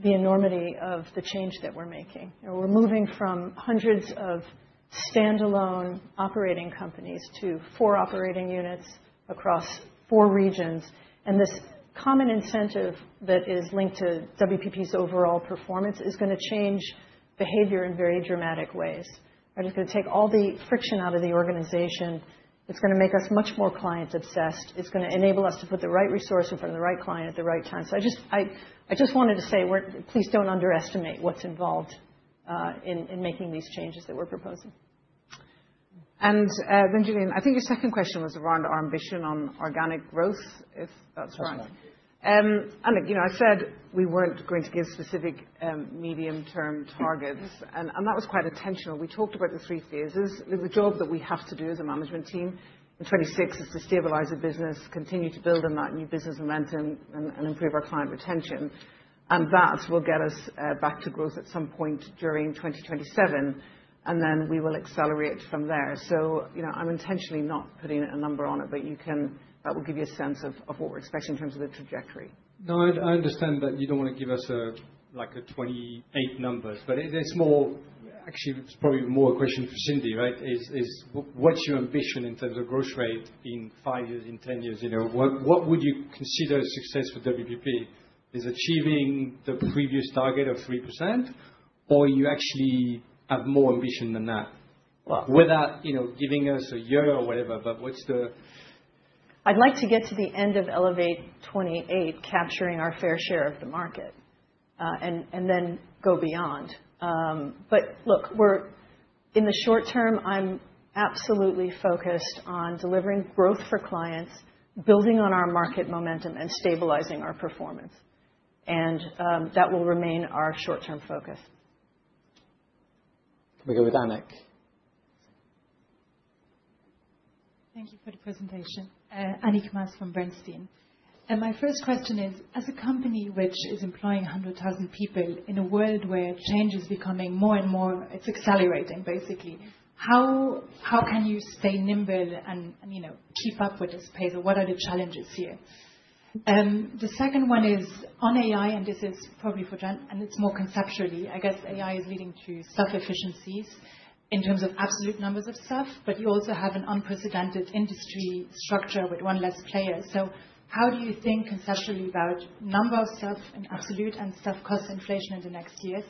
[SPEAKER 2] the enormity of the change that we're making. We're moving from hundreds of standalone operating companies to four operating units across four regions, this common incentive that is linked to WPP's overall performance is gonna change behavior in very dramatic ways. It's gonna take all the friction out of the organization. It's gonna make us much more client-obsessed. It's gonna enable us to put the right resource in front of the right client at the right time. I just wanted to say, please don't underestimate what's involved in making these changes that we're proposing.
[SPEAKER 1] Julian, I think your second question was around our ambition on organic growth, if that's right?
[SPEAKER 14] That's right.
[SPEAKER 1] You know, I said we weren't going to give specific, medium-term targets, and that was quite intentional. We talked about the III Phases. The job that we have to do as a management team in 2026 is to stabilize the business, continue to build on that new business momentum, and improve our client retention. That will get us back to growth at some point during 2027, and then we will accelerate from there. You know, I'm intentionally not putting a number on it, but that will give you a sense of what we're expecting in terms of the trajectory.
[SPEAKER 14] No, I understand that you don't want to give us a, like, 28 numbers. It is more. Actually, it's probably more a question for Cindy, right? What's your ambition in terms of growth rate in five years, in 10 years, you know? What would you consider success for WPP? Is achieving the previous target of 3%, or you actually have more ambition than that?
[SPEAKER 1] Well-
[SPEAKER 14] Withougiving us a year or whatever, but what's the.
[SPEAKER 2] I'd like to get to the end of Elevate28, capturing our fair share of the market, and then go beyond. Look, in the short term, I'm absolutely focused on delivering growth for clients, building on our market momentum, and stabilizing our performance. That will remain our short-term focus.
[SPEAKER 7] Can we go with Annick?
[SPEAKER 15] Thank you for the presentation. Annick Maas from Bernstein. My first question is, as a company which is employing 100,000 people in a world where change is becoming more and more, it's accelerating, basically, how can you stay nimble and, you know, keep up with this pace? What are the challenges here? The second one is on AI, this is probably for Jen, and it's more conceptually. I guess AI is leading to self-efficiencies in terms of absolute numbers of staff, but you also have an unprecedented industry structure with 1 less player. How do you think conceptually about number of staff in absolute and staff cost inflation in the next years?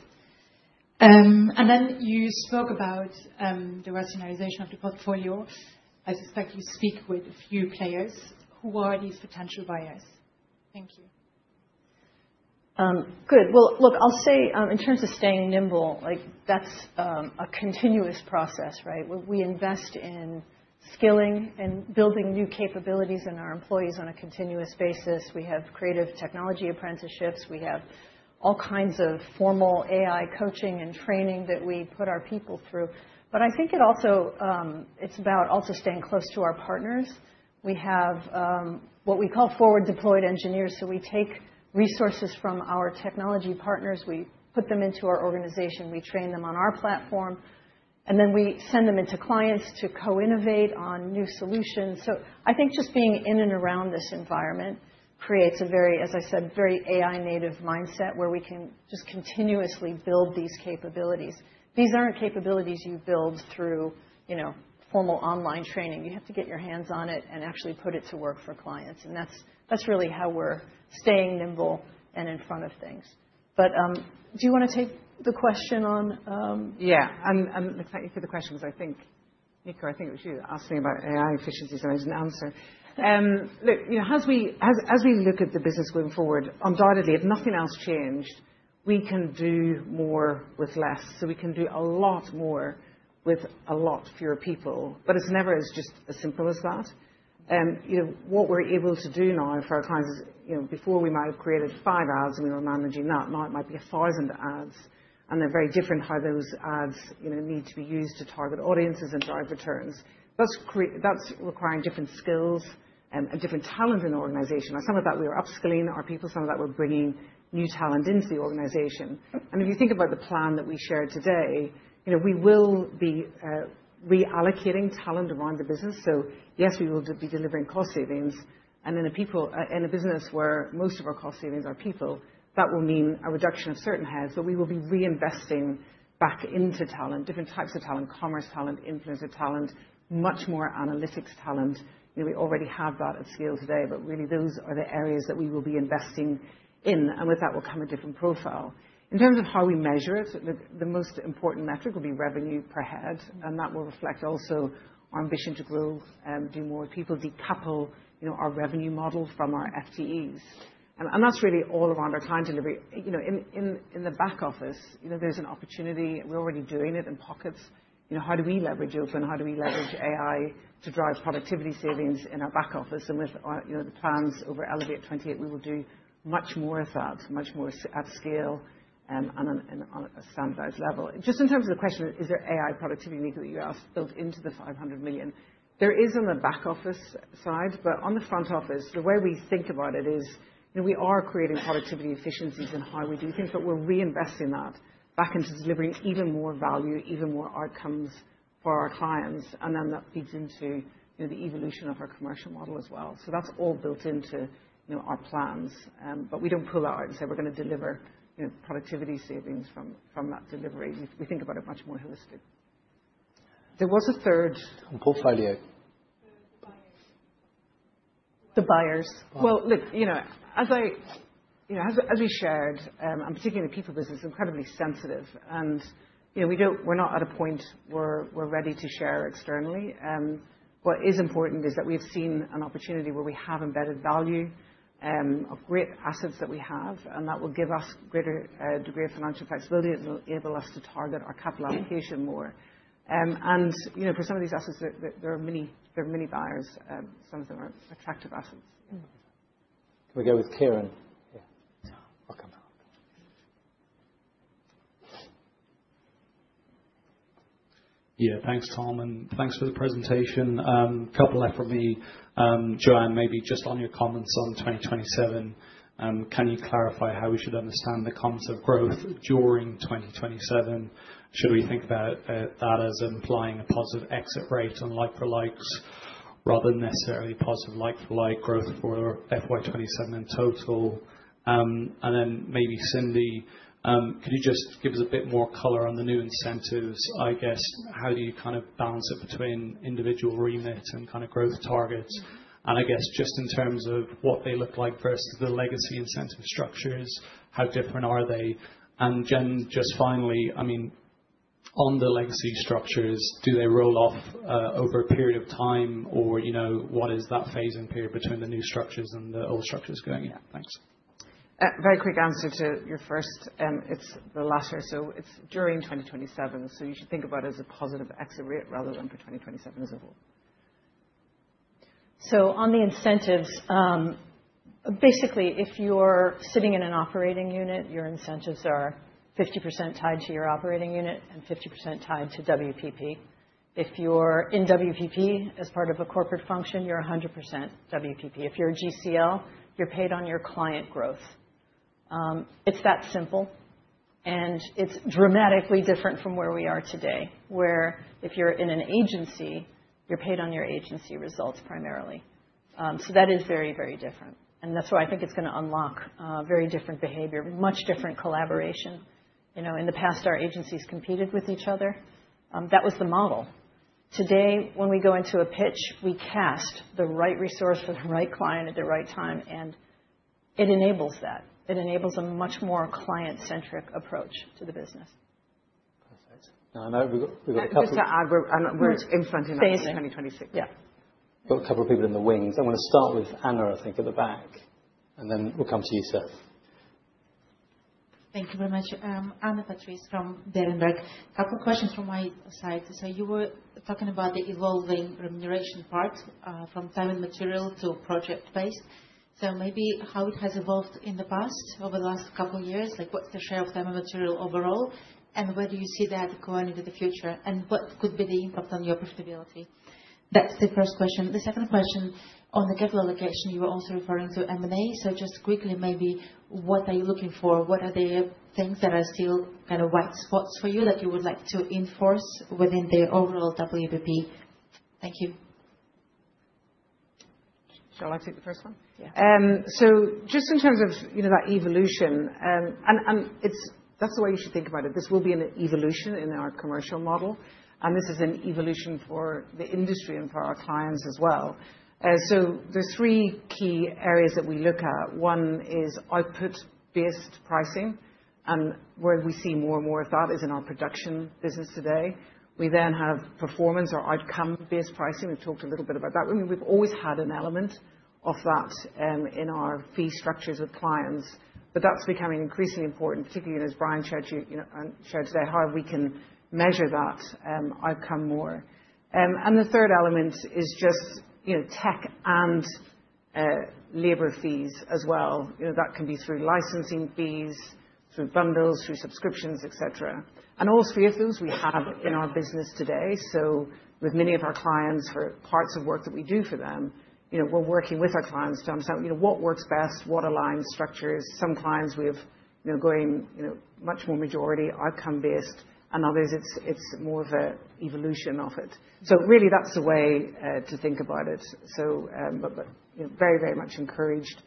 [SPEAKER 15] Then you spoke about the rationalization of the portfolio. I suspect you speak with a few players. Who are these potential buyers? Thank you.
[SPEAKER 2] Good. Look, I'll say in terms of staying nimble, that's a continuous process, right? Where we invest in skilling and building new capabilities in our employees on a continuous basis. We have creative technology apprenticeships. We have all kinds of formal AI coaching and training that we put our people through. I think it also, it's about also staying close to our partners. We have what we call forward-deployed engineers, we take resources from our technology partners, we put them into our organization, we train them on our platform, we send them into clients to co-innovate on new solutions. I think just being in and around this environment creates a very, as I said, very AI-native mindset, where we can just continuously build these capabilities. These aren't capabilities you build through, you know, formal online training. You have to get your hands on it and actually put it to work for clients, and that's really how we're staying nimble and in front of things. Do you wanna take the question on?
[SPEAKER 1] Yeah. Thank you for the question, because I think, Nico, I think it was you that asked me about AI efficiencies, and I was going to answer. Look, as we look at the business going forward, undoubtedly, if nothing else changed, we can do more with less. We can do a lot more with a lot fewer people, but it's never as just as simple as that. You know, what we're able to do now for our clients is, before we might have created five ads, and we were managing that. Now it might be 1,000 ads, and they're very different how those ads need to be used to target audiences and drive returns. That's requiring different skills, and different talent in the organization. Now, some of that, we are upskilling our people, some of that we're bringing new talent into the organization. If you think about the plan that we shared today, we will be reallocating talent around the business. Yes, we will be delivering cost savings, and then the people in a business where most of our cost savings are people, that will mean a reduction of certain heads, so we will be reinvesting back into talent, different types of talent, commerce talent, influencer talent, much more analytics talent. You know, we already have that at scale today, but really, those are the areas that we will be investing in, and with that will come a different profile. In terms of how we measure it, the most important metric will be revenue per head, and that will reflect also our ambition to grow, do more with people, decouple, our revenue model from our FTEs. That's really all around our client delivery. You know, in the back office, there's an opportunity, we're already doing it in pockets. You know, how do we leverage Open? How do we leverage AI to drive productivity savings in our back office? With our the plans over Elevate28, we will do much more of that, much more at scale, and on a standardized level. Just in terms of the question, is there AI productivity that you asked built into the 500 million? There is on the back office side, but on the front office, the way we think about it is, we are creating productivity efficiencies in how we do things, but we're reinvesting that back into delivering even more value, even more outcomes for our clients, and then that feeds into, the evolution of our commercial model as well. That's all built into, our plans. We don't pull out and say we're gonna deliver, productivity savings from that delivery. We think about it much more holistically.
[SPEAKER 7] Portfolio.
[SPEAKER 15] The buyers.
[SPEAKER 1] The buyers. Well, look, as we shared, particularly the people business, incredibly sensitive, and, we're not at a point where we're ready to share externally. What is important is that we've seen an opportunity where we have embedded value of great assets that we have, and that will give us greater degree of financial flexibility, it will enable us to target our capital allocation more. You know, for some of these assets, there are many buyers, some of them are attractive assets.
[SPEAKER 7] Can we go with Kieran? Yeah. Welcome.
[SPEAKER 16] Yeah. Thanks, Tom, and thanks for the presentation. Couple left for me. Joanne, maybe just on your comments on 2027, can you clarify how we should understand the concept of growth during 2027? Should we think about that as implying a positive exit rate on like-for-likes, rather than necessarily positive like-for-like growth for FY 2027 in total? Maybe, Cindy, can you just give us a bit more color on the new incentives? I guess, how do you kind of balance it between individual remit and kind of growth targets? I guess, just in terms of what they look like versus the legacy incentive structures, how different are they? Jen, just finally, I mean- On the legacy structures, do they roll off over a period of time, or, what is that phasing period between the new structures and the old structures going in? Thanks.
[SPEAKER 1] Very quick answer to your first, it's the latter. It's during 2027, so you should think about it as a positive exit rate rather than for 2027 as a whole.
[SPEAKER 2] On the incentives, basically, if you're sitting in an operating unit, your incentives are 50% tied to your operating unit and 50% tied to WPP. If you're in WPP as part of a corporate function, you're 100% WPP. If you're a GCL, you're paid on your client growth. It's that simple, and it's dramatically different from where we are today, where if you're in an agency, you're paid on your agency results primarily. That is very, very different, and that's why I think it's gonna unlock very different behavior, much different collaboration. You know, in the past, our agencies competed with each other. That was the model. Today, when we go into a pitch, we cast the right resource for the right client at the right time, and it enables that. It enables a much more client-centric approach to the business.
[SPEAKER 7] Perfect. I know we've got a couple-
[SPEAKER 1] Just to add, we're in front in 2026.
[SPEAKER 2] Yeah.
[SPEAKER 7] Got a couple of people in the wings. I want to start with Anna, I think, at the back, then we'll come to you, sir.
[SPEAKER 17] Thank you very much. Anna Patrice from Berenberg. A couple questions from my side. You were talking about the evolving remuneration part from time and material to project-based. Maybe how it has evolved in the past, over the last couple of years, like, what's the share of time and material overall, and where do you see that going into the future, and what could be the impact on your profitability? That's the first question. The second question, on the capital allocation, you were also referring to M&A. Just quickly, maybe what are you looking for? What are the things that are still kind of white spots for you, that you would like to enforce within the overall WPP? Thank you.
[SPEAKER 1] Shall I take the first one?
[SPEAKER 2] Yeah.
[SPEAKER 1] Just in terms of, you know, that evolution, That's the way you should think about it. This will be an evolution in our commercial model, and this is an evolution for the industry and for our clients as well. The 3 key areas that we look at, 1 is output-based pricing, and where we see more and more of that is in our production business today. We have performance or outcome-based pricing. We've talked a little bit about that. I mean, we've always had an element of that in our fee structures with clients, but that's becoming increasingly important, particularly as Brian shared you know, shared today, how we can measure that outcome more. The third element is just, you know, tech and labor fees as well. You know, that can be through licensing fees, through bundles, through subscriptions, et cetera. All three of those we have in our business today. With many of our clients, for parts of work that we do for them, we're working with our clients to understand, what works best, what aligns structures. Some clients we have, going, much more majority outcome based, and others, it's more of an evolution of it. Really, that's the way to think about it. But, you know, very, very much encouraged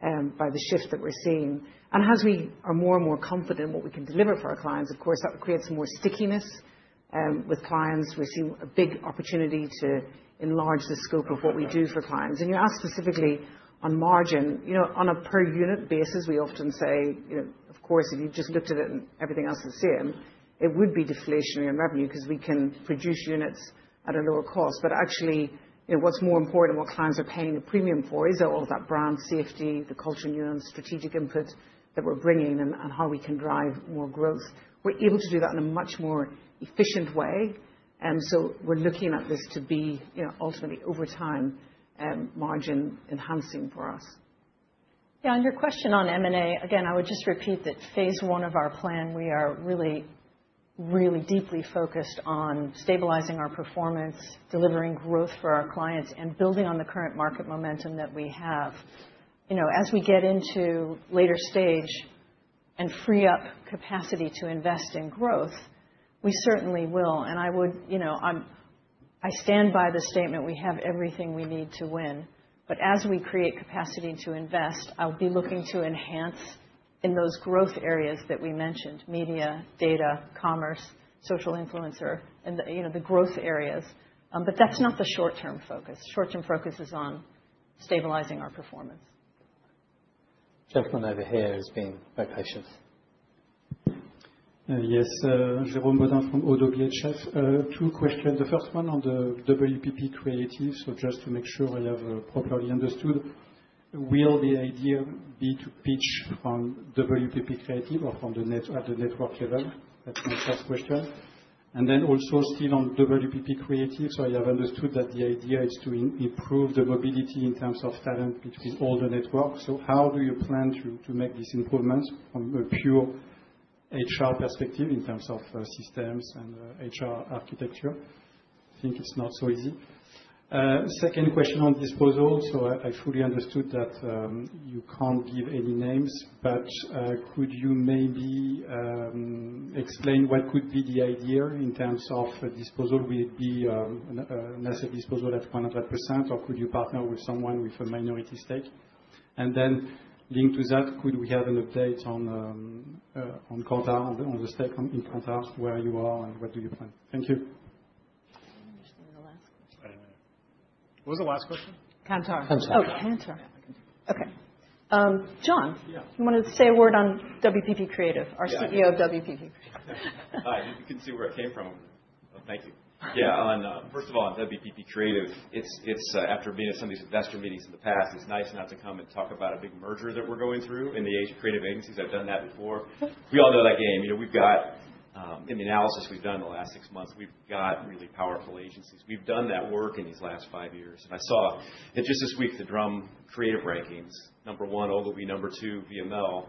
[SPEAKER 1] by the shift that we're seeing. As we are more and more confident in what we can deliver for our clients, of course, that will create some more stickiness with clients. We see a big opportunity to enlarge the scope of what we do for clients. You asked specifically on margin. You know, on a per unit basis, we often say, of course, if you just looked at it and everything else the same, it would be deflationary on revenue, 'cause we can produce units at a lower cost. Actually, what's more important and what clients are paying a premium for is all of that brand safety, the culture nuance, strategic input that we're bringing, and how we can drive more growth. We're able to do that in a much more efficient way, we're looking at this to be, ultimately, over time, margin enhancing for us.
[SPEAKER 2] Your question on M&A, again, I would just repeat that Phase I of our plan, we are really, really deeply focused on stabilizing our performance, delivering growth for our clients, and building on the current market momentum that we have. You know, as we get into later stage and free up capacity to invest in growth, we certainly will. I would. I stand by the statement, we have everything we need to win. As we create capacity to invest, I'll be looking to enhance in those growth areas that we mentioned: media, data, commerce, social influencer, and the, the growth areas. That's not the short-term focus. Short-term focus is on stabilizing our performance.
[SPEAKER 7] Gentleman over here has been very patient.
[SPEAKER 18] Yes, Jérôme Bodin from ODDO BHF. Two questions. The first one on the WPP Creative. Just to make sure I have properly understood, will the idea be to pitch on WPP Creative or at the network level? That's my first question. Then also, still on WPP Creative, I have understood that the idea is to improve the mobility in terms of talent between all the networks. How do you plan to make these improvements from a pure HR perspective in terms of systems and HR architecture? I think it's not so easy. Second question on disposal. I fully understood that you can't give any names, but could you maybe explain what could be the idea in terms of a disposal? Will it be an asset disposal at 100%, or could you partner with someone with a minority stake? Then linked to that, could we have an update on Kantar, on the state in Kantar, where you are and what do you plan? Thank you.
[SPEAKER 19] I don't know. What was the last question?
[SPEAKER 2] Kantar.
[SPEAKER 1] Kantar.
[SPEAKER 2] Oh, Kantar. Okay. John?
[SPEAKER 19] Yeah.
[SPEAKER 2] You wanna say a word on WPP Creative.
[SPEAKER 19] Yeah.
[SPEAKER 2] Our CEO of WPP.
[SPEAKER 19] Hi. You can see where I came from. Thank you. First of all, on WPP Creative, it's after being at some of these investor meetings in the past, it's nice not to come and talk about a big merger that we're going through in the age of creative agencies. I've done that before. We all know that game. You know, we've got in the analysis we've done in the last six months, we've got really powerful agencies. We've done that work in these last five years. I saw that just this week, The Drum Creative Rankings, number one, Ogilvy, number two, VML.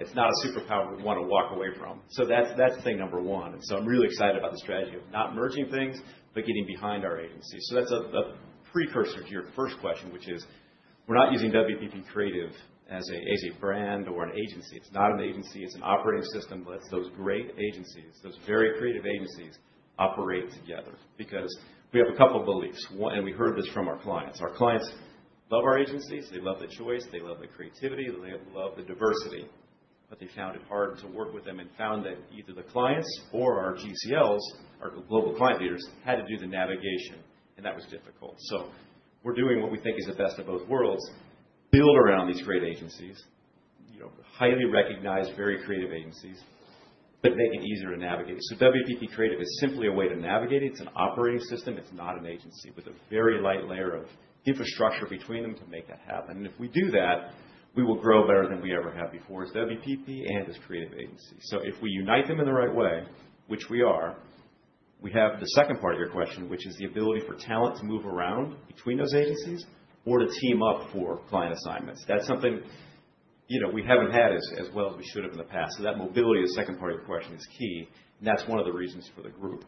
[SPEAKER 19] It's not a superpower we want to walk away from. That's thing number one. I'm really excited about the strategy of not merging things, but getting behind our agencies. That's a precursor to your first question, which is, we're not using WPP Creative as a brand or an agency. It's not an agency. It's an operating system that lets those great agencies, those very creative agencies, operate together. We have a couple beliefs. One, and we heard this from our clients. Our clients love our agencies. They love the choice. They love the creativity. They love the diversity, but they found it hard to work with them and found that either the clients or our GCLs, our global client leaders, had to do the navigation, and that was difficult. We're doing what we think is the best of both worlds, build around these great agencies, highly recognized, very creative agencies, but make it easier to navigate. WPP Creative is simply a way to navigate it. It's an operating system. It's not an agency, with a very light layer of infrastructure between them to make that happen. If we do that, we will grow better than we ever have before, as WPP and as creative agencies. If we unite them in the right way, which we are, we have the second part of your question, which is the ability for talent to move around between those agencies or to team up for client assignments. That's something, we haven't had as well as we should have in the past. That mobility, the second part of your question, is key, and that's one of the reasons for the group.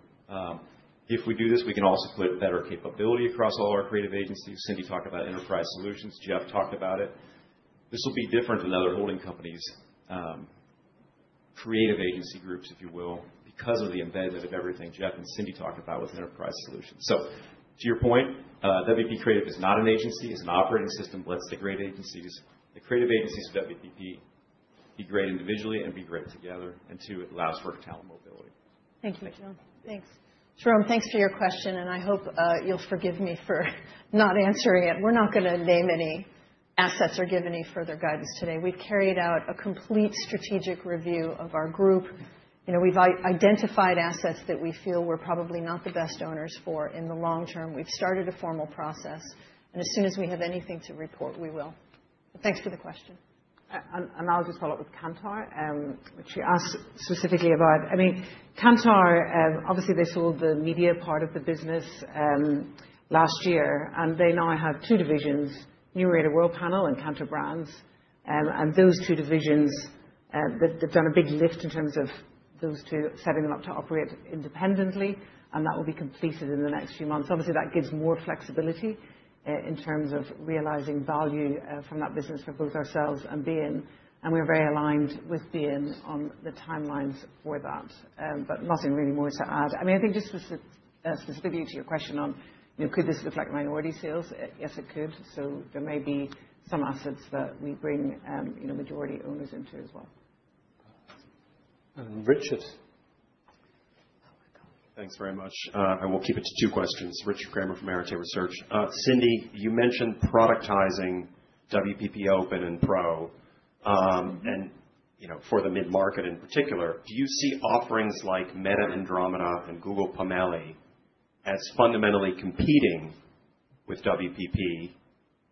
[SPEAKER 19] If we do this, we can also put better capability across all our creative agencies. Cindy talked about enterprise solutions. Jeff talked about it. This will be different than other holding companies', creative agency groups, if you will, because of the embedded of everything Jeff and Cindy talked about with enterprise solutions. To your point, WPP Creative is not an agency. It's an operating system that lets the great agencies, the creative agencies of WPP, be great individually and be great together, and two, it allows for talent mobility.
[SPEAKER 2] Thank you, John. Thanks.
[SPEAKER 1] Jérôme, thanks for your question, and I hope you'll forgive me for not answering it. We're not gonna name any assets or give any further guidance today. We've carried out a complete strategic review of our group. We've identified assets that we feel we're probably not the best owners for in the long term. We've started a formal process, and as soon as we have anything to report, we will. Thanks for the question. I'll just follow up with Kantar, which you asked specifically about. I mean, Kantar, obviously, they sold the media part of the business last year, and they now have two divisions, Kantar Worldpanel and Kantar BrandZ. Those two divisions, they've done a big lift in terms of those two, setting them up to operate independently, and that will be completed in the next few months. Obviously, that gives more flexibility, in terms of realizing value, from that business for both ourselves and BN, and we're very aligned with BN on the timelines for that. Nothing really more to add. I mean, I think just specific, specifically to your question on, could this reflect minority sales? Yes, it could. There may be some assets that we bring, majority owners into as well.
[SPEAKER 7] Richard.
[SPEAKER 20] Thanks very much. I will keep it to two questions. Richard Kramer from Arete Research. Cindy, you mentioned productizing WPP Open and Pro, and, you know, for the mid-market in particular. Do you see offerings like Meta and Andromeda and Google PaLM API as fundamentally competing with WPP,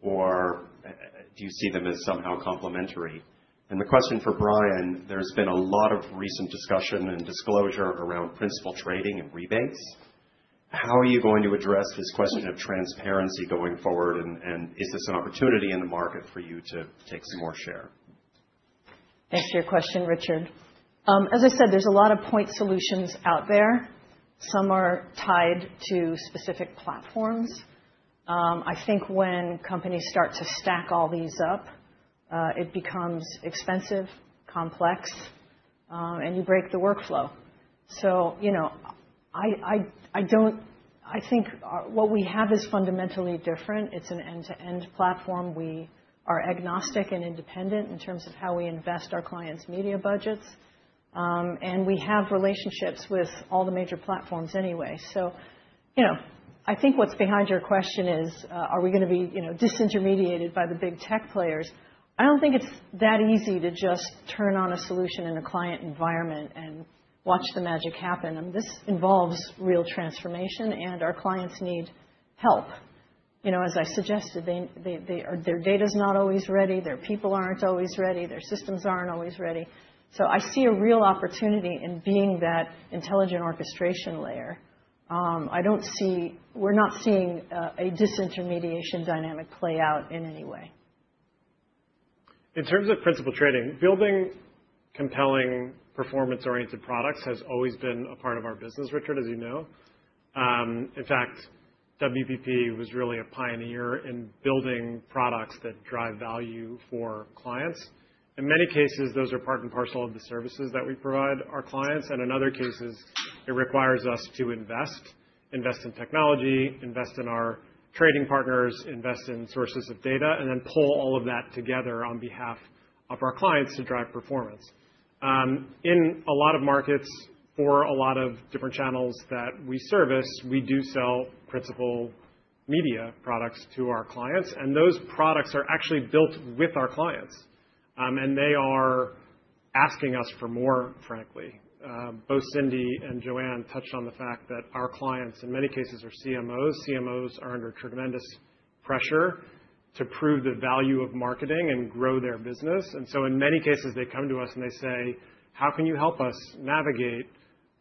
[SPEAKER 20] or do you see them as somehow complementary? The question for Brian, there's been a lot of recent discussion and disclosure around principal trading and rebates. How are you going to address this question of transparency going forward, and is this an opportunity in the market for you to take some more share?
[SPEAKER 2] Thanks for your question, Richard. As I said, there's a lot of point solutions out there. Some are tied to specific platforms. I think when companies start to stack all these up, it becomes expensive, complex, and you break the workflow. I think what we have is fundamentally different. It's an end-to-end platform. We are agnostic and independent in terms of how we invest our clients' media budgets. We have relationships with all the major platforms anyway. I think what's behind your question is, are we going to be, disintermediated by the big tech players? I don't think it's that easy to just turn on a solution in a client environment and watch the magic happen. This involves real transformation, and our clients need help. You know, as I suggested, their data's not always ready, their people aren't always ready, their systems aren't always ready. I see a real opportunity in being that intelligent orchestration layer. We're not seeing a disintermediation dynamic play out in any way.
[SPEAKER 5] In terms of principal trading, building compelling, performance-oriented products has always been a part of our business, Richard, as you know. In fact, WPP was really a pioneer in building products that drive value for clients. In many cases, those are part and parcel of the services that we provide our clients, and in other cases, it requires us to invest in technology, invest in our trading partners, invest in sources of data, and then pull all of that together on behalf of our clients to drive performance. In a lot of markets. For a lot of different channels that we service, we do sell principal media products to our clients, and those products are actually built with our clients. They are asking us for more, frankly. Both Cindy and Joanne touched on the fact that our clients, in many cases, are CMOs. CMOs are under tremendous pressure to prove the value of marketing and grow their business. In many cases, they come to us and they say: "How can you help us navigate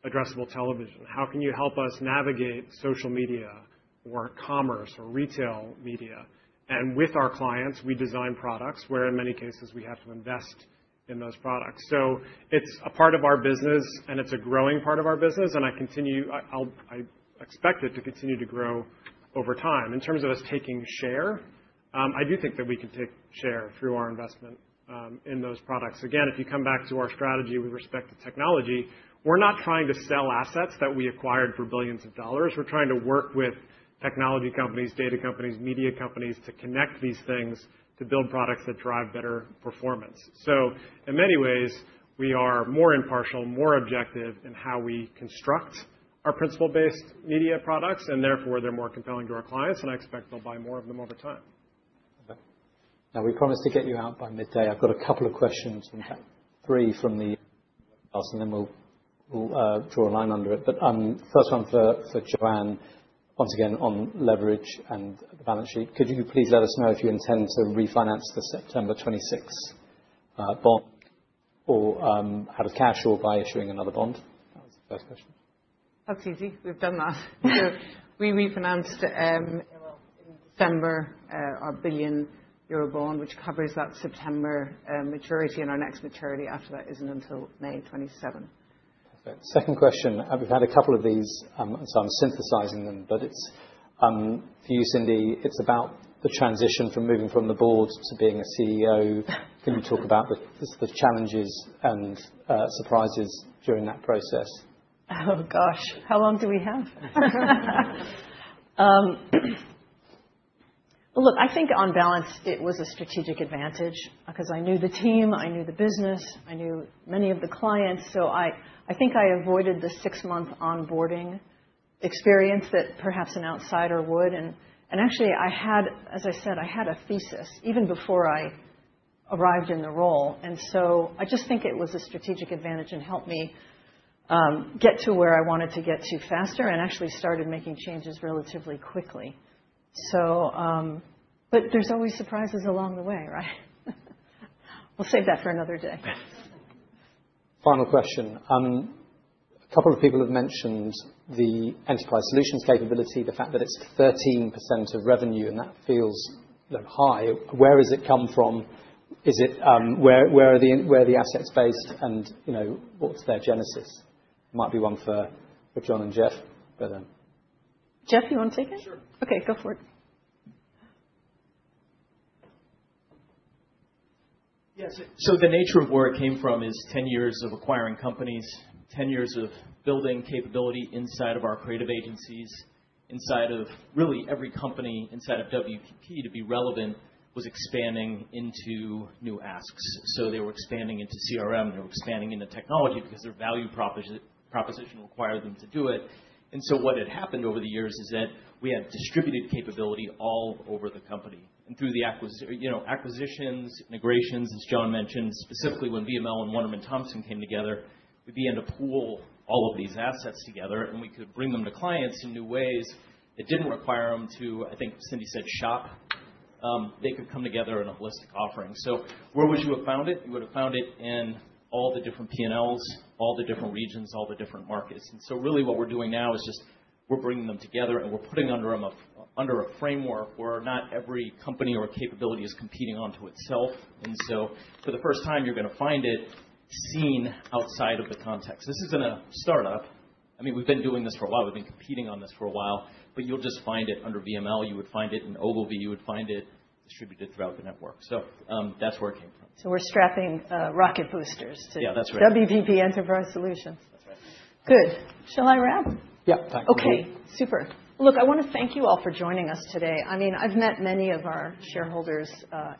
[SPEAKER 5] addressable television? How can you help us navigate social media or commerce or retail media?" With our clients, we design products where, in many cases, we have to invest in those products. It's a part of our business, and it's a growing part of our business, I expect it to continue to grow over time. In terms of us taking share, I do think that we can take share through our investment in those products. Again, if you come back to our strategy with respect to technology, we're not trying to sell assets that we acquired for billions of dollars. We're trying to work with technology companies, data companies, media companies, to connect these things, to build products that drive better performance. In many ways, we are more impartial, more objective in how we construct our principle-based media products, and therefore, they're more compelling to our clients, and I expect they'll buy more of them over time.
[SPEAKER 7] Okay. Now, we promised to get you out by midday. I've got a couple of questions, in fact, three from the house, and then we'll draw a line under it. First one for Joanne, once again, on leverage and the balance sheet. Could you please let us know if you intend to refinance the September 26th bond or out of cash or by issuing another bond? That was the first question.
[SPEAKER 1] That's easy. We've done that. We refinanced in December our 1 billion euro bond, which covers that September maturity, and our next maturity after that isn't until May 27th.
[SPEAKER 7] Okay. Second question, and we've had a couple of these, so I'm synthesizing them, but it's for you, Cindy, it's about the transition from moving from the board to being a CEO. Can you talk about the challenges and surprises during that process?
[SPEAKER 2] Oh, gosh, how long do we have? Look, I think on balance, it was a strategic advantage because I knew the team, I knew the business, I knew many of the clients, so I think I avoided the six-month onboarding experience that perhaps an outsider would. Actually, as I said, I had a thesis even before I arrived in the role, and so I just think it was a strategic advantage and helped me get to where I wanted to get to faster and actually started making changes relatively quickly. But there's always surprises along the way, right? We'll save that for another day.
[SPEAKER 7] Final question. A couple of people have mentioned the Enterprise Solutions capability, the fact that it's 13% of revenue, and that feels high. Where has it come from? Is it... Where are the assets based, and, you know, what's their genesis? Might be one for Jon Cook and Jeff Geheb, but
[SPEAKER 2] Jeff, you want to take it?
[SPEAKER 10] Sure.
[SPEAKER 2] Okay, go for it.
[SPEAKER 10] Yes, the nature of where it came from is 10 years of acquiring companies, 10 years of building capability inside of our creative agencies, inside of really every company, inside of WPP, to be relevant, was expanding into new asks. They were expanding into CRM, they were expanding into technology because their value proposition required them to do it. What had happened over the years is that we had distributed capability all over the company and through the acquisitions, integrations, as Jon mentioned, specifically when VML and Wunderman Thompson came together, we began to pool all of these assets together, and we could bring them to clients in new ways that didn't require them to, I think, Cindy said, shop. They could come together in a holistic offering. Where would you have found it? You would have found it in all the different PNLs, all the different regions, all the different markets. Really what we're doing now is just we're bringing them together, and we're putting under them under a framework where not every company or capability is competing onto itself. For the first time, you're going to find it seen outside of the context. This is in a startup. I mean, we've been doing this for a while. We've been competing on this for a while, you'll just find it under VML. You would find it in Ogilvy. You would find it distributed throughout the network. That's where it came from.
[SPEAKER 2] We're strapping, rocket boosters to-
[SPEAKER 10] Yeah, that's right.
[SPEAKER 2] WPP Enterprise Solutions.
[SPEAKER 10] That's right.
[SPEAKER 2] Good. Shall I wrap?
[SPEAKER 5] Yeah.
[SPEAKER 2] Okay, super. Look, I want to thank you all for joining us today. I mean, I've met many of our shareholders,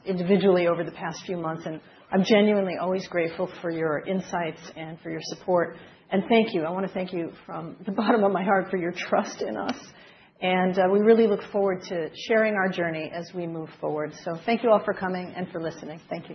[SPEAKER 2] individually over the past few months, and I'm genuinely always grateful for your insights and for your support. Thank you. I want to thank you from the bottom of my heart for your trust in us, and we really look forward to sharing our journey as we move forward. Thank you all for coming and for listening. Thank you.